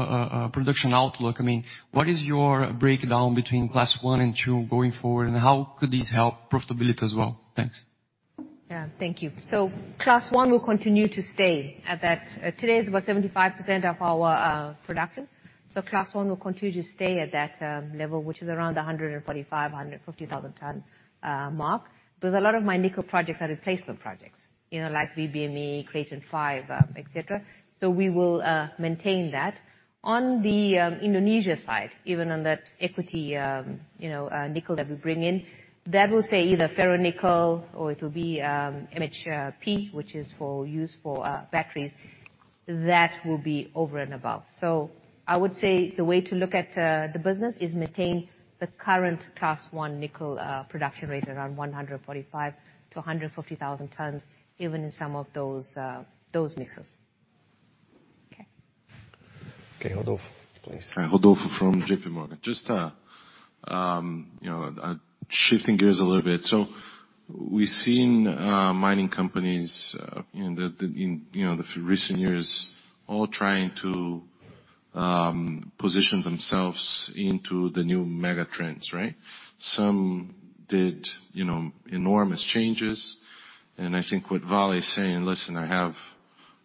production outlook, I mean, what is your breakdown between Class 1 and Class 2 going forward, and how could this help profitability as well? Thanks. Yeah. Thank you. Class 1 will continue to stay at that. Today is about 75% of our production. Class 1 will continue to stay at that level, which is around a 145,000-150,000 ton mark. There's a lot of my nickel projects are replacement projects, you know, like BBME, Clayton Five, et cetera. We will maintain that. On the Indonesia side, even on that equity, you know, nickel that we bring in, that will say either ferro-nickel or it'll be MHP, which is for use for batteries. That will be over and above. I would say the way to look at the business is maintain the current Class 1 nickel production rate around 145 to 150,000 tons, even in some of those mixes. Okay. Okay. Rodolfo, please. Hi. Rodolfo from JP Morgan. Just, you know, shifting gears a little bit. We've seen mining companies in the, you know, the recent years all trying to position themselves into the new mega trends, right? Some did, you know, enormous changes. I think what Vale is saying, "Listen, I have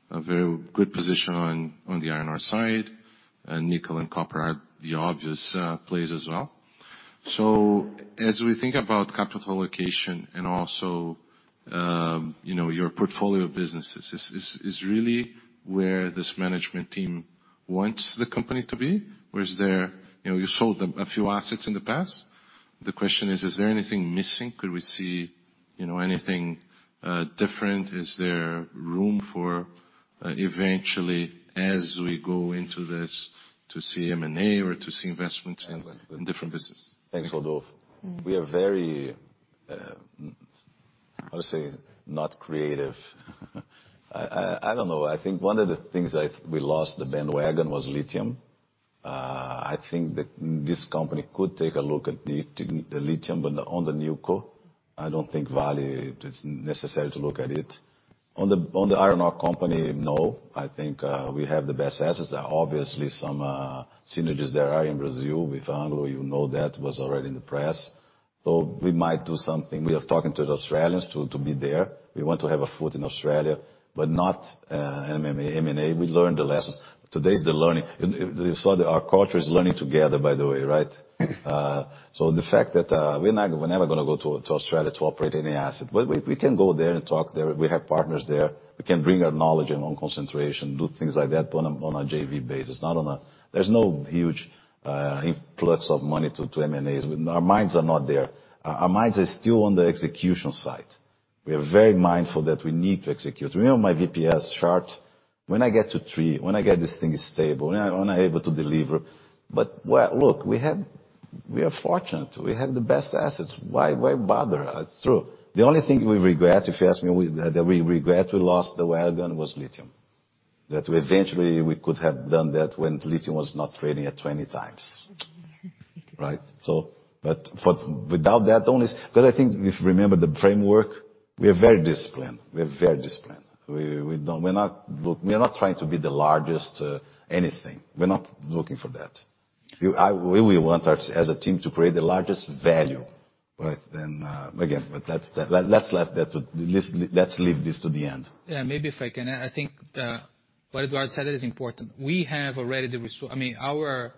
a very good position on the iron ore side, and nickel and copper are the obvious plays as well." As we think about capital allocation and also, you know, your portfolio of businesses, is really where this management team wants the company to be? Is there... You know, you sold a few assets in the past. The question is there anything missing? Could we see, you know, anything different? Is there room for, eventually, as we go into this, to see M&A or to see investments in different business? Thanks, Rodolfo. We are very, I would say not creative. I don't know. I think one of the things we lost the bandwagon was lithium. I think that this company could take a look at the lithium on the new co. I don't think Vale, it's necessary to look at it. On the iron ore company, no. I think we have the best assets. There are obviously some synergies there are in Brazil with Anglo, you know that. It was already in the press. We might do something. We are talking to the Australians to be there. We want to have a foot in Australia, but not M&A. We learned the lesson. Today's the learning. You, you saw that our culture is learning together, by the way, right? The fact that we're not, we're never gonna go to Australia to operate any asset. We can go there and talk there. We have partners there. We can bring our knowledge in on concentration, do things like that on a, on a JV basis, not on a. There's no huge influx of money to M&As. Our minds are not there. Our minds are still on the execution side. We are very mindful that we need to execute. You know my VPS chart. When I get to three, when I get this thing stable, when I'm able to deliver. Look, we have. We are fortunate. We have the best assets. Why bother? It's true. The only thing we regret, if you ask me, that we regret we lost the wagon was lithium. That eventually we could have done that when lithium was not trading at 20 times. Right? For, without that only. 'Cause I think if you remember the framework, we are very disciplined. We are very disciplined. We don't, we are not trying to be the largest anything. We're not looking for that. We want our, as a team, to create the largest value. Again, that's the, let's leave that to, let's leave this to the end. Yeah. Maybe if I can, I think what Eduardo said is important. We have already I mean, our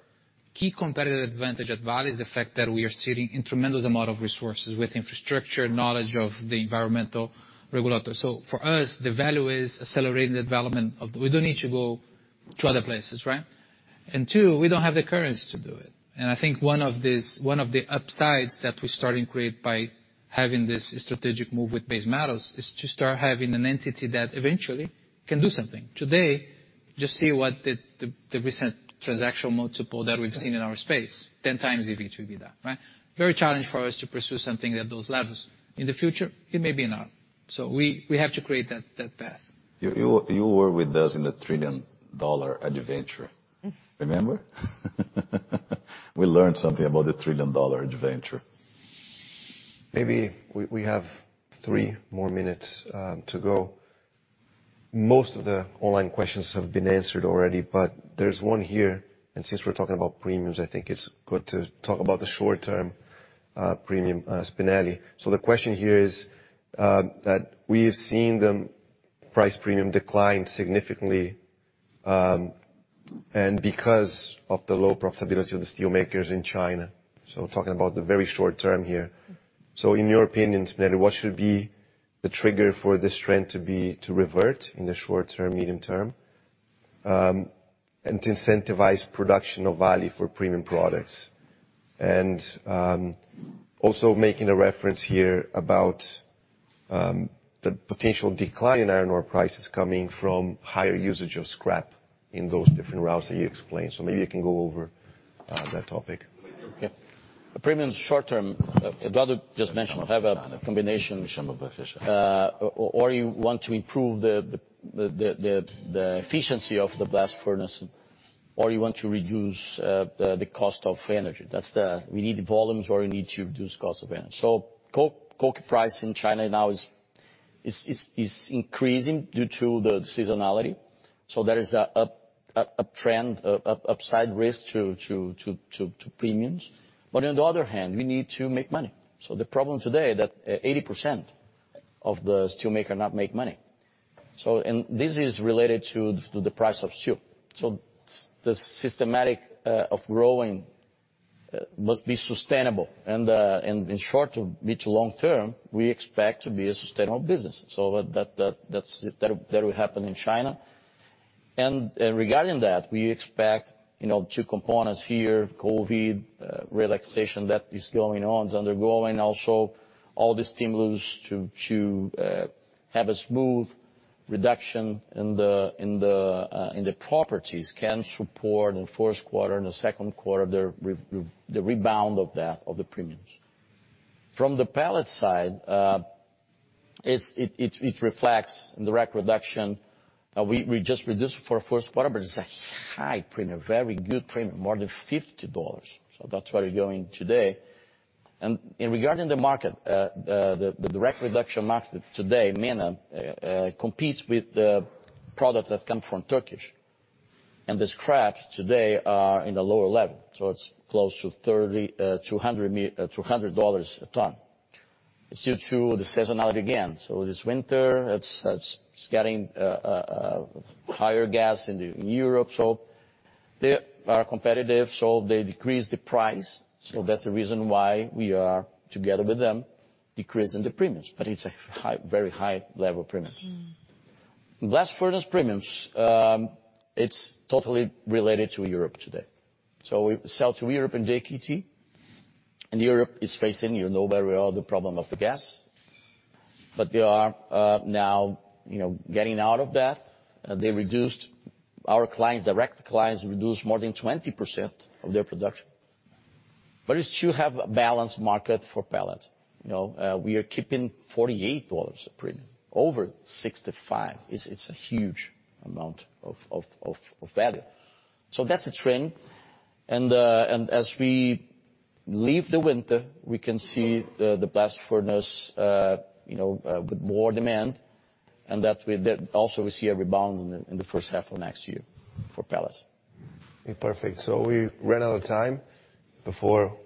key competitive advantage at Vale is the fact that we are sitting in tremendous amount of resources with infrastructure, knowledge of the environmental regulatory. For us, the value is accelerating the development of... We don't need to go to other places, right? Two, we don't have the currency to do it. I think one of these, one of the upsides that we're starting to create by having this strategic move with base metals is to start having an entity that eventually can do something. Today, just see what the recent transactional multiple that we've seen in our space, 10 times EV to EBITDA, right? Very challenging for us to pursue something at those levels. In the future, it may be not. We have to create that path. You were with us in the trillion dollar adventure. Remember? We learned something about the trillion dollar adventure. Maybe we have three more minutes to go. Most of the online questions have been answered already, but there's one here. Since we're talking about premiums, I think it's good to talk about the short-term premium, Spinelli. The question here is that we have seen the price premium decline significantly because of the low profitability of the steelmakers in China, talking about the very short term here. In your opinion, Spinelli, what should be the trigger for this trend to revert in the short term, medium term, and to incentivize production of value for premium products? Also making a reference here about the potential decline in iron ore prices coming from higher usage of scrap in those different routes that you explained. Maybe you can go over that topic. Okay. The premium short term, I'd rather just mention have a combination. You want to improve the efficiency of the blast furnace, or you want to reduce the cost of energy. That's the... We need volumes or we need to reduce cost of energy. Coke price in China now is increasing due to the seasonality. There is a trend, upside risk to premiums. On the other hand, we need to make money. The problem today that 80% of the steelmaker not make money. This is related to the price of steel. The systematic of growing must be sustainable. And short to mid to long term, we expect to be a sustainable business. That will happen in China. Regarding that, we expect, you know, two components here, COVID relaxation that is going on, is undergoing. Also, all the stimulus to have a smooth reduction in the properties can support in first quarter and the second quarter the rebound of that, of the premiums. From the pellet side, it reflects in the direct reduction. We just reduced for first quarter, but it's a high premium, very good premium, more than $50. That's where we're going today. Regarding the market, the direct reduction market today, Mina, competes with the products that come from Turkish. The scraps today are in the lower level, so it's close to $200 a ton. It's due to the seasonality again. It is winter, it's getting higher gas in Europe. They are competitive, so they decrease the price. That's the reason why we are, together with them, decreasing the premiums. It's a high, very high level premium. Mm. Blast furnace premiums, it's totally related to Europe today. We sell to Europe and JKT, and Europe is facing, you know very well, the problem of the gas. They are, now, you know, getting out of that. Our clients, direct clients reduced more than 20% of their production. You still have a balanced market for pellet. You know, we are keeping $48 a premium. Over 65. It's a huge amount of value. That's a trend. As we leave the winter, we can see the blast furnace, you know, with more demand, and also we see a rebound in the first half of next year for pellets. Perfect. We ran out of time. Before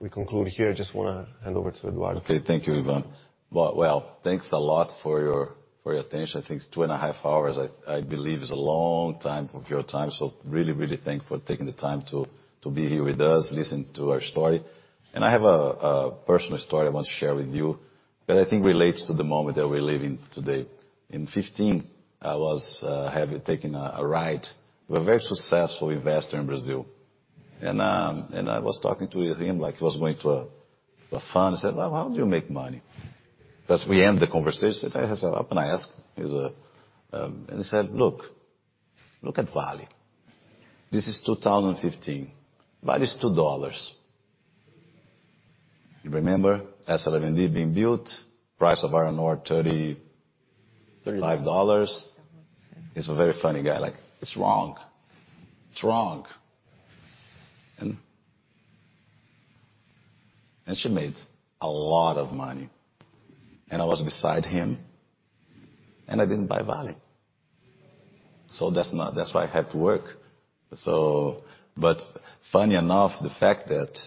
we conclude here, just wanna hand over to Eduardo. Okay. Thank you, Ivan. Well, thanks a lot for your attention. I think it's two and a half hours, I believe is a long time of your time. Really thank you for taking the time to be here with us, listen to our story. I have a personal story I want to share with you that I think relates to the moment that we're living today. In 2015, I was have taking a ride with a very successful investor in Brazil. I was talking to him like he was going to a fund. I said, "Well, how do you make money?" As we end the conversation, I said, "When I ask, he's a..." He said, "Look at Vale." This is 2015. Vale is $2. You remember? S11D being built. Price of iron ore. 30. -$5. He's a very funny guy. Like, it's wrong. It's wrong. She made a lot of money. I was beside him, and I didn't buy Vale. That's not, that's why I have to work. Funny enough, the fact that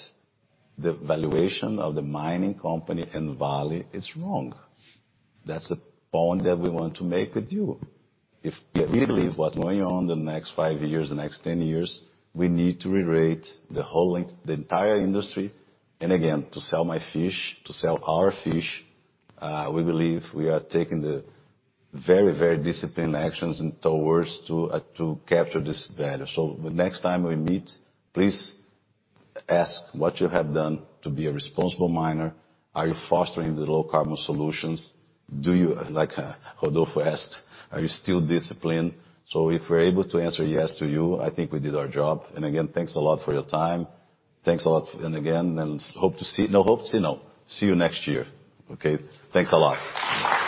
the valuation of the mining company and Vale is wrong. That's the point that we want to make with you. If we believe what's going on in the next five years, the next 10 years, we need to rerate the whole length, the entire industry. Again, to sell my fish, to sell our fish, we believe we are taking the very, very disciplined actions and towards to capture this value. The next time we meet, please ask what you have done to be a responsible miner. Are you fostering the low carbon solutions? Do you, like Rodolfo asked, are you still disciplined? If we're able to answer yes to you, I think we did our job. Again, thanks a lot for your time. Thanks a lot again. See you next year, okay? Thanks a lot.